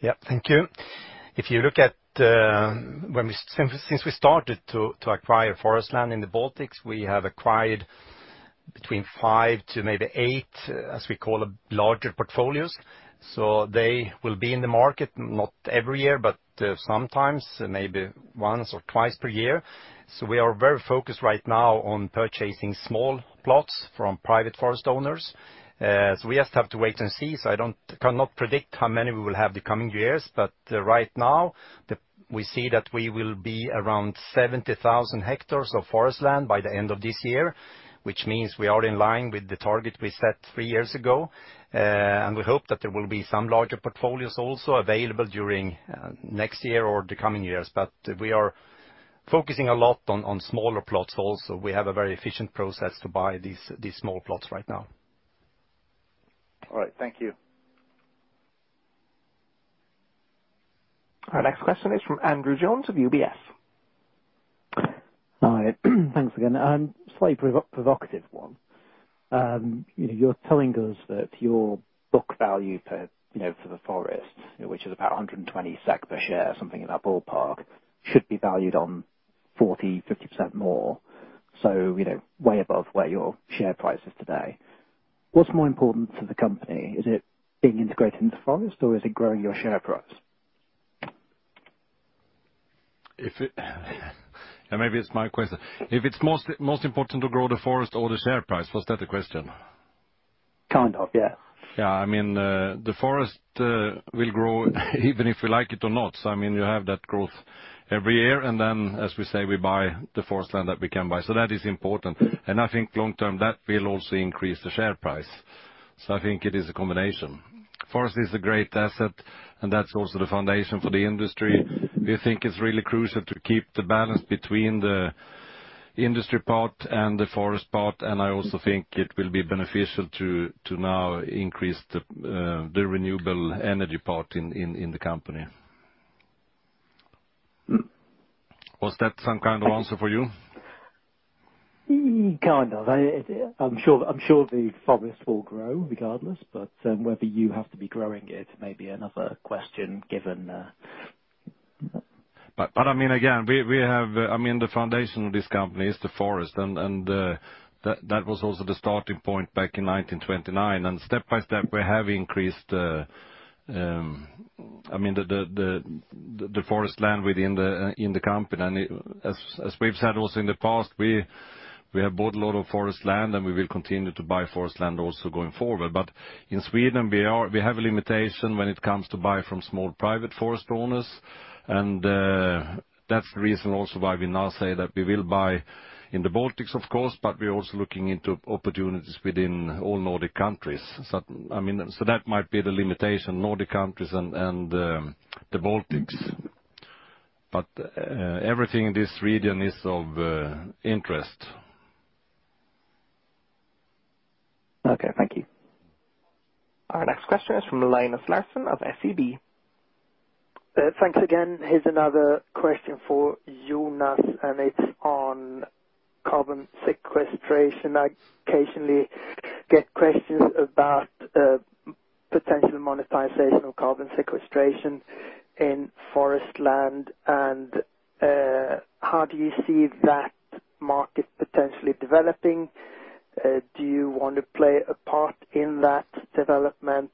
Yeah. Thank you. If you look at, Since we started to acquire forest land in the Baltics, we have acquired between five to maybe eight, as we call it, larger portfolios. They will be in the market, not every year, but sometimes, maybe once or twice per year. We are very focused right now on purchasing small plots from private forest owners. We just have to wait and see, so I cannot predict how many we will have the coming years. Right now, we see that we will be around 70,000 hectares of forest land by the end of this year, which means we are in line with the target we set three years ago. We hope that there will be some larger portfolios also available during next year or the coming years. We are focusing a lot on smaller plots also. We have a very efficient process to buy these small plots right now. All right. Thank you. Our next question is from Andrew Jones of UBS. Hi. Thanks again. slightly provocative one. you know, you're telling us that your book value per, you know, for the forest, which is about 120 SEK per share, something in that ballpark, should be valued on 40%-50% more, so, you know, way above where your share price is today. What's more important to the company? Is it being integrated into forest or is it growing your share price? Maybe it's my question. If it's most important to grow the forest or the share price, was that the question? Kind of, yeah. Yeah. I mean, the forest will grow even if you like it or not. I mean, you have that growth every year. Then as we say, we buy the forest land that we can buy. That is important. I think long term, that will also increase the share price. I think it is a combination. Forest is a great asset, and that's also the foundation for the industry. We think it's really crucial to keep the balance between the industry part and the forest part, I also think it will be beneficial to now increase the renewable energy part in the company. Was that some kind of answer for you? Kind of. I'm sure the forest will grow regardless, but whether you have to be growing it may be another question given. I mean, again, we have, I mean, the foundation of this company is the forest, and that was also the starting point back in 1929. Step by step we have increased, I mean, the forest land in the company. As we've said also in the past, we have bought a lot of forest land and we will continue to buy forest land also going forward. In Sweden, we have a limitation when it comes to buying from small private forest owners. That's the reason also why we now say that we will buy in the Baltics, of course, but we're also looking into opportunities within all Nordic countries. I mean, so that might be the limitation, Nordic countries and, the Baltics. Everything in this region is of, interest. Okay, thank you. Our next question is from Linus Larsson of SEB. Thanks again. Here's another question for Jonas, and it's on carbon sequestration. I occasionally get questions about potential monetization of carbon sequestration in forest land and how do you see that market potentially developing? Do you want to play a part in that development?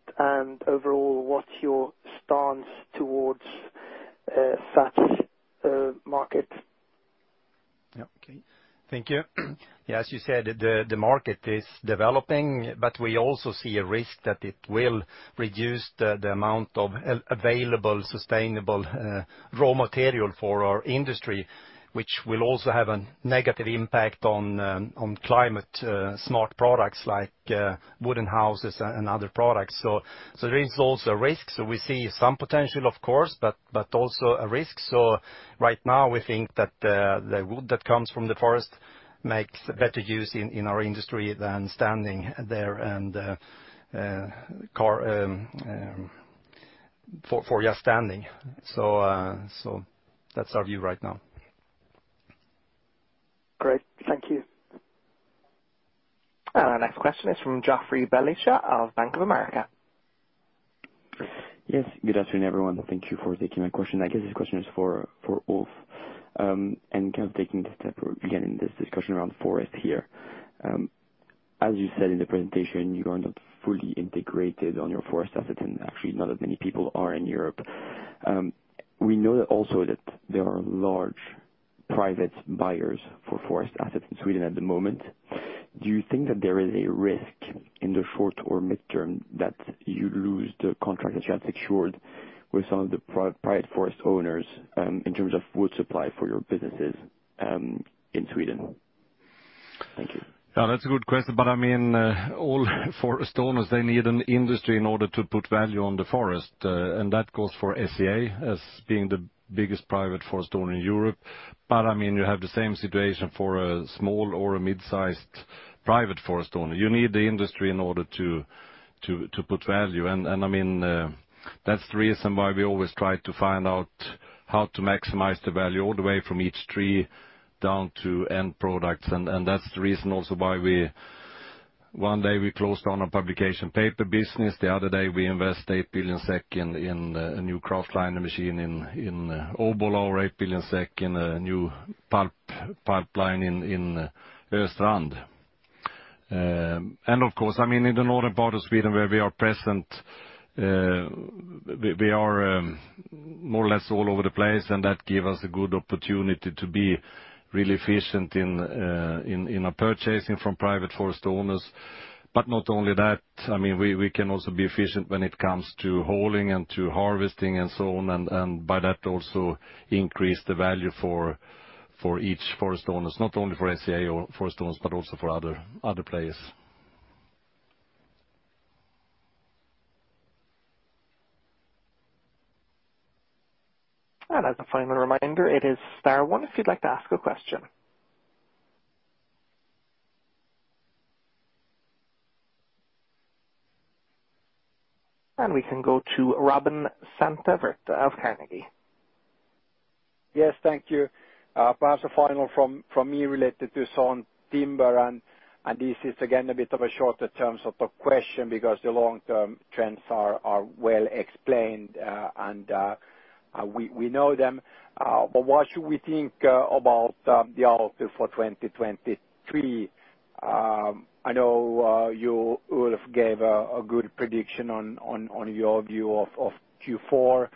Overall, what's your stance towards such market? Okay. Thank you. As you said, the market is developing, but we also see a risk that it will reduce the amount of available, sustainable raw material for our industry, which will also have a negative impact on climate smart products like wooden houses and other products. There is also a risk. We see some potential of course, but also a risk. Right now we think that the wood that comes from the forest makes better use in our industry than standing there and for just standing. That's our view right now. Great. Thank you. Our next question is from Joffrey Bellicha of Bank of America. Yes, good afternoon, everyone. Thank you for taking my question. I guess this question is for Ulf. Kind of taking the step we're beginning this discussion around forest here. As you said in the presentation, you are not fully integrated on your forest asset and actually not as many people are in Europe. We know that also that there are large private buyers for forest assets in Sweden at the moment. Do you think that there is a risk in the short or mid term that you lose the contract that you have secured with some of the private forest owners in terms of wood supply for your businesses in Sweden? Thank you. Yeah, that's a good question. I mean, all forest owners, they need an industry in order to put value on the forest. That goes for SCA as being the biggest private forest owner in Europe. I mean, you have the same situation for a small or a mid-sized private forest owner. You need the industry in order to put value. I mean, that's the reason why we always try to find out how to maximize the value all the way from each tree down to end products. That's the reason also. One day we closed down our publication paper business, the other day we invest 8 billion SEK in a new kraftliner machine in Obbola or SEK 8 billion in a new pulp line in Östrand. Of course, I mean, in the northern part of Sweden where we are present, we are more or less all over the place, and that give us a good opportunity to be really efficient in our purchasing from private forest owners. Not only that, I mean, we can also be efficient when it comes to hauling and to harvesting and so on, and by that also increase the value for each forest owners, not only for SCA or forest owners, but also for other players. As a final reminder, it is star one if you'd like to ask a question. We can go to Robin Santavirta of Carnegie. Yes, thank you. Perhaps a final from me related to sawn timber and this is again a bit of a shorter terms of the question because the long-term trends are well explained, and we know them. What should we think about the outlook for 2023? I know you, Ulf, gave a good prediction on your view of Q4.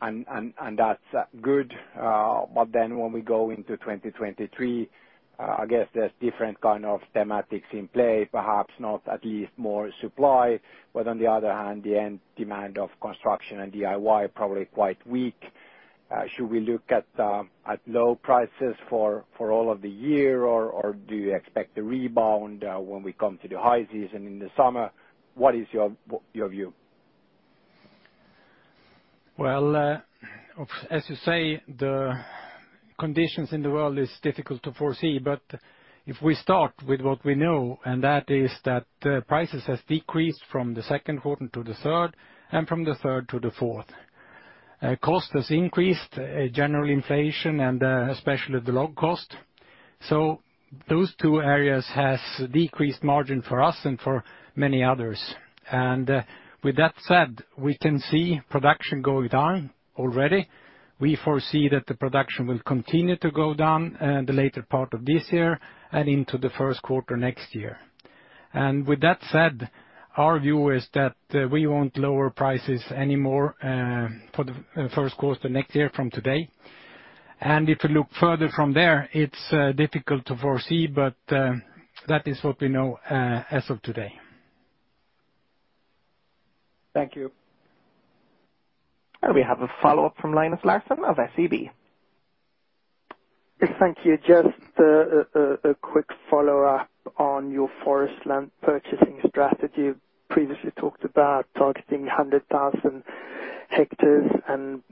That's good. When we go into 2023, I guess there's different kind of thematics in play, perhaps not at least more supply, but on the other hand, the end demand of construction and DIY probably quite weak. should we look at low prices for all of the year or do you expect a rebound, when we come to the high season in the summer? What is your view? Well, as you say, the conditions in the world is difficult to foresee. If we start with what we know, and that is that the prices has decreased from the second quarter to the third and from the third to the fourth. Cost has increased, general inflation and, especially the log cost. Those two areas has decreased margin for us and for many others. With that said, we can see production going down already. We foresee that the production will continue to go down, the later part of this year and into the first quarter next year. With that said, our view is that, we won't lower prices anymore, for the first quarter next year from today. If you look further from there, it's difficult to foresee, but that is what we know as of today. Thank you. We have a follow-up from Linus Larsson of SEB. Thank you. Just a quick follow-up on your forest land purchasing strategy. You previously talked about targeting 100,000 hectares, and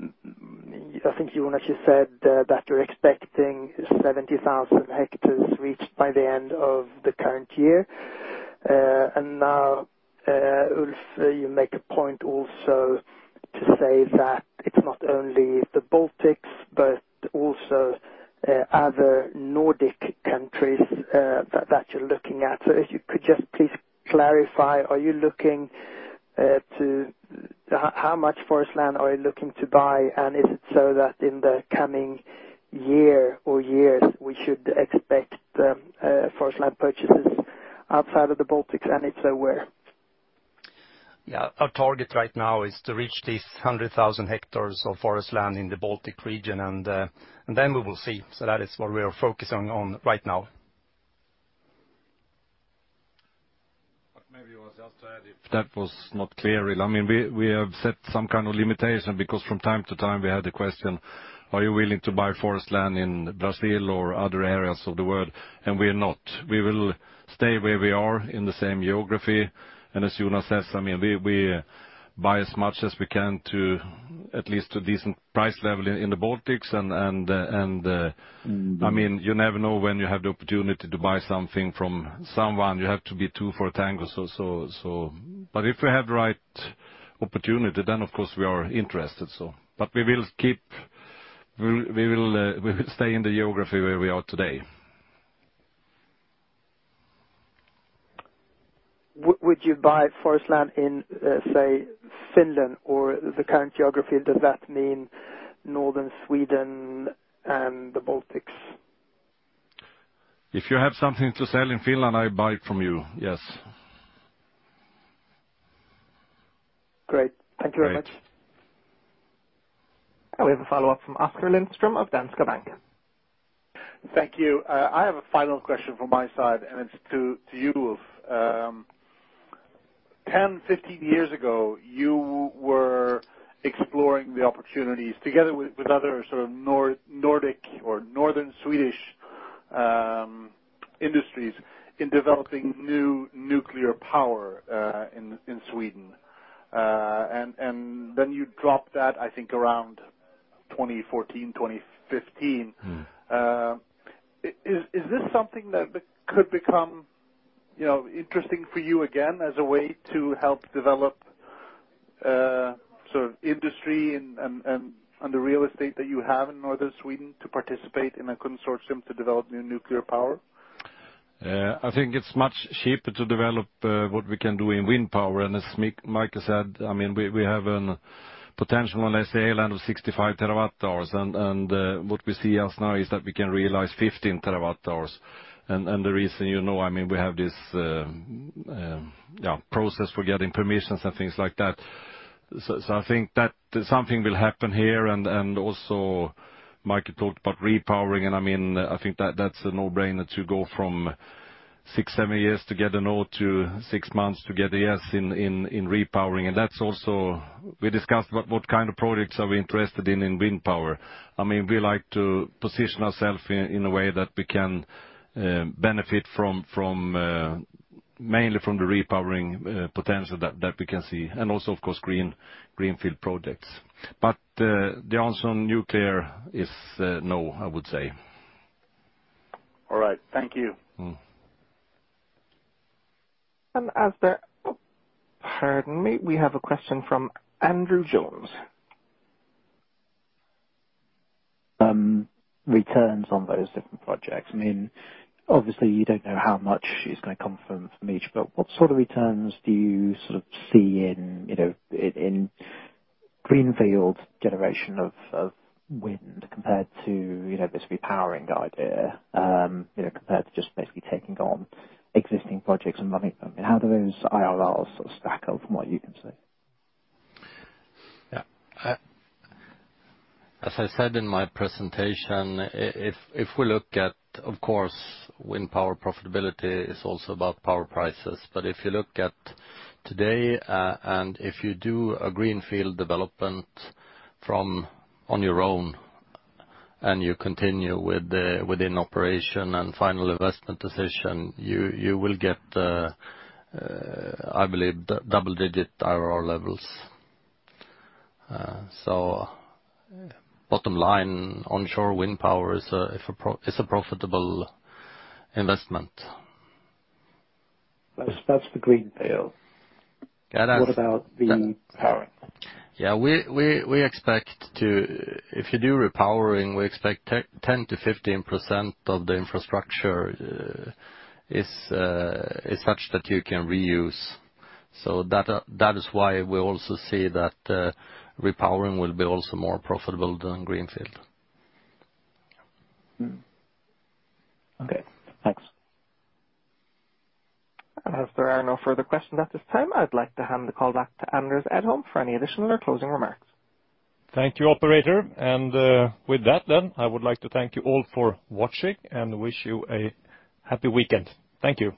I think Jonas just said that you're expecting 70,000 hectares reached by the end of the current year. Now, Ulf, you make a point also to say that it's not only the Baltics, but also other Nordic countries that you're looking at. If you could just please clarify, How much forest land are you looking to buy? And is it so that in the coming year or years we should expect forest land purchases outside of the Baltics, and if so, where? Our target right now is to reach this 100,000 hectares of forest land in the Baltic region and then we will see. That is what we are focusing on right now. Maybe I'll just add, if that was not clear, I mean, we have set some kind of limitation because from time to time we had the question, "Are you willing to buy forest land in Brazil or other areas of the world?" We're not. We will stay where we are in the same geography. As Jonas says, I mean, we buy as much as we can to at least a decent price level in the Baltics, and I mean, you never know when you have the opportunity to buy something from someone. You have to be two for a tango, so. If we have the right opportunity, then of course we are interested, so. We will stay in the geography where we are today. Would you buy forest land in, say, Finland or the current geography? Does that mean northern Sweden and the Baltics? If you have something to sell in Finland, I buy it from you. Yes. Great. Thank you very much. Great. We have a follow-up from Oskar Lindström of Danske Bank. Thank you. I have a final question from my side, and it's to you, Ulf. 10, 15 years ago, you were exploring the opportunities together with others sort of Nordic or northern Swedish industries in developing new nuclear power in Sweden. Then you dropped that, I think, around 2014, 2015. Mm-hmm. Is this something that could become, you know, interesting for you again as a way to help develop, sort of industry and the real estate that you have in northern Sweden to participate in a consortium to develop new nuclear power? I think it's much cheaper to develop what we can do in wind power. As Mikael Källgren said, I mean, we have a potential on land of 65 TWh and what we see as now is that we can realize 15 TWh. The reason, you know, I mean, we have this process for getting permissions and things like that. I think that something will happen here. Also Mikael talked about repowering, and I mean, I think that's a no-brainer to go from six, seven years to get a no to six months to get a yes in repowering. That's also. We discussed what kind of projects are we interested in wind power. I mean, we like to position ourselves in a way that we can benefit from mainly from the repowering potential that we can see. Also, of course, greenfield projects. The answer on nuclear is no, I would say. All right. Thank you. Mm-hmm. Pardon me. We have a question from Andrew Jones. Returns on those different projects. I mean, obviously you don't know how much is gonna come from each, but what sort of returns do you sort of see in, you know, in greenfield generation of wind compared to, you know, this repowering idea, you know, compared to just basically taking on existing projects and running them? How do those IRRs sort of stack up from what you can see? Yeah. As I said in my presentation, if we look at, of course, wind power profitability is also about power prices. If you look at today, and if you do a greenfield development on your own and you continue with an operation and final investment decision, you will get, I believe double digit IRR levels. Bottom line, onshore wind power is a profitable investment. That's the greenfield. Yeah, that's- What about the repowering? If you do repowering, we expect 10%-15% of the infrastructure is such that you can reuse. That is why we also see that repowering will be also more profitable than greenfield. Mm-hmm. Okay. Thanks. As there are no further questions at this time, I'd like to hand the call back to Anders Edholm for any additional or closing remarks. Thank you, operator. With that then, I would like to thank you all for watching and wish you a happy weekend. Thank you.